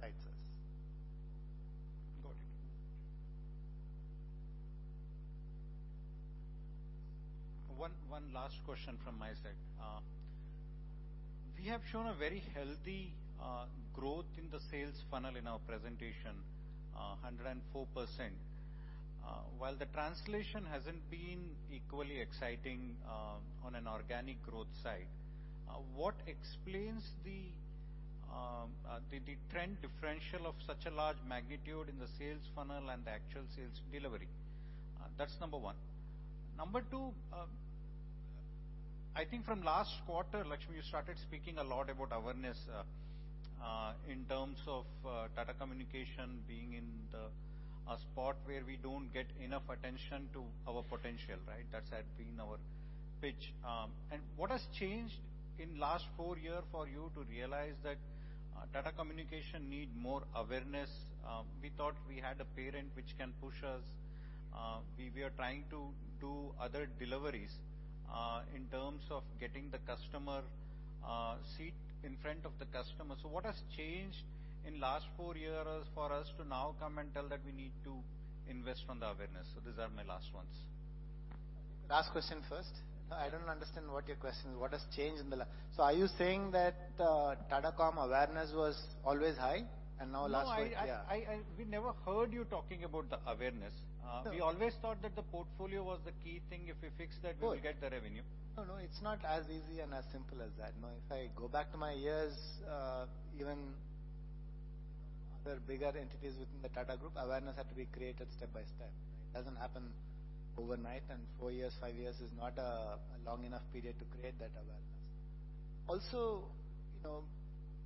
excites us. Got it. One last question from my side. We have shown a very healthy growth in the sales funnel in our presentation, 104%. While the translation hasn't been equally exciting on an organic growth side, what explains the trend differential of such a large magnitude in the sales funnel and the actual sales delivery? That's number one. Number two, I think from last quarter, Lakshmi, you started speaking a lot about awareness in terms of data communication being in the spot where we don't get enough attention to our potential, right? That had been our pitch. And what has changed in the last four years for you to realize that data communication needs more awareness? We thought we had a parent which can push us. We are trying to do other deliveries in terms of getting the customer seat in front of the customer. So what has changed in the last four years for us to now come and tell that we need to invest on the awareness? So these are my last ones. Last question first. I don't understand what your question is. What has changed in the last, so are you saying that Tata Comm awareness was always high and now last year? No, we never heard you talking about the awareness. We always thought that the portfolio was the key thing. If we fix that, we will get the revenue. No, no, it's not as easy and as simple as that. No, if I go back to my years, even other bigger entities within the Tata Group, awareness had to be created step by step. It doesn't happen overnight, and four years, five years is not a long enough period to create that awareness. Also,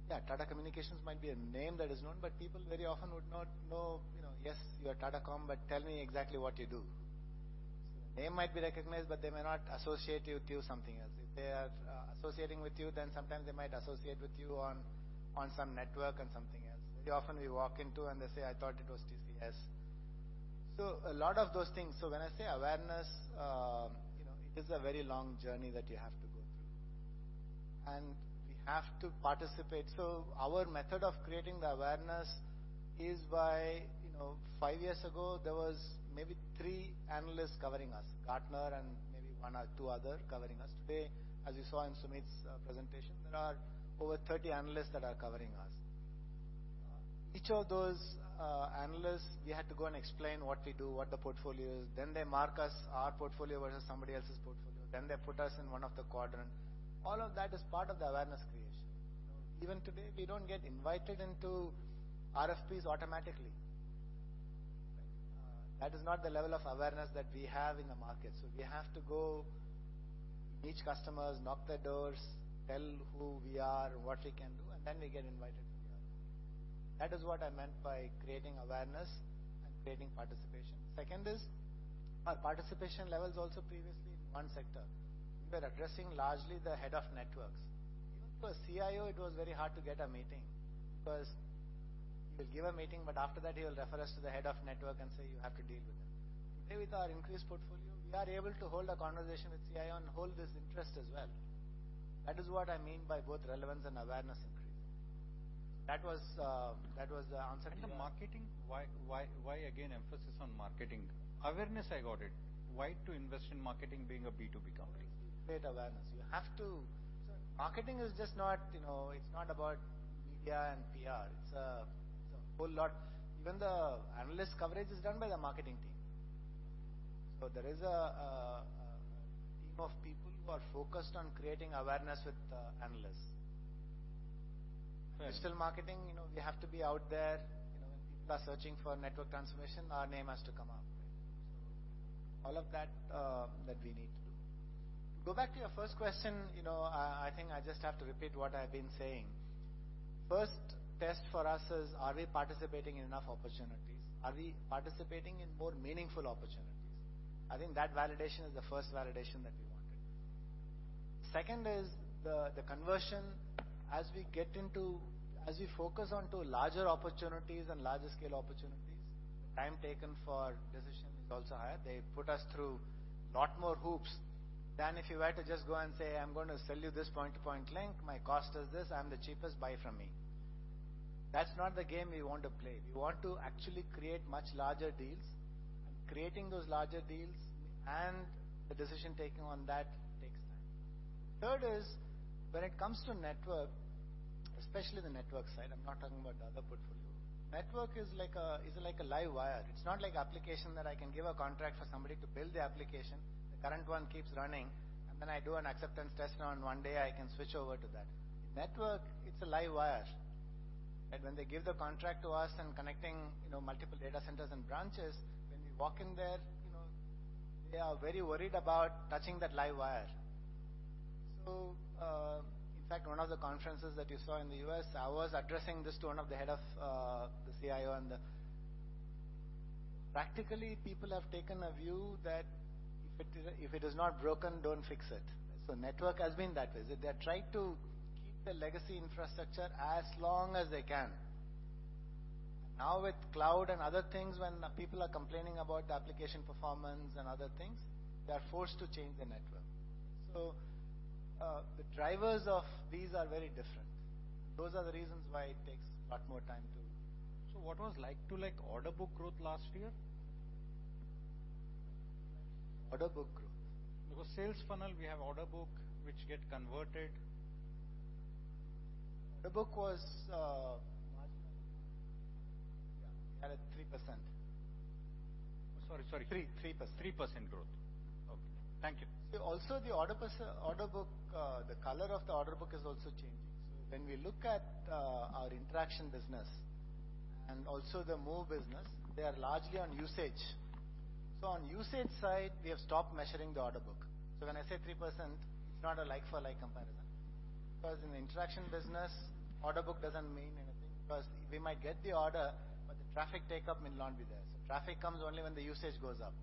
yeah, Tata Communications might be a name that is known, but people very often would not know, you know, yes, you are Tata Comm, but tell me exactly what you do. So the name might be recognized, but they may not associate you with something else. If they are associating with you, then sometimes they might associate with you on some network and something else. Very often we walk into and they say, "I thought it was TCS." So a lot of those things. So when I say awareness, you know, it is a very long journey that you have to go through. We have to participate. Our method of creating the awareness is by, you know, five years ago, there was maybe three analysts covering us, Gartner and maybe one or two others covering us. Today, as you saw in Sumeet's presentation, there are over 30 analysts that are covering us. Each of those analysts, we had to go and explain what we do, what the portfolio is. Then they mark us our portfolio versus somebody else's portfolio. Then they put us in one of the quadrants. All of that is part of the awareness creation. Even today, we don't get invited into RFPs automatically. That is not the level of awareness that we have in the market. So we have to go to each customer's, knock their doors, tell who we are, what we can do, and then we get invited. That is what I meant by creating awareness and creating participation. Second is our participation level is also previously in one sector. We are addressing largely the head of networks. Even to a CIO, it was very hard to get a meeting because he will give a meeting, but after that, he will refer us to the head of network and say, "You have to deal with him." Today, with our increased portfolio, we are able to hold a conversation with CIO and hold this interest as well. That is what I mean by both relevance and awareness increase. That was the answer to you. And the marketing, why again emphasis on marketing? Awareness, I got it. Why to invest in marketing being a B2B company? Create awareness. You have to—so marketing is just not, you know, it's not about media and PR. It's a whole lot, even the analyst coverage is done by the marketing team. So there is a team of people who are focused on creating awareness with the analysts. Digital marketing, you know, we have to be out there. You know, when people are searching for network transformation, our name has to come up, right? So all of that that we need to do. To go back to your first question, you know, I think I just have to repeat what I've been saying. First test for us is, are we participating in enough opportunities? Are we participating in more meaningful opportunities? I think that validation is the first validation that we wanted. Second is the conversion. As we get into, as we focus onto larger opportunities and larger scale opportunities, the time taken for decision is also higher. They put us through a lot more hoops than if you were to just go and say, "I'm going to sell you this point-to-point link. My cost is this. I'm the cheapest. Buy from me." That's not the game we want to play. We want to actually create much larger deals, and creating those larger deals and the decision taking on that takes time. Third is, when it comes to network, especially the network side, I'm not talking about the other portfolio. Network is like a live wire. It's not like an application that I can give a contract for somebody to build the application. The current one keeps running, and then I do an acceptance test run. One day I can switch over to that. Network, it's a live wire. And when they give the contract to us and connecting, you know, multiple data centers and branches, when we walk in there, you know, they are very worried about touching that live wire. So, in fact, one of the conferences that you saw in the U.S., I was addressing this to one of the heads of the CIO and the—practically, people have taken a view that if it is not broken, don't fix it. So network has been that way. They're trying to keep the legacy infrastructure as long as they can. Now, with cloud and other things, when people are complaining about the application performance and other things, they're forced to change the network. So the drivers of these are very different. Those are the reasons why it takes a lot more time to— So what was like to like order book growth last year? Order book growth. It was sales funnel. We have order book which gets converted. Order book was, yeah, we had a 3%. Sorry, sorry, 3%. 3% growth. Okay. Thank you. Also, the order book, the color of the order book is also changing. So when we look at our interaction business and also the MOVE business, they are largely on usage. So on usage side, we have stopped measuring the order book. So when I say 3%, it's not a like-for-like comparison. Because in the interaction business, order book doesn't mean anything. Because we might get the order, but the traffic take-up will not be there. So traffic comes only when the usage goes up.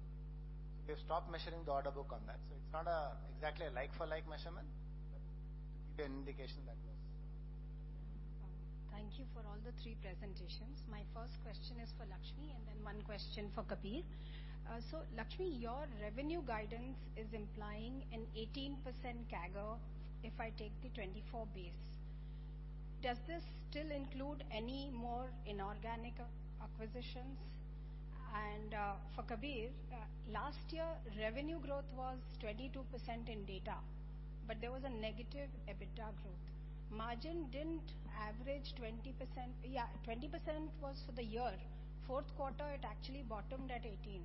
So we have stopped measuring the order book on that. So it's not exactly a like-for-like measurement, but it would be an indication that was. Thank you for all the three presentations. My first question is for Lakshmi, and then one question for Kabir. So Lakshmi, your revenue guidance is implying an 18% CAGR if I take the 2024 base. Does this still include any more inorganic acquisitions? And for Kabir, last year, revenue growth was 22% in data, but there was a negative EBITDA growth. Margin didn't average 20%. Yeah, 20% was for the year. Fourth quarter, it actually bottomed at 18%.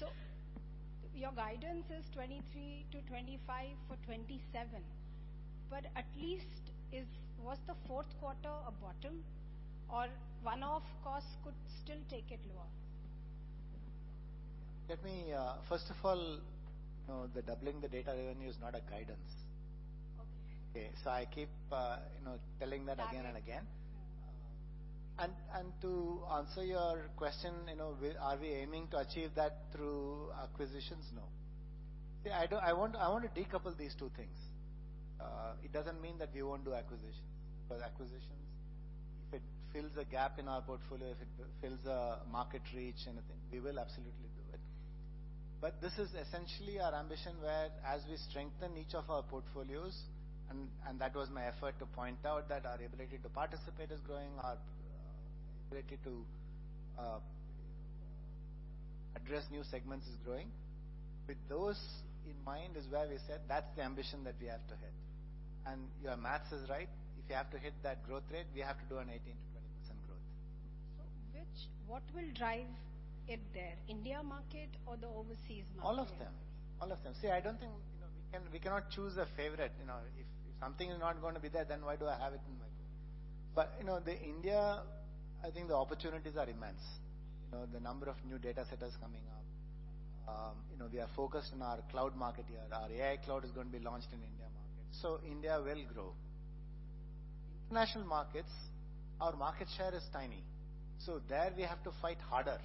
So your guidance is 23%-25% for 2027. But at least, was the fourth quarter a bottom? Or one-off costs could still take it lower? Let me, first of all, you know, the doubling the data revenue is not a guidance. Okay. Okay. So I keep, you know, telling that again and again. And to answer your question, you know, are we aiming to achieve that through acquisitions? No. I want to decouple these two things. It doesn't mean that we won't do acquisitions. Because acquisitions, if it fills a gap in our portfolio, if it fills a market reach, anything, we will absolutely do it. But this is essentially our ambition whereas we strengthen each of our portfolios, and that was my effort to point out that our ability to participate is growing, our ability to address new segments is growing. With those in mind is where we said that's the ambition that we have to hit. And your math is right. If you have to hit that growth rate, we have to do an 18%-20% growth. So which, what will drive it there? India market or the overseas market? All of them. All of them. See, I don't think, you know, we cannot choose a favorite. You know, if something is not going to be there, then why do I have it in my book? But, you know, the India, I think the opportunities are immense. You know, the number of new data centers coming up. You know, we are focused on our cloud market here. Our AI Cloud is going to be launched in India market. So India will grow. International markets, our market share is tiny. So there we have to fight harder.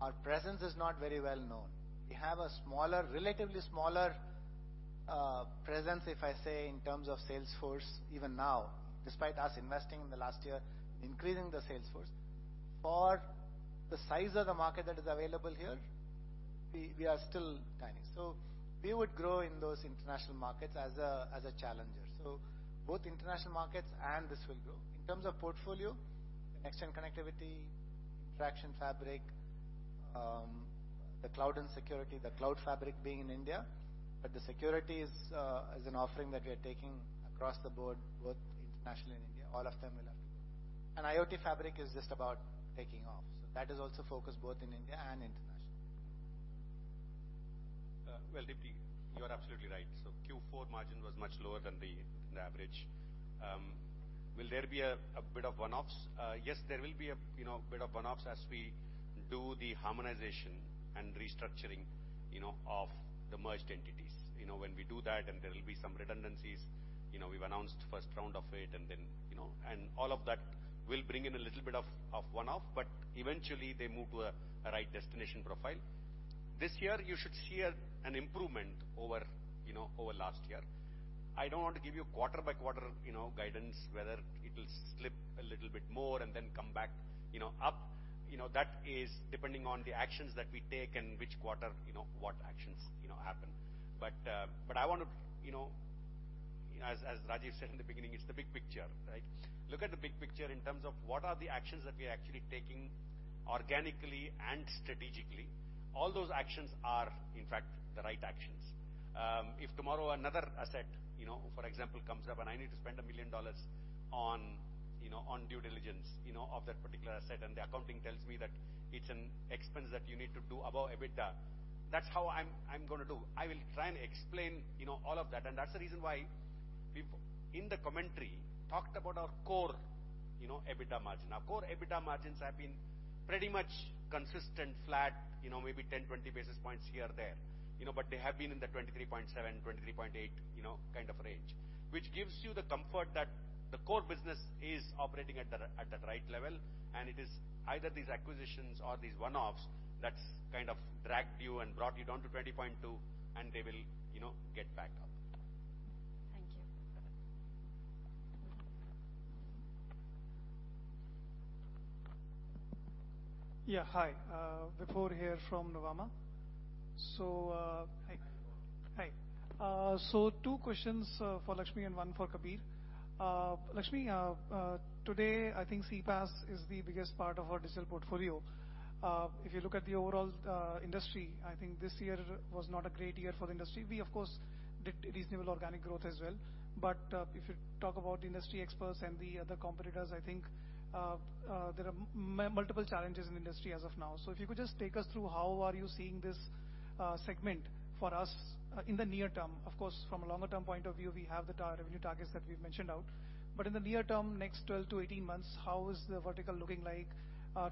Our presence is not very well known. We have a smaller, relatively smaller presence, if I say, in terms of sales force even now, despite us investing in the last year, increasing the sales force. For the size of the market that is available here, we are still tiny. So we would grow in those international markets as a challenger. So both international markets and this will grow. In terms of portfolio, connection connectivity, Interaction Fabric, the cloud and security, the cloud fabric being in India. But the security is an offering that we are taking across the board, both internationally and in India. All of them will have to go. And IoT Fabric is just about taking off. So that is also focused both in India and internationally. Well, Deepti, you are absolutely right. So Q4 margin was much lower than the average. Will there be a bit of one-offs? Yes, there will be a, you know, bit of one-offs as we do the harmonization and restructuring, you know, of the merged entities. You know, when we do that and there will be some redundancies, you know. We've announced the first round of it and then, you know, and all of that will bring in a little bit of one-off, but eventually they move to a right destination profile. This year, you should see an improvement over, you know, over last year. I don't want to give you quarter by quarter, you know, guidance, whether it will slip a little bit more and then come back, you know, up. You know, that is depending on the actions that we take and which quarter, you know, what actions, you know, happen. But I want to, you know, as Rajiv said in the beginning, it's the big picture, right? Look at the big picture in terms of what are the actions that we are actually taking organically and strategically. All those actions are, in fact, the right actions. If tomorrow another asset, you know, for example, comes up and I need to spend $1 million on, you know, on due diligence, you know, of that particular asset and the accounting tells me that it's an expense that you need to do above EBITDA, that's how I'm going to do. I will try and explain, you know, all of that. That's the reason why we've, in the commentary, talked about our core, you know, EBITDA margin. Our core EBITDA margins have been pretty much consistent, flat, you know, maybe 10, 20 basis points here or there, you know, but they have been in the 23.7, 23.8, you know, kind of range, which gives you the comfort that the core business is operating at the right level. And it is either these acquisitions or these one-offs that kind of dragged you and brought you down to 20.2, and they will, you know, get back up. Thank you. Yeah, hi. Vipul here from Nuvama. So, hey. Hi. So two questions for Lakshmi and one for Kabir. Lakshmi, today I think CPaaS is the biggest part of our Digital Portfolio. If you look at the overall industry, I think this year was not a great year for the industry. We, of course, did reasonable organic growth as well. But if you talk about industry experts and the other competitors, I think there are multiple challenges in the industry as of now. So if you could just take us through how are you seeing this segment for us in the near term. Of course, from a longer term point of view, we have the revenue targets that we've mentioned out. But in the near term, next 12-18 months, how is the vertical looking like?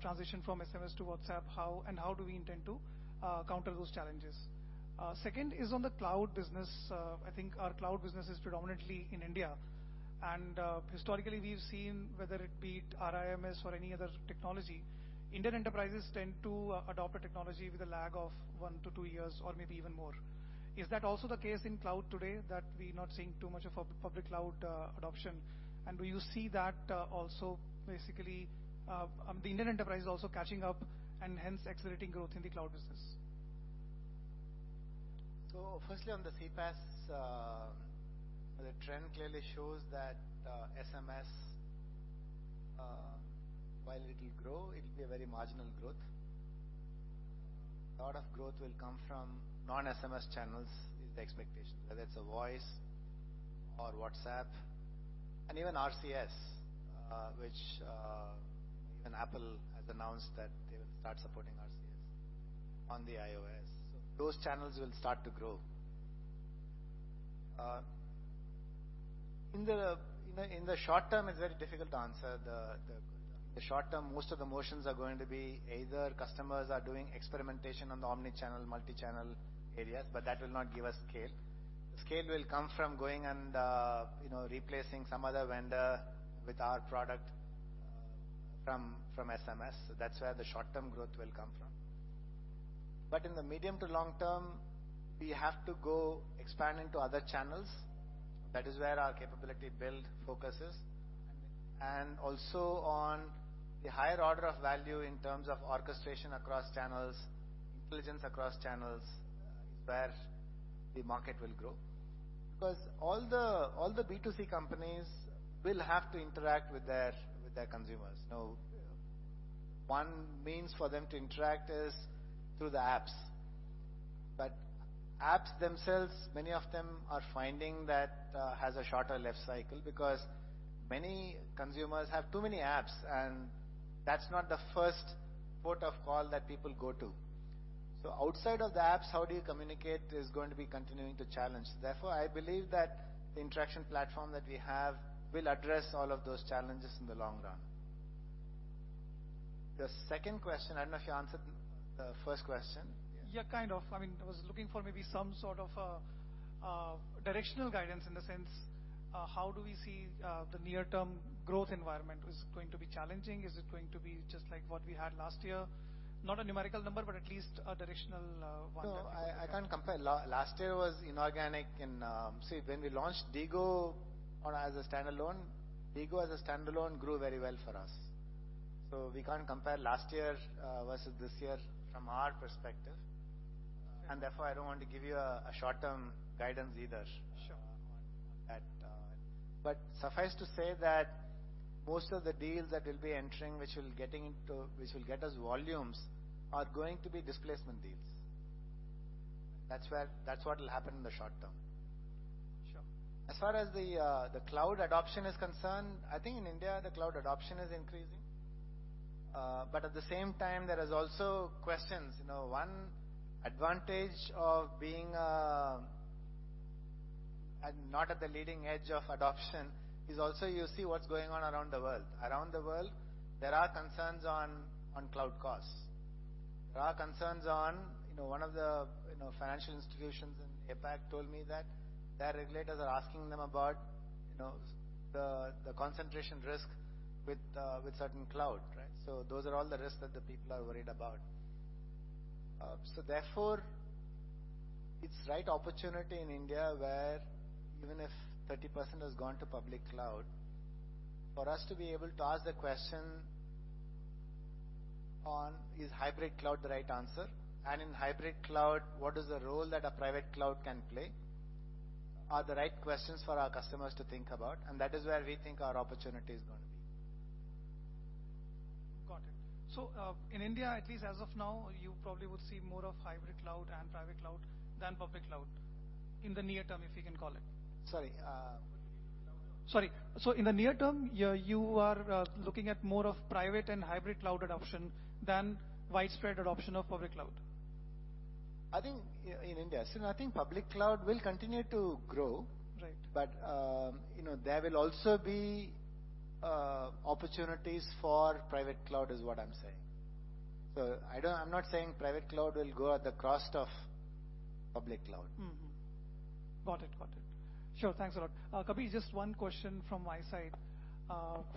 Transition from SMS to WhatsApp, how and how do we intend to counter those challenges? Second is on the cloud business. I think our cloud business is predominantly in India. Historically, we've seen whether it be RIMS or any other technology, Indian enterprises tend to adopt a technology with a lag of 1-2 years or maybe even more. Is that also the case in cloud today that we're not seeing too much of a public cloud adoption? And do you see that also basically the Indian enterprise is also catching up and hence accelerating growth in the cloud business? Firstly, on the CPaaS, the trend clearly shows that SMS, while it will grow, it will be a very marginal growth. A lot of growth will come from non-SMS channels is the expectation, whether it's a voice or WhatsApp. And even RCS, which even Apple has announced that they will start supporting RCS on the iOS. So those channels will start to grow. In the short term, it's very difficult to answer. In the short term, most of the motions are going to be either customers are doing experimentation on the omnichannel, multichannel areas, but that will not give us scale. The scale will come from going and, you know, replacing some other vendor with our product from SMS. So that's where the short-term growth will come from. But in the medium to long term, we have to go expand into other channels. That is where our capability build focuses. And also on the higher order of value in terms of orchestration across channels, intelligence across channels is where the market will grow. Because all the B2C companies will have to interact with their consumers. You know, one means for them to interact is through the apps. But apps themselves, many of them are finding that has a shorter life cycle because many consumers have too many apps, and that's not the first port of call that people go to. So outside of the apps, how do you communicate is going to be continuing to challenge. Therefore, I believe that the interaction platform that we have will address all of those challenges in the long run. The second question, I don't know if you answered the first question. Yeah, kind of. I mean, I was looking for maybe some sort of directional guidance in the sense, how do we see the near-term growth environment? Is it going to be challenging? Is it going to be just like what we had last year? Not a numerical number, but at least a directional one. No, I can't compare. Last year was inorganic. And see, when we launched DIGO as a standalone, DIGO as a standalone grew very well for us. So we can't compare last year versus this year from our perspective. And therefore, I don't want to give you a short-term guidance either on that. But suffice to say that most of the deals that will be entering, which will get us volumes, are going to be displacement deals. That's what will happen in the short term. Sure. As far as the cloud adoption is concerned, I think in India, the cloud adoption is increasing. But at the same time, there are also questions. You know, one advantage of being not at the leading edge of adoption is also you see what's going on around the world. Around the world, there are concerns on cloud costs. There are concerns on, you know, one of the financial institutions in APAC told me that their regulators are asking them about, you know, the concentration risk with certain cloud, right? So those are all the risks that the people are worried about. So therefore, it's the right opportunity in India where even if 30% has gone to public cloud, for us to be able to ask the question on, is hybrid cloud the right answer? And in hybrid cloud, what is the role that a private cloud can play? Are the right questions for our customers to think about? That is where we think our opportunity is going to be. Got it. In India, at least as of now, you probably would see more of hybrid cloud and private cloud than public cloud in the near term, if you can call it. Sorry. Sorry.In the near term, you are looking at more of private and hybrid cloud adoption than widespread adoption of public cloud? I think in India, so I think public cloud will continue to grow. Right. But, you know, there will also be opportunities for private cloud is what I'm saying. I'm not saying private cloud will go at the cost of public cloud. Got it. Got it. Sure. Thanks a lot. Kabir, just one question from my side.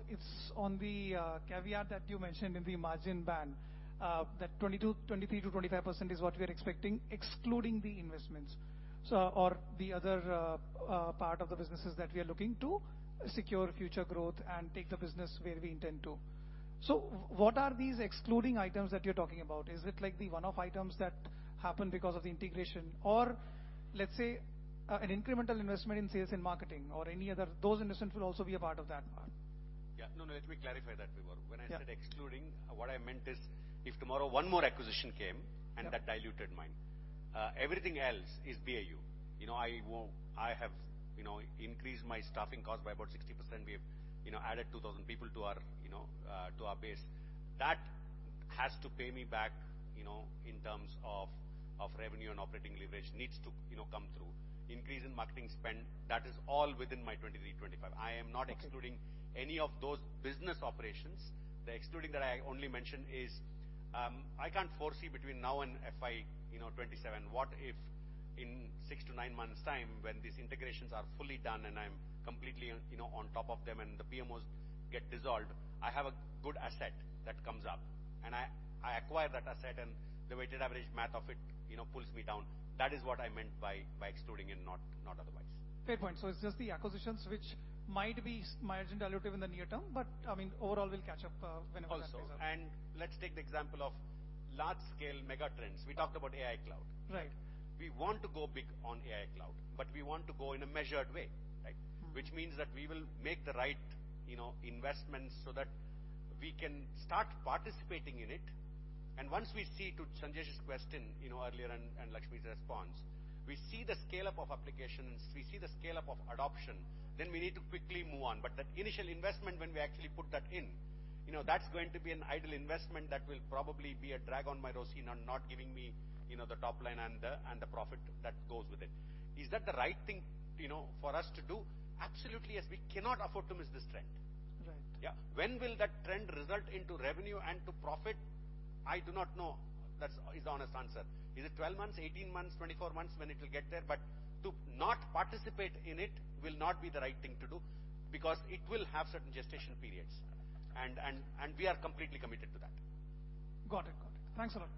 It's on the caveat that you mentioned in the margin band, that 22%-23% to 25% is what we are expecting, excluding the investments. So or the other part of the businesses that we are looking to secure future growth and take the business where we intend to. So what are these excluding items that you're talking about? Is it like the one-off items that happen because of the integration? Or let's say an incremental investment in sales and marketing or any other those investments will also be a part of that? Yeah. No, no. Let me clarify that, Vipul. When I said excluding, what I meant is if tomorrow one more acquisition came and that diluted margins, everything else is BAU. You know, I have, you know, increased my staffing cost by about 60%. We have, you know, added 2,000 people to our, you know, to our base. That has to pay me back, you know, in terms of revenue and operating leverage needs to, you know, come through. Increase in marketing spend, that is all within my 23-25. I am not excluding any of those business operations. The excluding that I only mentioned is I can't foresee between now and FY 2027, you know, what if in six to nine months' time when these integrations are fully done and I'm completely, you know, on top of them and the PMOs get dissolved, I have a good asset that comes up and I acquire that asset and the weighted average math of it, you know, pulls me down. That is what I meant by excluding and not otherwise. Fair point. So it's just the acquisitions which might be margin dilutive in the near term, but I mean, overall we'll catch up whenever that goes up. Also, and let's take the example of large-scale mega trends. We talked about AI Cloud. Right. We want to go big on AI Cloud, but we want to go in a measured way, right? Which means that we will make the right, you know, investments so that we can start participating in it. And once we see to Sanjay's question, you know, earlier and Lakshmi's response, we see the scale-up of applications, we see the scale-up of adoption, then we need to quickly move on. But that initial investment when we actually put that in, you know, that's going to be an idle investment that will probably be a drag on my ROCE and not giving me, you know, the top line and the profit that goes with it. Is that the right thing, you know, for us to do? Absolutely, as we cannot afford to miss this trend. Right. Yeah. When will that trend result into revenue and to profit? I do not know. That is the honest answer. Is it 12 months, 18 months, 24 months when it will get there? But to not participate in it will not be the right thing to do because it will have certain gestation periods. And we are completely committed to that. Got it. Got it. Thanks a lot.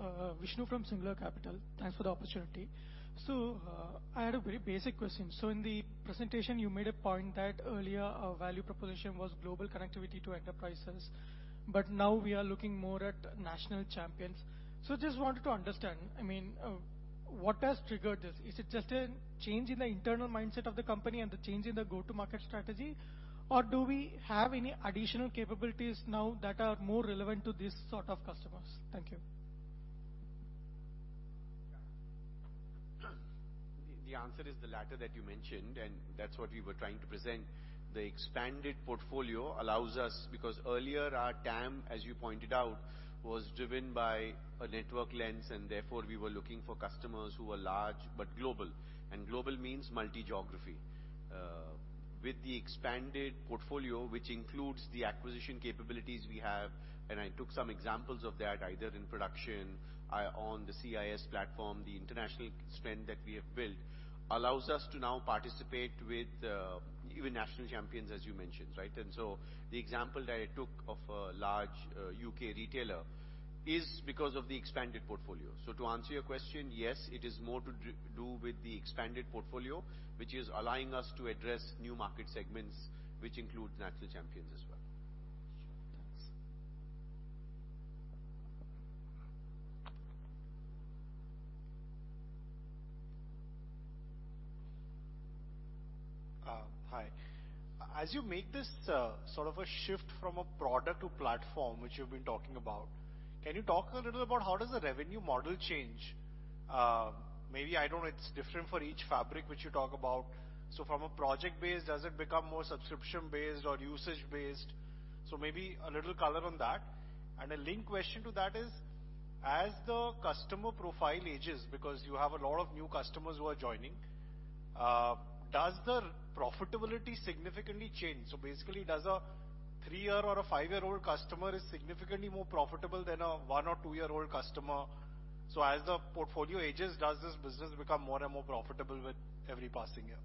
Thanks for taking my questions. Hi. Vishnu from Singular Capital. Thanks for the opportunity. So I had a very basic question. So in the presentation, you made a point that earlier our value proposition was global connectivity to enterprises. But now we are looking more at national champions. So I just wanted to understand, I mean, what has triggered this? Is it just a change in the internal mindset of the company and the change in the go-to-market strategy? Or do we have any additional capabilities now that are more relevant to this sort of customers? Thank you. The answer is the latter that you mentioned, and that's what we were trying to present. The expanded portfolio allows us, because earlier our TAM, as you pointed out, was driven by a network lens, and therefore we were looking for customers who are large but global. And global means multi-geography. With the expanded portfolio, which includes the acquisition capabilities we have, and I took some examples of that either in production, on the CIS platform, the international strength that we have built, allows us to now participate with even national champions, as you mentioned, right? And so the example that I took of a large U.K. retailer is because of the expanded portfolio. So to answer your question, yes, it is more to do with the expanded portfolio, which is allowing us to address new market segments, which include national champions as well. Sure. Thanks. Hi. As you make this sort of a shift from a product to platform, which you've been talking about, can you talk a little about how the revenue model changes? It's different for each fabric, which you talk about. So from a project-based, does it become more subscription-based or usage-based? So maybe a little color on that. And a linked question to that is, as the customer profile ages, because you have a lot of new customers who are joining, does the profitability significantly change? So basically, does a three-year or a five-year-old customer significantly more profitable than a one or two-year-old customer? So as the portfolio ages, does this business become more and more profitable with every passing year?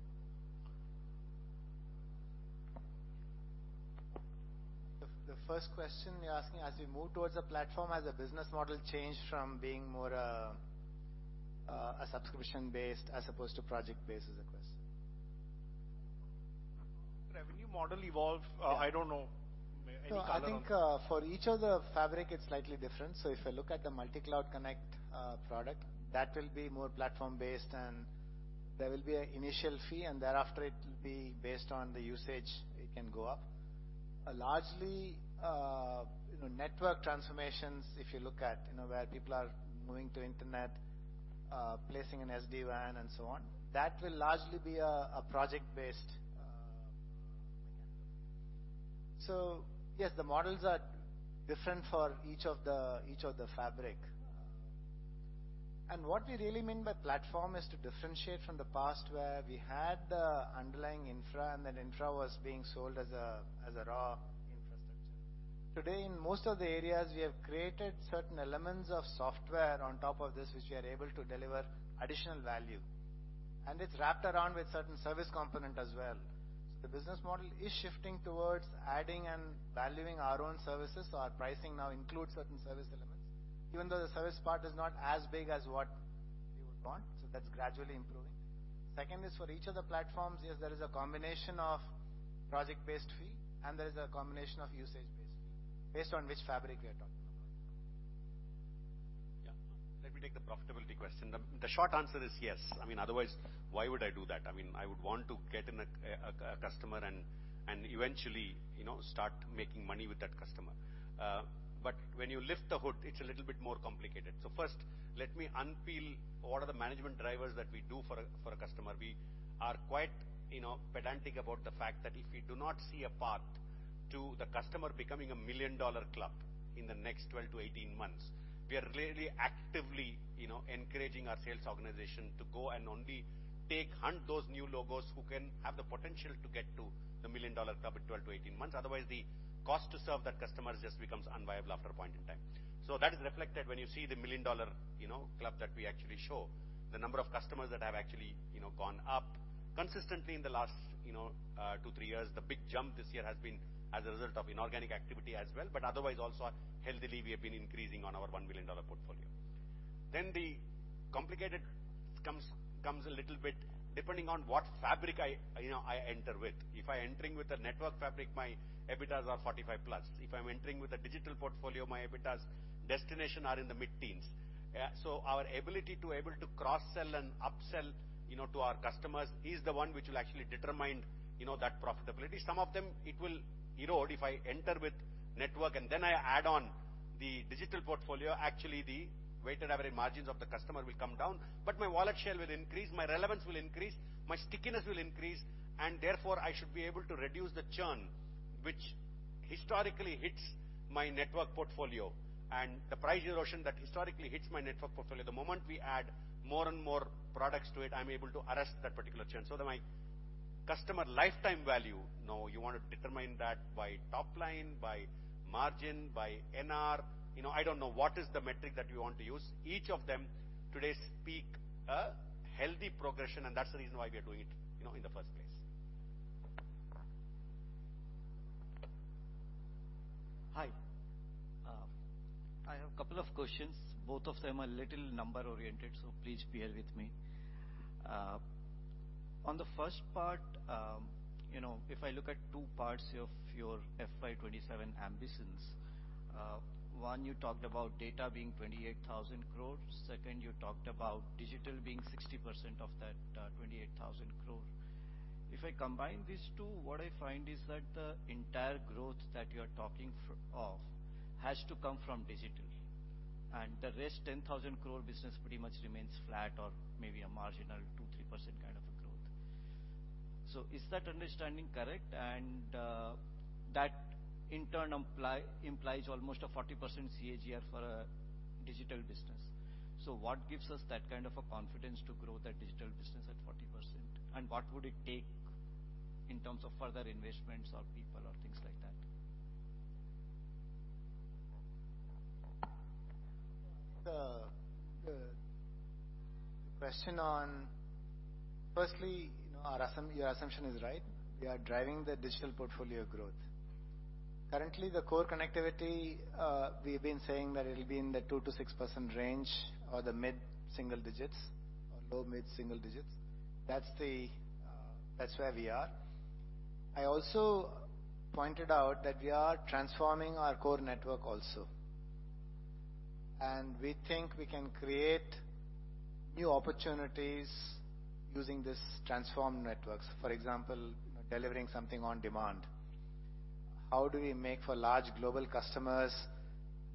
The first question you're asking, as we move towards a platform, has the business model changed from being more a subscription-based as opposed to project-based is the question. Revenue model evolve? I don't know. Any color on that? I think for each of the fabric, it's slightly different. So if you look at the Multi Cloud Connect product, that will be more platform-based and there will be an initial fee and thereafter it will be based on the usage, it can go up. Largely, you know, network transformations, if you look at, you know, where people are moving to internet, placing an SD-WAN and so on, that will largely be a project-based mechanism. So yes, the models are different for each of the fabric. What we really mean by platform is to differentiate from the past where we had the underlying infra and then infra was being sold as a raw infrastructure. Today, in most of the areas, we have created certain elements of software on top of this, which we are able to deliver additional value. It's wrapped around with certain service components as well. The business model is shifting towards adding and valuing our own services. Our pricing now includes certain service elements, even though the service part is not as big as what we would want. That's gradually improving. Second is for each of the platforms, yes, there is a combination of project-based fee and there is a combination of usage-based fee based on which fabric we are talking about. Yeah. Let me take the profitability question. The short answer is yes. I mean, otherwise, why would I do that? I mean, I would want to get in a customer and eventually, you know, start making money with that customer. But when you lift the hood, it's a little bit more complicated. So first, let me unpeel what are the management drivers that we do for a customer. We are quite, you know, pedantic about the fact that if we do not see a path to the customer becoming a Million Dollar Club in the next 12-18 months, we are really actively, you know, encouraging our sales organization to go and only take, hunt those new logos who can have the potential to get to the Million Dollar Club in 12-18 months. Otherwise, the cost to serve that customer just becomes unviable after a point in time. So that is reflected when you see the $1 million-dollar, you know, club that we actually show, the number of customers that have actually, you know, gone up consistently in the last, you know, two, three years. The big jump this year has been as a result of inorganic activity as well, but otherwise also healthily we have been increasing on our $1 million-dollar portfolio. Then the complicated comes a little bit depending on what fabric I enter with. If I'm entering with a Network Fabric, my EBITDAs are 45+. If I'm entering with a Digital Portfolio, my EBITDAs destination are in the mid-teens. So our ability to be able to cross-sell and upsell, you know, to our customers is the one which will actually determine, you know, that profitability. Some of them it will erode if I enter with network and then I add on the Digital Portfolio. Actually, the weighted average margins of the customer will come down, but my wallet share will increase, my relevance will increase, my stickiness will increase, and therefore I should be able to reduce the churn which historically hits my network portfolio and the price erosion that historically hits my network portfolio. The moment we add more and more products to it, I'm able to arrest that particular churn. So my customer lifetime value, no, you want to determine that by top line, by margin, by NR, you know, I don't know what is the metric that we want to use. Each of them today speak a healthy progression, and that's the reason why we are doing it, you know, in the first place. Hi. I have a couple of questions. Both of them are a little number-oriented, so please bear with me. On the first part, you know, if I look at two parts of your FY 2027 ambitions, one, you talked about data being 28,000 crore. Second, you talked about digital being 60% of that 28,000 crore. If I combine these two, what I find is that the entire growth that you are talking of has to come from digital. And the rest 10,000 crore business pretty much remains flat or maybe a marginal 2%-3% kind of a growth. So is that understanding correct? And that in turn implies almost a 40% CAGR for a digital business. So what gives us that kind of a confidence to grow that digital business at 40%? And what would it take in terms of further investments or people or things like that? The question on firstly, you know, your assumption is right. We are driving the Digital Portfolio growth. Currently, the core connectivity, we have been saying that it'll be in the 2%-6% range or the mid-single digits or low mid-single digits. That's where we are. I also pointed out that we are transforming our core network also. And we think we can create new opportunities using this transformed networks. For example, delivering something on demand. How do we make for large global customers,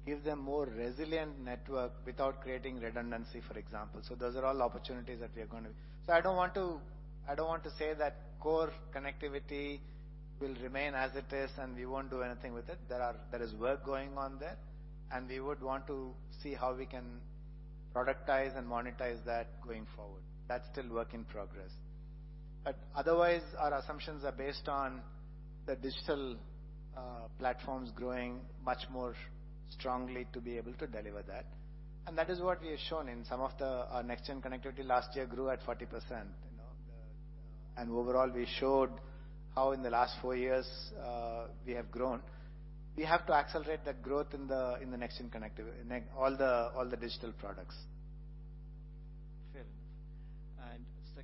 give them more resilient network without creating redundancy, for example? So those are all opportunities that we are going to be. So I don't want to, I don't want to say that core connectivity will remain as it is and we won't do anything with it. There is work going on there. And we would want to see how we can productize and monetize that going forward. That's still work in progress. But otherwise, our assumptions are based on the digital platforms growing much more strongly to be able to deliver that. And that is what we have shown in some of the Next Gen Connectivity. Last year grew at 40%. And overall, we showed how in the last four years we have grown. We have to accelerate that growth in the Next Gen Connectivity, all the digital products.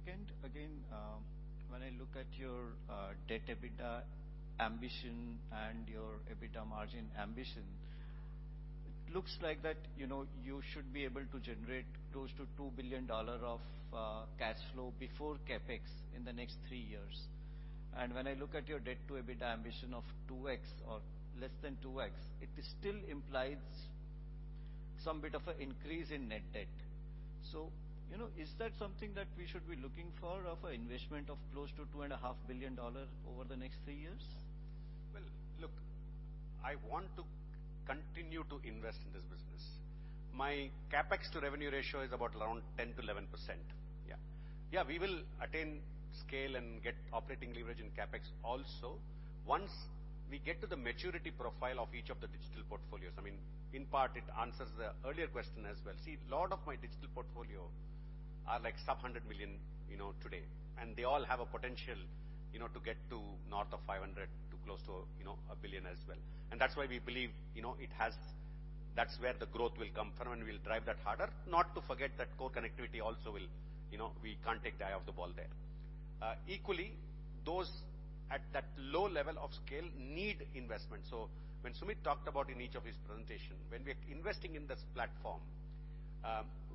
Fair enough. And second, again, when I look at your debt EBITDA ambition and your EBITDA margin ambition, it looks like that, you know, you should be able to generate close to $2 billion of cash flow before CapEx in the next three years. And when I look at your debt-to-EBITDA ambition of 2x or less than 2x, it still implies some bit of an increase in net debt. So, you know, is that something that we should be looking for of an investment of close to $2.5 billion over the next three years? Well, look, I want to continue to invest in this business. My CapEx to revenue ratio is about around 10%-11%. Yeah. Yeah, we will attain scale and get operating leverage in CapEx also once we get to the maturity profile of each of the Digital Portfolios. I mean, in part, it answers the earlier question as well. See, a lot of my Digital Portfolio are like sub-$100 million, you know, today. And they all have a potential, you know, to get to north of $500 million to close to, you know, $1 billion as well. And that's why we believe, you know, it has, that's where the growth will come from and we'll drive that harder. Not to forget that core connectivity also will, you know, we can't take the eye off the ball there. Equally, those at that low level of scale need investment. So when Sumeet talked about in each of his presentation, when we are investing in this platform,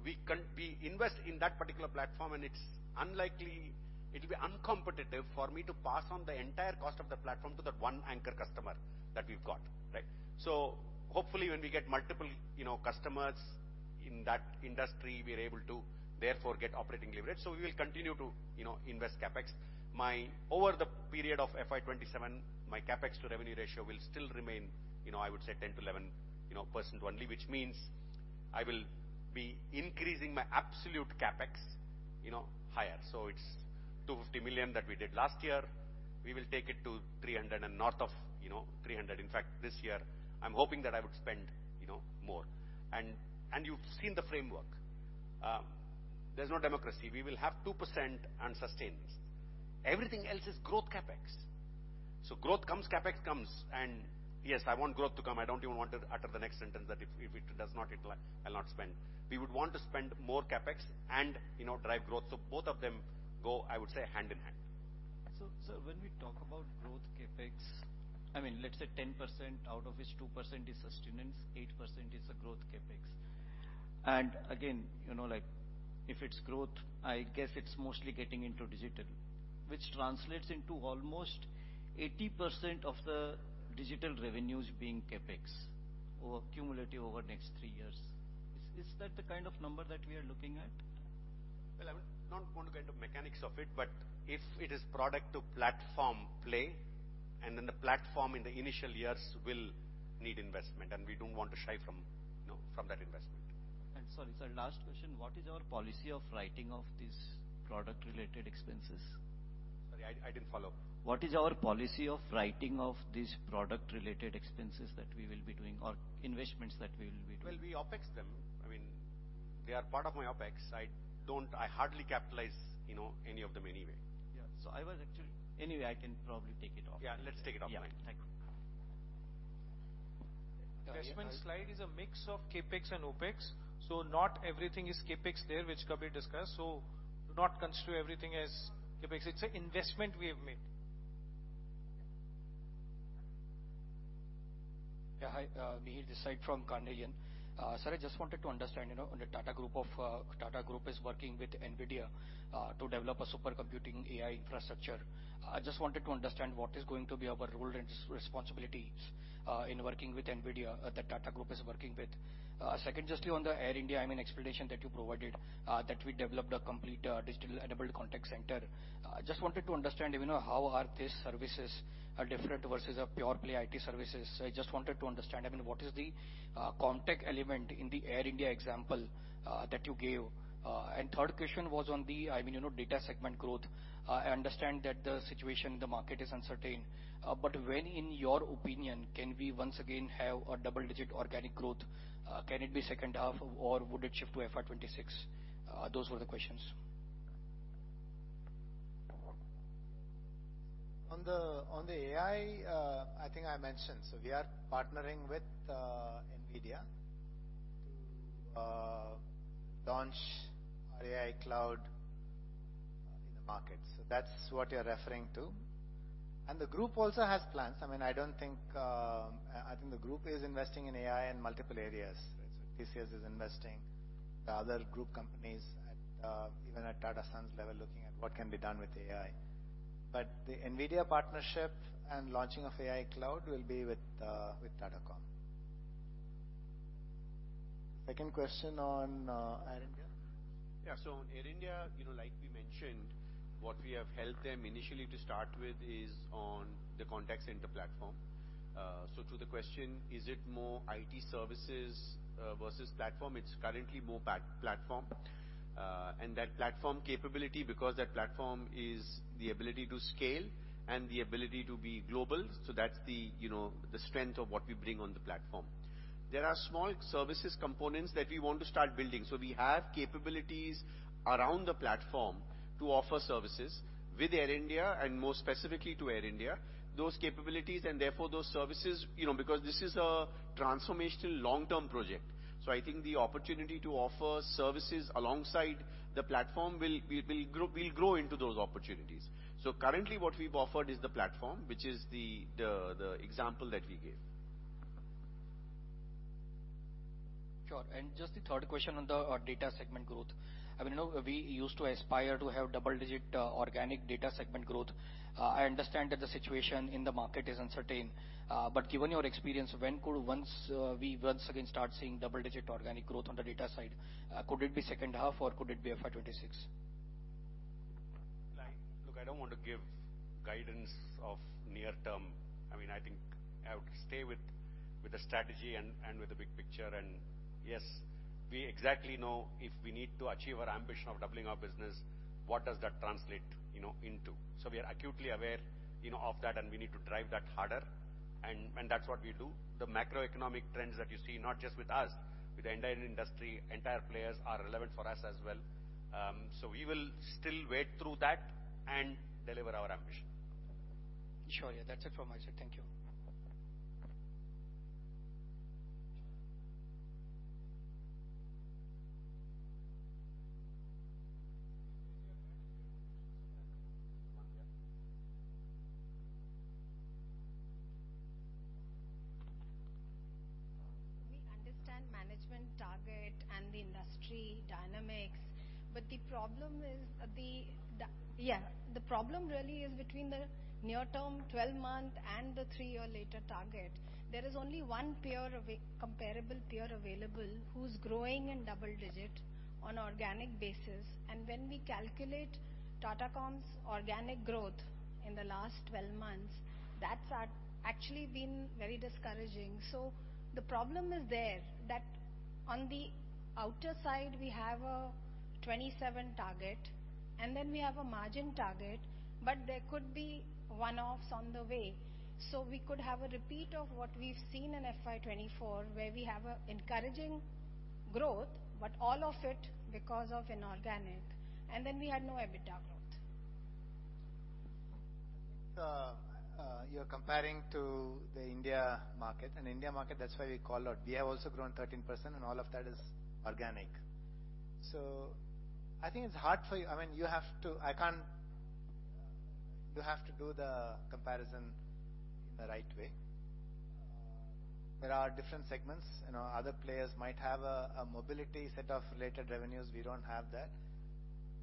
we invest in that particular platform and it's unlikely it'll be uncompetitive for me to pass on the entire cost of the platform to that one anchor customer that we've got, right? So hopefully when we get multiple, you know, customers in that industry, we are able to therefore get operating leverage. So we will continue to, you know, invest CAPEX. Over the period of FY 2027, my CAPEX to revenue ratio will still remain, you know, I would say 10%-11%, you know, only, which means I will be increasing my absolute CAPEX, you know, higher. So it's $250 million that we did last year. We will take it to $300 and north of, you know, $300. In fact, this year, I'm hoping that I would spend, you know, more. And you've seen the framework. There's no democracy. We will have 2% sustenance. Everything else is growth CapEx. So growth comes, CapEx comes. And yes, I want growth to come. I don't even want to utter the next sentence that if it does not, I'll not spend. We would want to spend more CapEx and, you know, drive growth. So both of them go, I would say, hand in hand. So when we talk about growth CapEx, I mean, let's say 10% out of which 2% is sustenance, 8% is a growth CapEx. And again, you know, like if it's growth, I guess it's mostly getting into digital, which translates into almost 80% of the digital revenues being CapEx or cumulative over the next three years. Is that the kind of number that we are looking at? Well, I'm not going to go into the mechanics of it, but if it is product-to-platform play, and then the platform in the initial years will need investment, and we don't want to shy from, you know, from that investment. And sorry, sir, last question. What is our policy of writing of these product-related expenses? Sorry, I didn't follow. What is our policy of writing of these product-related expenses that we will be doing or investments that we will be doing? Well, we OpEx them. I mean, they are part of my OpEx. I don't, I hardly capitalize, you know, any of them anyway. Yeah. I can probably take it off. Yeah, let's take it off. Yeah. Thank you. Investment slide is a mix of CapEx and OpEx. So not everything is CapEx there, which Kabir discussed. So do not construe everything as CapEx. It's an investment we have made. Yeah. Hi, Mihir, this is Sai from Carnelian. Sir, I just wanted to understand, you know, the Tata Group of Tata Group is working with NVIDIA to develop a supercomputing AI infrastructure. I just wanted to understand what is going to be our role and responsibilities in working with NVIDIA that Tata Group is working with. Second, just on the Air India, I mean, explanation that you provided that we developed a complete digital enabled contact center. I just wanted to understand, you know, how are these services different versus a pure-play IT services? I just wanted to understand, I mean, what is the contact element in the Air India example that you gave? And the third question was on the, I mean, you know, data segment growth. I understand that the situation in the market is uncertain. But when, in your opinion, can we once again have a double-digit organic growth? Can it be second half, or would it shift to FY 2026? Those were the questions. On the AI, I think I mentioned. So we are partnering with NVIDIA to launch our AI Cloud in the market. So that's what you're referring to. And the group also has plans. I mean, I don't think, I think the group is investing in AI in multiple areas. So TCS is investing. The other group companies at even at Tata Sons level looking at what can be done with AI. The NVIDIA partnership and launching of AI Cloud will be with Tata Comm. Second question on Air India. Yeah. So on Air India, you know, like we mentioned, what we have helped them initially to start with is on the contact center platform. So to the question, is it more IT services versus platform? It's currently more platform. And that platform capability, because that platform is the ability to scale and the ability to be global. So that's the, you know, the strength of what we bring on the platform. There are small services components that we want to start building. So we have capabilities around the platform to offer services with Air India and more specifically to Air India. Those capabilities and therefore those services, you know, because this is a transformational long-term project. So I think the opportunity to offer services alongside the platform will grow into those opportunities. So currently what we've offered is the platform, which is the example that we gave. Sure. And just the third question on the data segment growth. I mean, you know, we used to aspire to have double-digit organic data segment growth. I understand that the situation in the market is uncertain. But given your experience, when could we once again start seeing double-digit organic growth on the data side, could it be second half or could it be FY 2026? Look, I don't want to give guidance of near term. I mean, I think I would stay with the strategy and with the big picture. And yes, we exactly know if we need to achieve our ambition of doubling our business, what does that translate, you know, into? So we are acutely aware, you know, of that, and we need to drive that harder. That's what we do. The macroeconomic trends that you see, not just with us, with the entire industry, entire players are relevant for us as well. We will still wait through that and deliver our ambition. Sure. Yeah, that's it from my side. Thank you. We understand management target and the industry dynamics, but the problem is the, yeah, the problem really is between the near-term 12-month and the three-year later target. There is only one peer comparable peer available who's growing in double-digit on an organic basis. And when we calculate Tata Comm's organic growth in the last 12 months, that's actually been very discouraging. So the problem is there that on the outer side, we have a 2027 target, and then we have a margin target, but there could be one-offs on the way. So we could have a repeat of what we've seen in FY 2024, where we have an encouraging growth, but all of it because of inorganic. And then we had no EBITDA growth. You're comparing to the India market and India market, that's why we call out. We have also grown 13%, and all of that is organic. So I think it's hard for you. I mean, you have to, I can't, you have to do the comparison in the right way. There are different segments. You know, other players might have a mobility set of related revenues. We don't have that.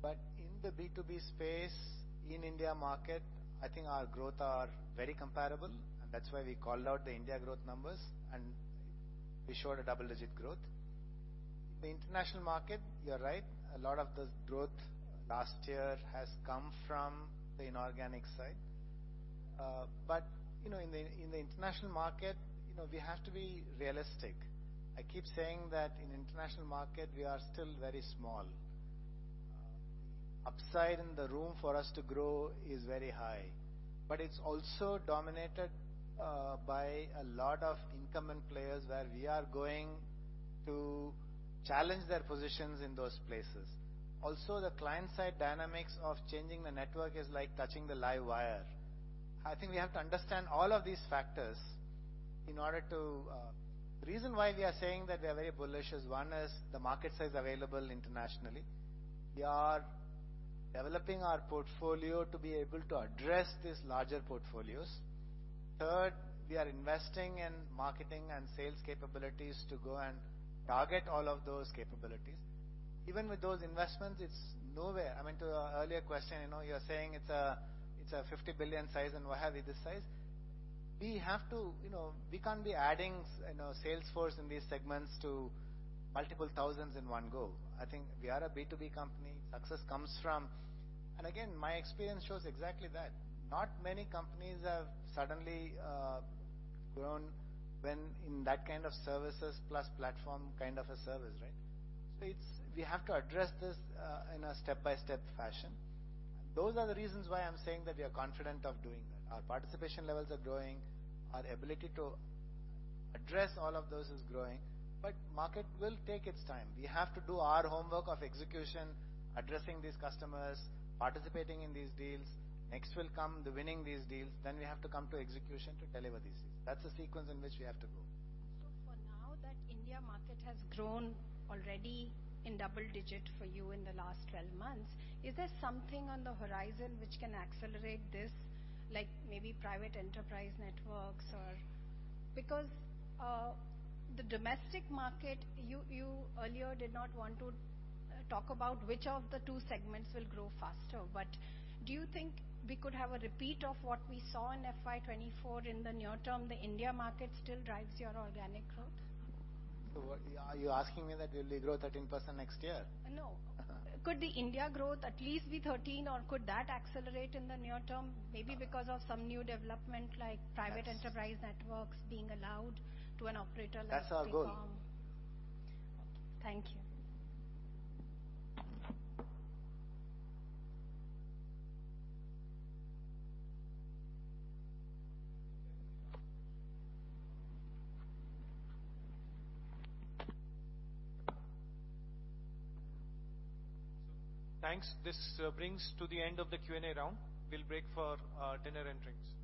But in the B2B space, in India market, I think our growth is very comparable. And that's why we called out the India growth numbers, and we showed a double-digit growth. In the international market, you're right. A lot of the growth last year has come from the inorganic side. But, you know, in the international market, you know, we have to be realistic. I keep saying that in the international market, we are still very small. The upside in the room for us to grow is very high. But it's also dominated by a lot of incumbent players where we are going to challenge their positions in those places. Also, the client-side dynamics of changing the network is like touching the live wire. I think we have to understand all of these factors in order to, the reason why we are saying that we are very bullish is one is the market size available internationally. We are developing our portfolio to be able to address these larger portfolios. Third, we are investing in marketing and sales capabilities to go and target all of those capabilities. Even with those investments, it's nowhere. I mean, to an earlier question, you know, you're saying it's a $50 billion size and what have you, this size. We have to, you know, we can't be adding, you know, Salesforce in these segments to multiple thousands in one go. I think we are a B2B company. Success comes from, and again, my experience shows exactly that. Not many companies have suddenly grown when in that kind of services plus platform kind of a service, right? So it's, we have to address this in a step-by-step fashion. Those are the reasons why I'm saying that we are confident of doing that. Our participation levels are growing. Our ability to address all of those is growing. But market will take its time. We have to do our homework of execution, addressing these customers, participating in these deals. Next will come the winning these deals. Then we have to come to execution to deliver these deals. That's the sequence in which we have to go. So for now that India market has grown already in double-digit for you in the last 12 months, is there something on the horizon which can accelerate this, like maybe private enterprise networks or because the domestic market, you earlier did not want to talk about which of the two segments will grow faster. But do you think we could have a repeat of what we saw in FY 2024 in the near term, the India market still drives your organic growth? Are you asking me that we'll grow 13% next year? No. Could the India growth at least be 13%, or could that accelerate in the near term maybe because of some new development like private enterprise networks being allowed to an operator like Tata Comm? That's our goal. Okay. Thank you. Thanks. This brings to the end of the Q&A round. We'll break for dinner networking.